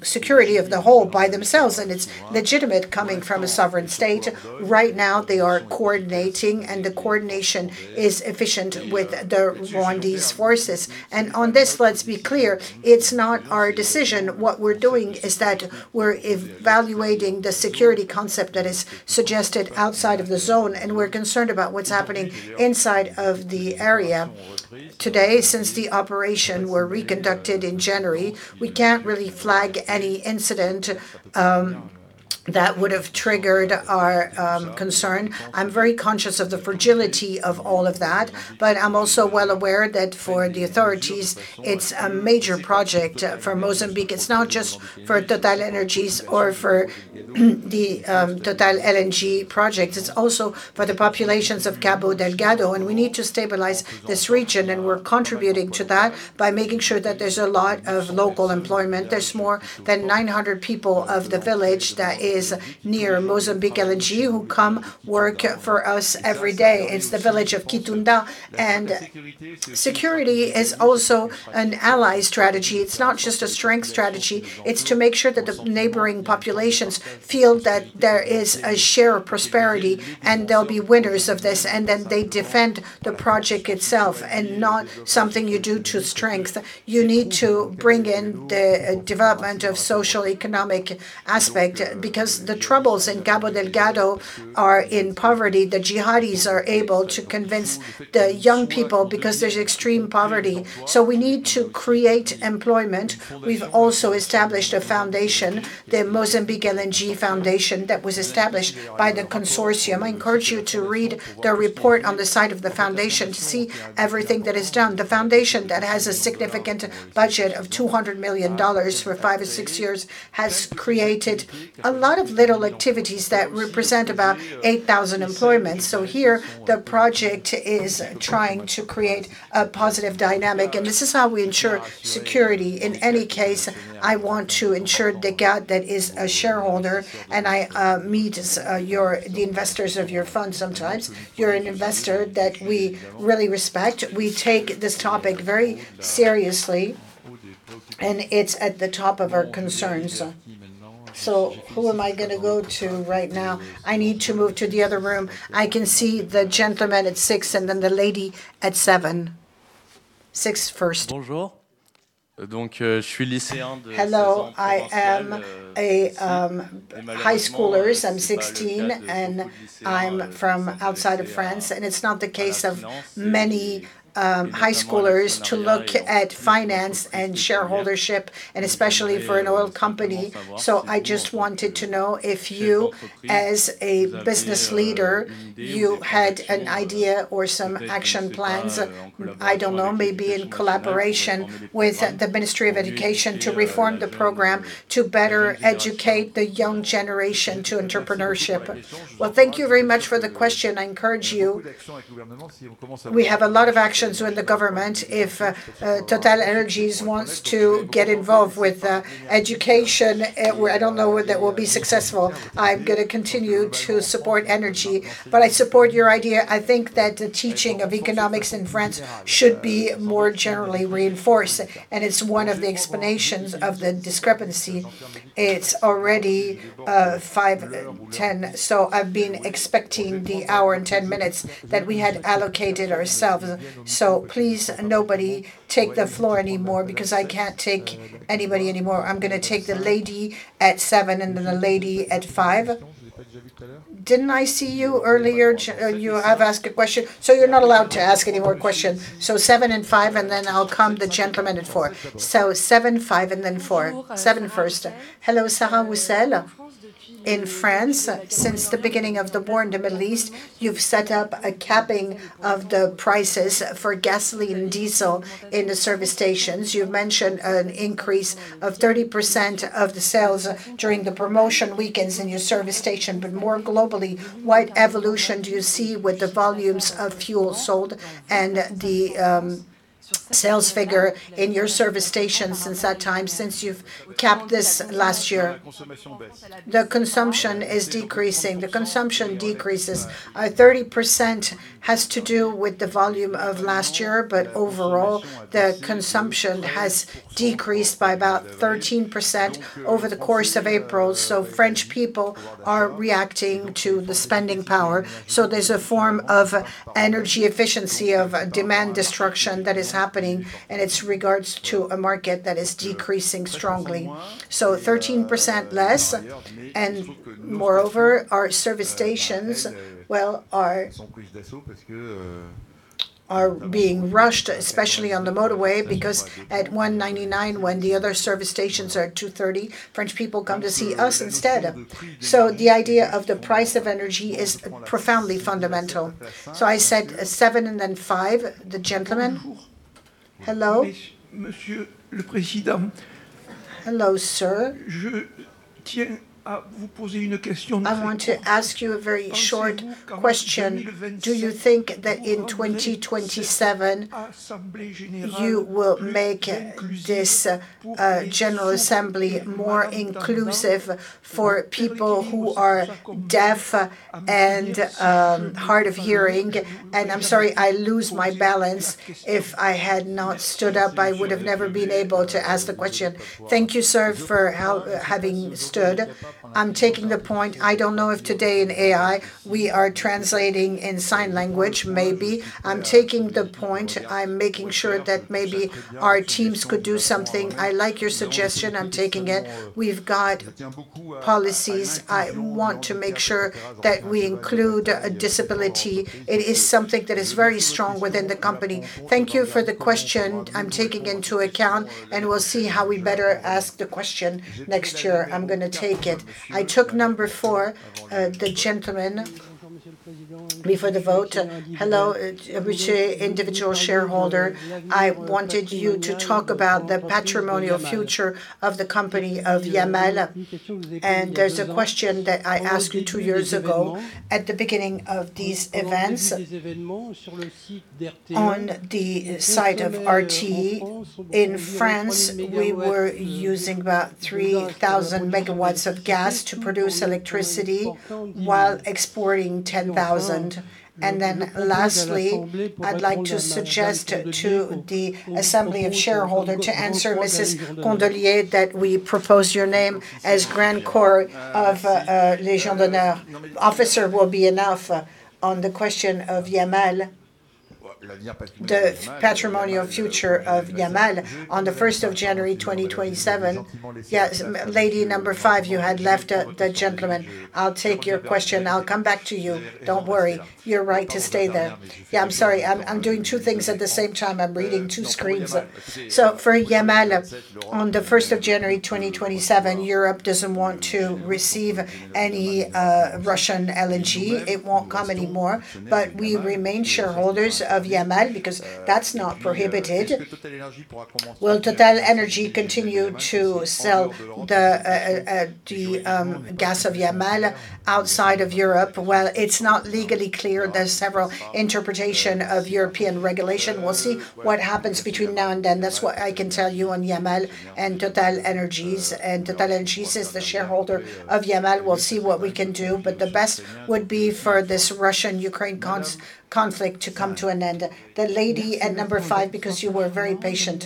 security of the whole by themselves, and it's legitimate coming from a sovereign state. Right now they are coordinating, and the coordination is efficient with the Rwandese forces. On this, let's be clear, it's not our decision. What we're doing is that we're evaluating the security concept that is suggested outside of the zone, and we're concerned about what's happening inside of the area. Today, since the operation were reconducted in January, we can't really flag any incident that would have triggered our concern. I'm very conscious of the fragility of all of that, but I'm also well aware that for the authorities, it's a major project for Mozambique. It's not just for TotalEnergies or for the Total LNG project, it's also for the populations of Cabo Delgado, and we need to stabilize this region, and we're contributing to that by making sure that there's a lot of local employment. There's more than 900 people of the village that is near Mozambique LNG who come work for us every day. It's the village of Quitunda. Security is also an ally strategy. It's not just a strength strategy. It's to make sure that the neighboring populations feel that there is a share of prosperity, and they'll be winners of this, and then they defend the project itself and not something you do to strength. You need to bring in the development of social, economic aspect because the troubles in Cabo Delgado are in poverty. The jihadis are able to convince the young people because there's extreme poverty. We need to create employment. We've also established a foundation, the Mozambique LNG Foundation, that was established by the consortium. I encourage you to read the report on the site of the foundation to see everything that is done. The foundation that has a significant budget of $200 million for five or six years, has created a lot of little activities that represent about 8,000 employments. Here, the project is trying to create a positive dynamic, and this is how we ensure security. In any case, I want to ensure the gap that is a shareholder and I meet the investors of your fund sometimes. You're an investor that we really respect. We take this topic very seriously, and it's at the top of our concerns. Who am I going to go to right now? I need to move to the other room. I can see the gentleman at six and then the lady at seven. Six first. I am a high schooler. I am 16, I am from outside of France, it is not the case of many high schoolers to look at finance and share ownership, especially for an oil company. I just wanted to know if you, as a business leader, you had an idea or some action plans, I do not know, maybe in collaboration with the Ministry of Education to reform the program to better educate the young generation to entrepreneurship. Well, thank you very much for the question. I encourage you. We have a lot of actions with the government. If TotalEnergies wants to get involved with education, I do not know whether it will be successful. I am going to continue to support energy, I support your idea. I think that the teaching of economics in France should be more generally reinforced, and it's one of the explanations of the discrepancy. It's already 5:10. I've been expecting the hour and 10 minutes that we had allocated ourselves. Please, nobody take the floor anymore because I can't take anybody anymore. I'm going to take the lady at seven and then the lady at five. Didn't I see you earlier? You have asked a question, so you're not allowed to ask any more questions. Seven and five, and then I'll come to the gentleman at four. Seven, five, and then four. Seven first. Hello. Sarah Roussel. In France, since the beginning of the war in the Middle East, you've set up a capping of the prices for gasoline and diesel in the service stations. You've mentioned an increase of 30% of the sales during the promotion weekends in your service station. More globally, what evolution do you see with the volumes of fuel sold and the sales figure in your service stations since that time, since you've capped this last year? The consumption is decreasing. The consumption decreases. 30% has to do with the volume of last year, but overall, the consumption has decreased by about 13% over the course of April. French people are reacting to the spending power. There's a form of energy efficiency, of demand destruction that is happening, and it's regards to a market that is decreasing strongly. 13% less, and moreover, our service stations, well, are being rushed, especially on the motorway because at 1.99 when the other service stations are at 2.30, French people come to see us instead. The idea of the price of energy is profoundly fundamental. I said seven and then five. The gentleman. Hello. Hello, sir. I want to ask you a very short question. Do you think that in 2027 you will make this general assembly more inclusive for people who are deaf and hard of hearing? I'm sorry, I lose my balance. If I had not stood up, I would have never been able to ask the question. Thank you, sir, for having stood. I'm taking the point. I don't know if today in AI we are translating in sign language. Maybe. I'm taking the point. I'm making sure that maybe our teams could do something. I like your suggestion. I'm taking it. We've got policies. I want to make sure that we include disability. It is something that is very strong within the company. Thank you for the question. I'm taking into account and we'll see how we better ask the question next year. I'm going to take it. I took number four, the gentleman. Before the vote. Hello. Richard, individual shareholder. I wanted you to talk about the patrimonial future of the company of Yamal. There's a question that I asked you two years ago at the beginning of these events. On the site of RTE in France, we were using about 3,000 MW of gas to produce electricity while exporting 10,000. Lastly, I'd like to suggest to the assembly of shareholder to answer Mrs. Pondelier that we propose your name as Grand Cross of Légion d'honneur. Officer will be enough on the question of Yamal. The patrimonial future of Yamal on the 1st of January, 2027. Yes, lady number five, you had left the gentleman. I'll take your question. I'll come back to you. Don't worry. You're right to stay there. Yeah, I'm sorry. I'm doing two things at the same time. I'm reading two screens. For Yamal, on the 1st of January, 2027, Europe doesn't want to receive any Russian LNG. It won't come anymore. We remain shareholders of Yamal because that's not prohibited. Will TotalEnergies continue to sell the gas of Yamal outside of Europe? Well, it's not legally clear. There's several interpretation of European regulation. We'll see what happens between now and then. That's what I can tell you on Yamal and TotalEnergies. TotalEnergies is the shareholder of Yamal. We'll see what we can do, the best would be for this Russian-Ukraine conflict to come to an end. The lady at number 5, because you were very patient.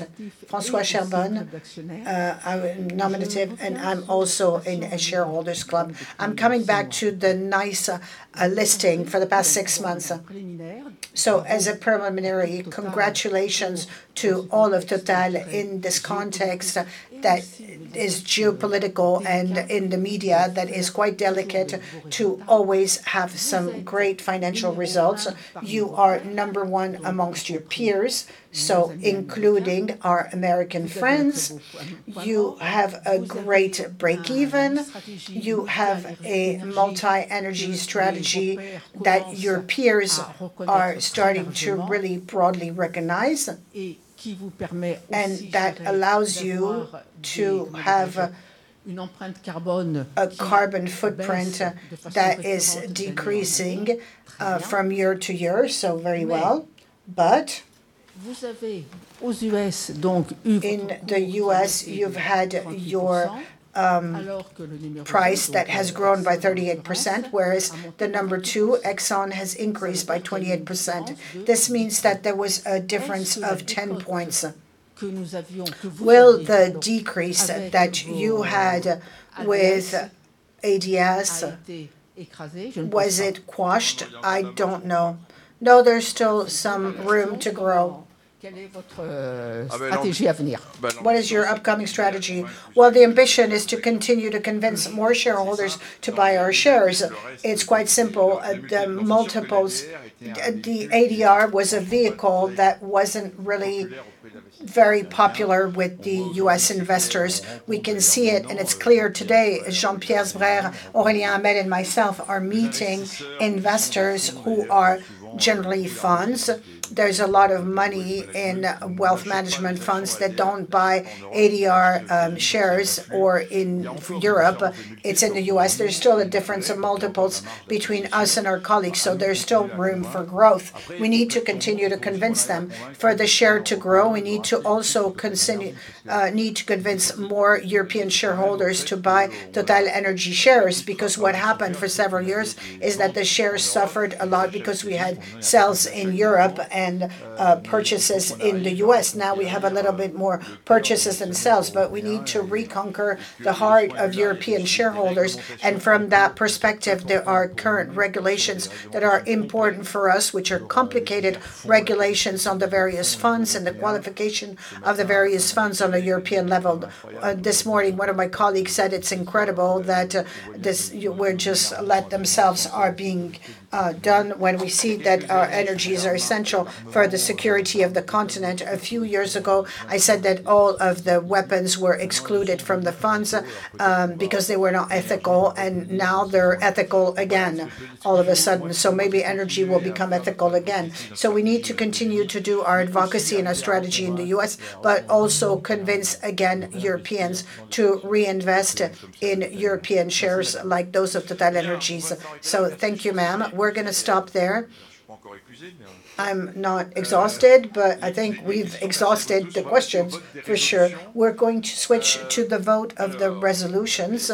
Françoise Charbonne, nominative, and I'm also in a shareholders club. I'm coming back to the nice listing for the past six months. As a preliminary, congratulations to all of Total in this context that is geopolitical and in the media, that is quite delicate to always have some great financial results. You are number one amongst your peers. Including our American friends, you have a great break even, you have a multi-energy strategy that your peers are starting to really broadly recognize. That allows you to have a carbon footprint that is decreasing from year-to-year, so very well. In the U.S., you've had your price that has grown by 38%, whereas the number two, Exxon, has increased by 28%. This means that there was a difference of 10 points. Will the decrease that you had with ADS, was it quashed? I don't know. There's still some room to grow. What is your upcoming strategy? The ambition is to continue to convince more shareholders to buy our shares. It's quite simple. The ADR was a vehicle that wasn't really very popular with the U.S. investors. We can see it and it's clear today, Jean-Pierre Sbraire, Aurélien Hamelle, and myself are meeting investors who are generally funds. There's a lot of money in wealth management funds that don't buy ADR shares, or in Europe. It's in the U.S. There's still a difference in multiples between us and our colleagues, so there's still room for growth. We need to continue to convince them. For the share to grow, we need to convince more European shareholders to buy TotalEnergies shares, because what happened for several years is that the shares suffered a lot because we had sells in Europe and purchases in the U.S. Now we have a little bit more purchases than sells, but we need to reconquer the heart of European shareholders. From that perspective, there are current regulations that are important for us, which are complicated regulations on the various funds and the qualification of the various funds on a European level. This morning, one of my colleagues said it's incredible that just let themselves be done when we see that our energies are essential for the security of the continent. A few years ago, I said that all of the weapons were excluded from the funds, because they were not ethical, and now they're ethical again all of a sudden. Maybe energy will become ethical again. We need to continue to do our advocacy and our strategy in the U.S., but also convince again Europeans to reinvest in European shares like those of TotalEnergies. Thank you, ma'am. We're going to stop there. I'm not exhausted, but I think we've exhausted the questions for sure. We're going to switch to the vote of the resolutions.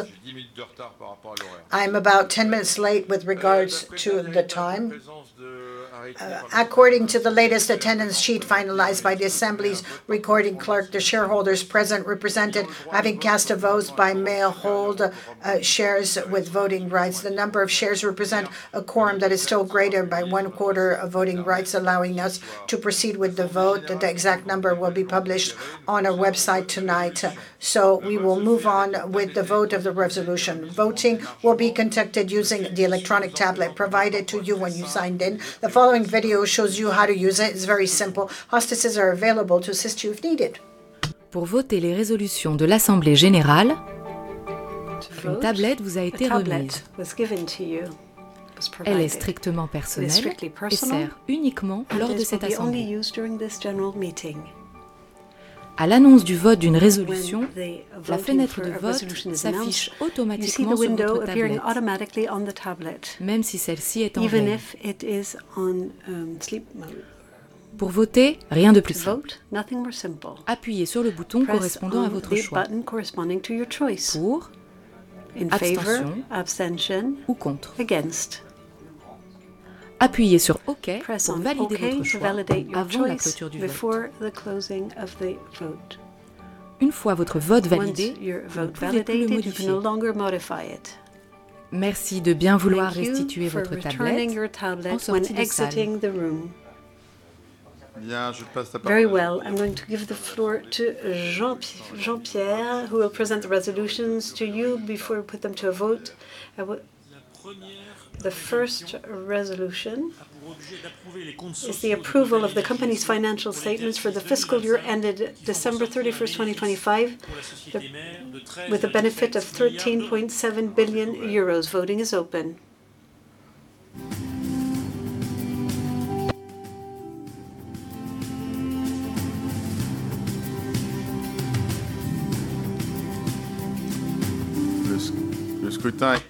I'm about 10 minutes late with regards to the time. According to the latest attendance sheet finalized by the assembly's recording clerk, the shareholders present represented having cast of votes by mail hold shares with voting rights. The number of shares represent a quorum that is still greater by one quarter of voting rights, allowing us to proceed with the vote. The exact number will be published on our website tonight. We will move on with the vote of the resolution. Voting will be conducted using the electronic tablet provided to you when you signed in. The following video shows you how to use it. It's very simple. Hostesses are available to assist you if needed. To vote, a tablet was given to you. It is strictly personal and is only used during this general meeting. When the voting for a resolution is announced, you see the window appearing automatically on the tablet, even if it is on sleep mode. To vote, nothing more simple. Press the button corresponding to your choice. For, in favor. Abstention. Against. Press on OK to validate your choice before the closing of the vote. Once your vote validated, you can no longer modify it. Thank you for returning your tablet when exiting the room. Very well. I'm going to give the floor to Jean-Pierre, who will present the resolutions to you before we put them to a vote. The first resolution is the approval of the company's financial statements for the fiscal year ended December 31st, 2025 with a benefit of 13.7 billion euros. Voting is open.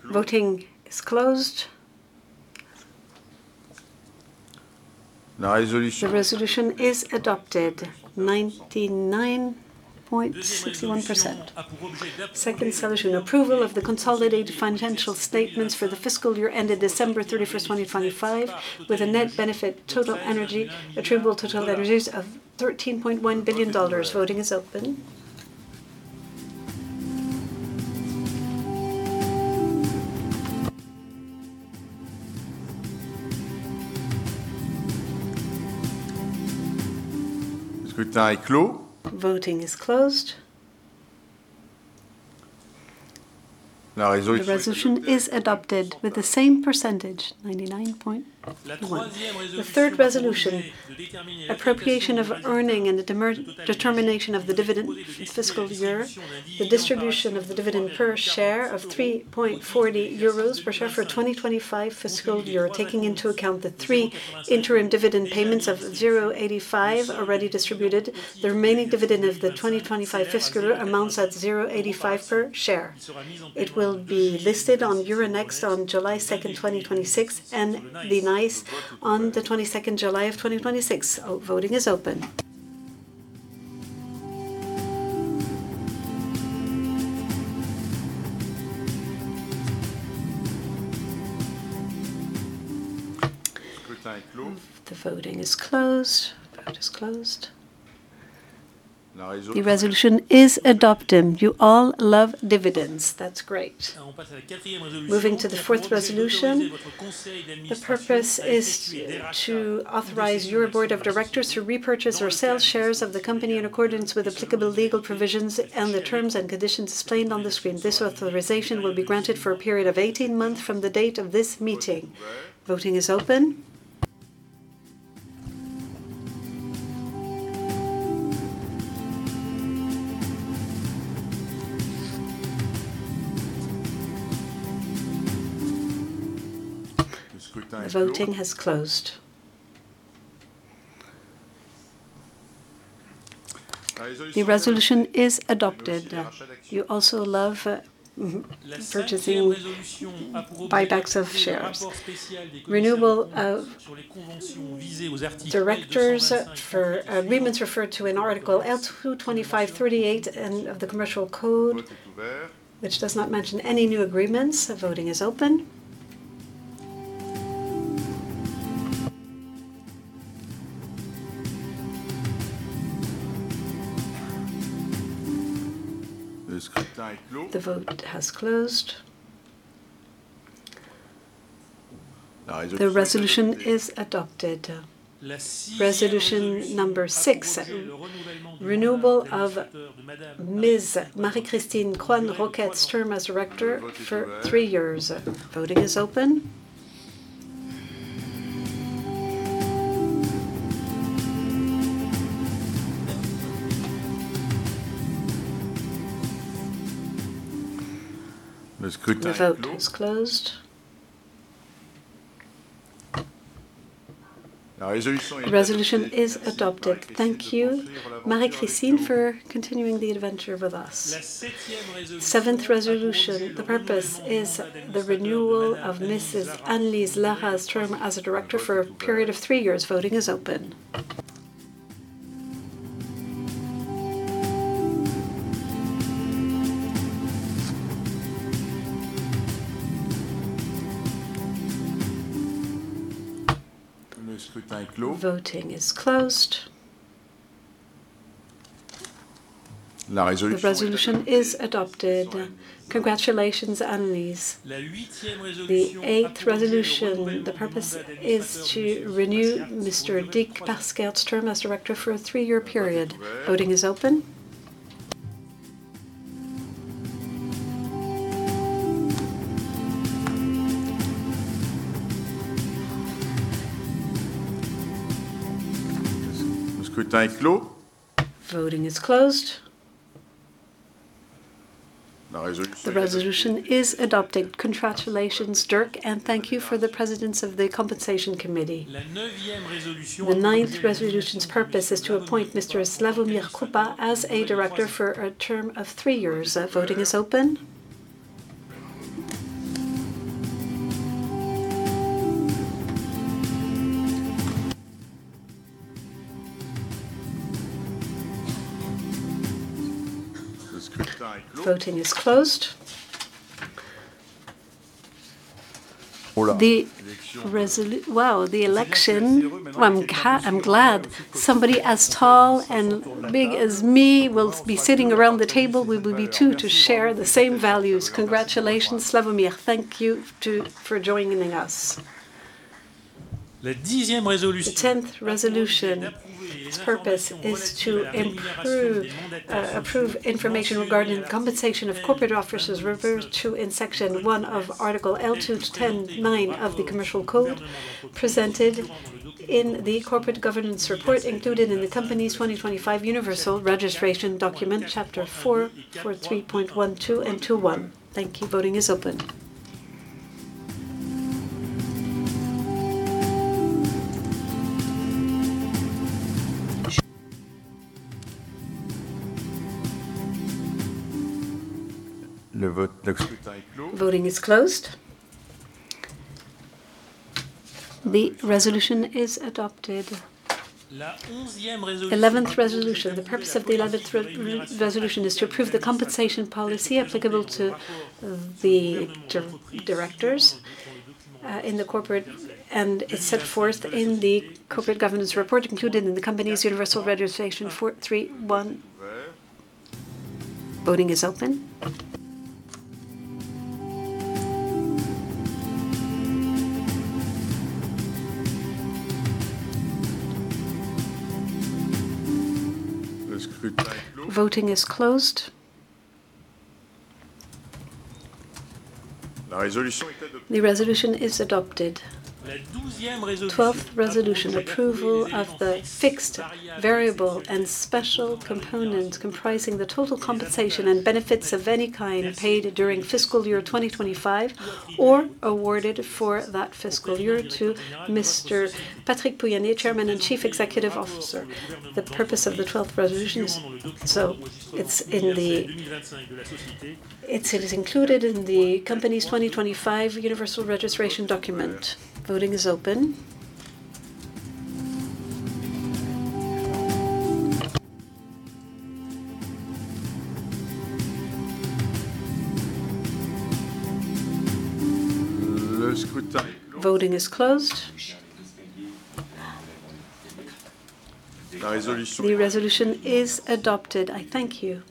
Voting is closed. The resolution is adopted, 99.61%. Second resolution, approval of the consolidated financial statements for the fiscal year ended December 31st, 2025 with a net benefit attributable to TotalEnergies of $13.1 billion. Voting is open The scrutiny is closed. Voting is closed. The resolution is adopted with the same percentage, 99.1. The third resolution, appropriation of earnings and the determination of the dividend fiscal year, the distribution of the dividend per share of 3.40 euros per share for 2025 fiscal year. Taking into account the three interim dividend payments of 0.85 already distributed, the remaining dividend of the 2025 fiscal year amounts at 0.85 per share. It will be listed on Euronext on July 2nd, 2026, and the NYSE on the 22nd July of 2026. Voting is open. The voting is closed. Vote is closed. The resolution is adopted. You all love dividends. That's great. Moving to the fourth resolution. The purpose is to authorize your board of directors to repurchase or sell shares of the company in accordance with applicable legal provisions and the terms and conditions displayed on the screen. This authorization will be granted for a period of 18 months from the date of this meeting. Voting is open. The voting has closed. The resolution is adopted. You also love purchasing buybacks of shares. Renewal of directors for agreements referred to in Article L253-8 of the commercial code, which does not mention any new agreements. The voting is open. The vote has closed. The resolution is adopted. Resolution number six, renewal of Ms. Marie-Christine Coisne-Roquette's term as director for three years. Voting is open. The vote is closed. The resolution is adopted. Thank you, Marie-Christine, for continuing the adventure with us. Seventh resolution. The purpose is the renewal of Mrs. Anelise Lara's term as a director for a period of three years. Voting is open. Voting is closed. The resolution is adopted. Congratulations, Anelise. The eighth resolution, the purpose is to renew Mr. Dierk Paskert's term as director for a three-year period. Voting is open. Voting is closed. The resolution is adopted. Congratulations, Dierk, and thank you for the presidency of the Compensation Committee. The ninth resolution's purpose is to appoint Mr. Slawomir Krupa as a director for a term of three years. Voting is open. Voting is closed. Wow, the election. I'm glad somebody as tall and big as me will be sitting around the table. We will be two to share the same values. Congratulations, Slawomir. Thank you for joining us. The 10th resolution's purpose is to approve information regarding compensation of corporate officers referred to in section one of Article L210-9 of the Commercial Code, presented in the Corporate Governance Report included in the company's 2025 Universal Registration Document, Chapter 4 for 3.12 and 2 [1]. Thank you. Voting is open. The voting is closed. The resolution is adopted. 11th resolution. The purpose of the 11th resolution is to approve the compensation policy applicable to the directors, and it is set forth in the corporate governance report included in the company's universal registration 431. Voting is open. Voting is closed. The resolution is adopted. Twelfth resolution, approval of the fixed, variable, and special components comprising the total compensation and benefits of any kind paid during fiscal year 2025, or awarded for that fiscal year to Mr. Patrick Pouyanné, Chairman and Chief Executive Officer. The purpose of the 12th resolution is included in the company's 2025 universal registration document. Voting is open. Voting is closed. The resolution is adopted. I thank you.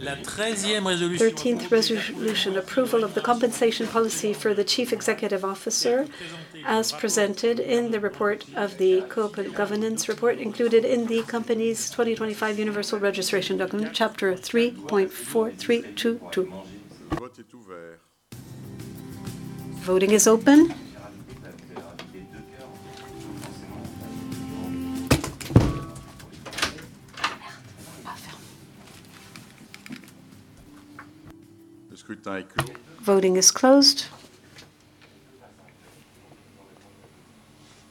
Thirteenth resolution, approval of the compensation policy for the Chief Executive Officer, as presented in the report of the corporate governance report included in the company's 2025 Universal Registration Document, chapter 3.4322. Voting is open. Voting is closed.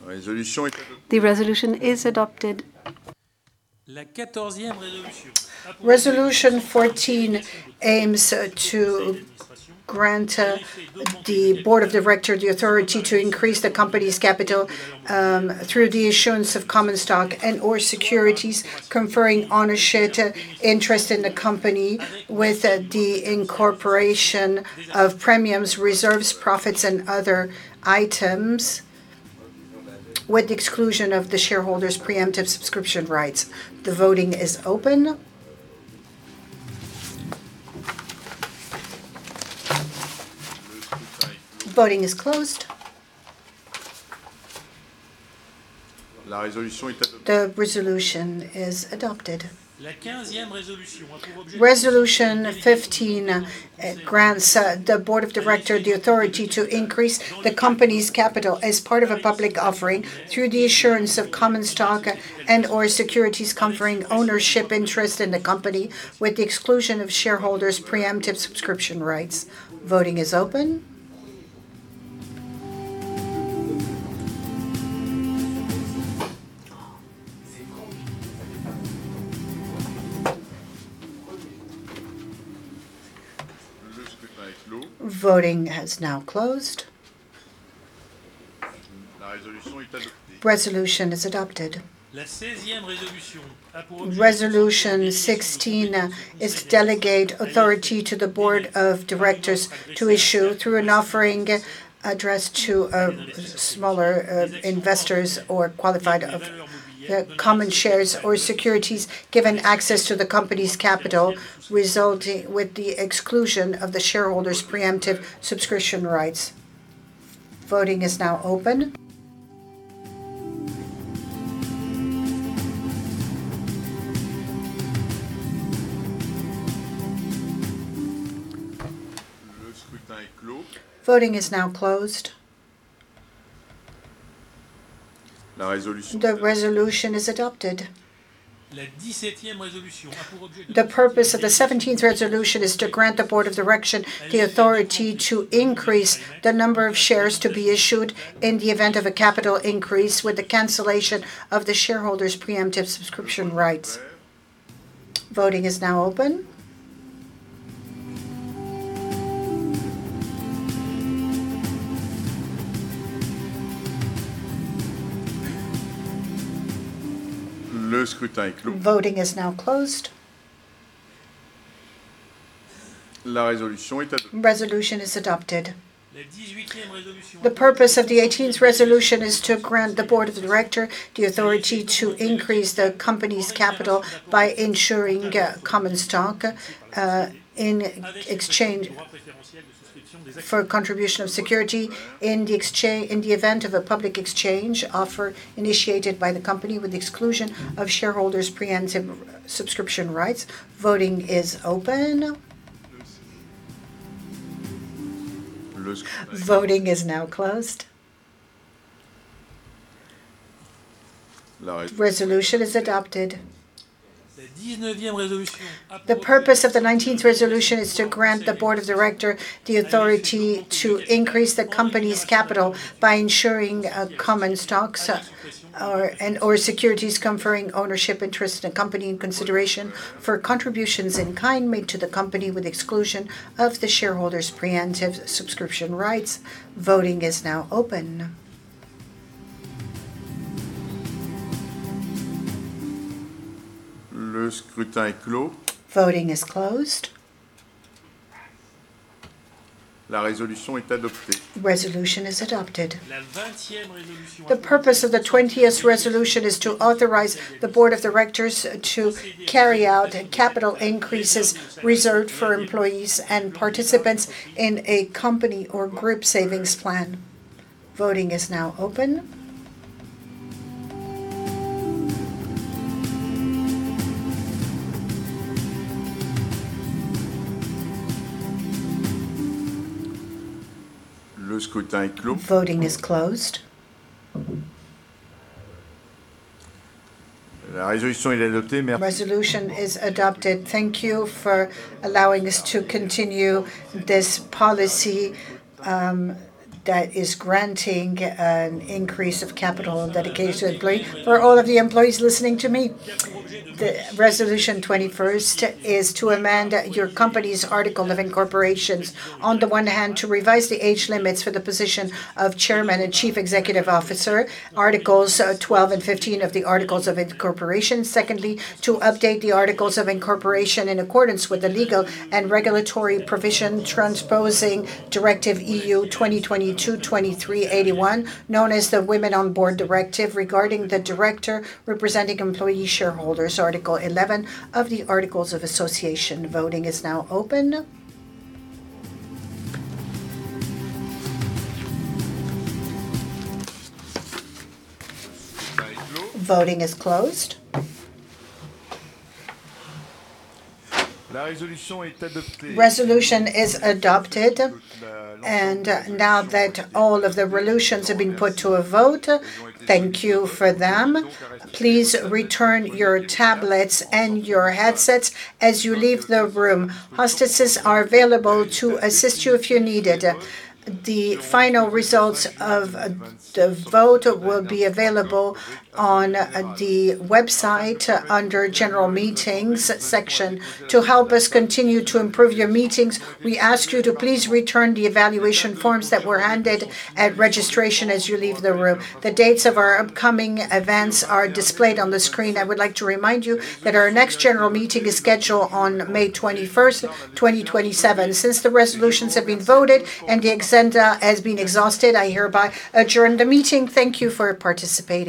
The resolution is adopted. Resolution 14 aims to grant the Board of Directors the authority to increase the company's capital through the issuance of common stock and/or securities conferring ownership interest in the company with the incorporation of premiums, reserves, profits, and other items, with the exclusion of the shareholders' preemptive subscription rights. The voting is open. Voting is closed. The resolution is adopted. Resolution 15 grants the Board of Directors the authority to increase the company's capital as part of a public offering through the issuance of common stock and/or securities conferring ownership interest in the company, with the exclusion of shareholders' preemptive subscription rights. Voting is open. Voting has now closed. Resolution is adopted. Resolution 16 is to delegate authority to the Board of Directors to issue, through an offering addressed to smaller investors or qualified, the common shares or securities given access to the company's capital, with the exclusion of the shareholders' preemptive subscription rights. Voting is now open. Voting is now closed. The resolution is adopted. The purpose of the 17th resolution is to grant the Board of Directors the authority to increase the number of shares to be issued in the event of a capital increase with the cancellation of the shareholders' preemptive subscription rights. Voting is now open. Voting is now closed. Resolution is adopted. The purpose of the 18th resolution is to grant the Board of Directors the authority to increase the company's capital by issuing common stock in exchange for contribution of security in the event of a public exchange offer initiated by the company with exclusion of shareholders' preemptive subscription rights. Voting is open. Voting is now closed. Resolution is adopted. The purpose of the 19th resolution is to grant the board of directors the authority to increase the company's capital by issuing common stocks and/or securities conferring ownership interest in a company in consideration for contributions in kind made to the company with exclusion of the shareholders' preemptive subscription rights. Voting is now open. Voting is closed. The resolution is adopted. The purpose of the 20th resolution is to authorize the Board of Directors to carry out capital increases reserved for employees and participants in a company or group savings plan. Voting is now open. Voting is closed. Resolution is adopted. Thank you for allowing us to continue this policy that is granting an increase of capital dedicatedly. For all of the employees listening to me, the resolution 21st is to amend your company's articles of incorporation, on the one hand, to revise the age limits for the position of Chairman and Chief Executive Officer, Articles 12 and 15 of the articles of incorporation. Secondly, to update the articles of incorporation in accordance with the legal and regulatory provision transposing Directive EU 2022/2381, known as the Women on Boards Directive, regarding the director representing employee shareholders, article 11 of the articles of association. Voting is now open. Voting is closed. Resolution is adopted. Now that all of the resolutions have been put to a vote, thank you for them. Please return your tablets and your headsets as you leave the room. Hostesses are available to assist you if you need it. The final results of the vote will be available on the website under General Meetings section. To help us continue to improve your meetings, we ask you to please return the evaluation forms that were handed at registration as you leave the room. The dates of our upcoming events are displayed on the screen. I would like to remind you that our next general meeting is scheduled on May 21st, 2027. The resolutions have been voted and the agenda has been exhausted, I hereby adjourn the meeting. Thank you for participating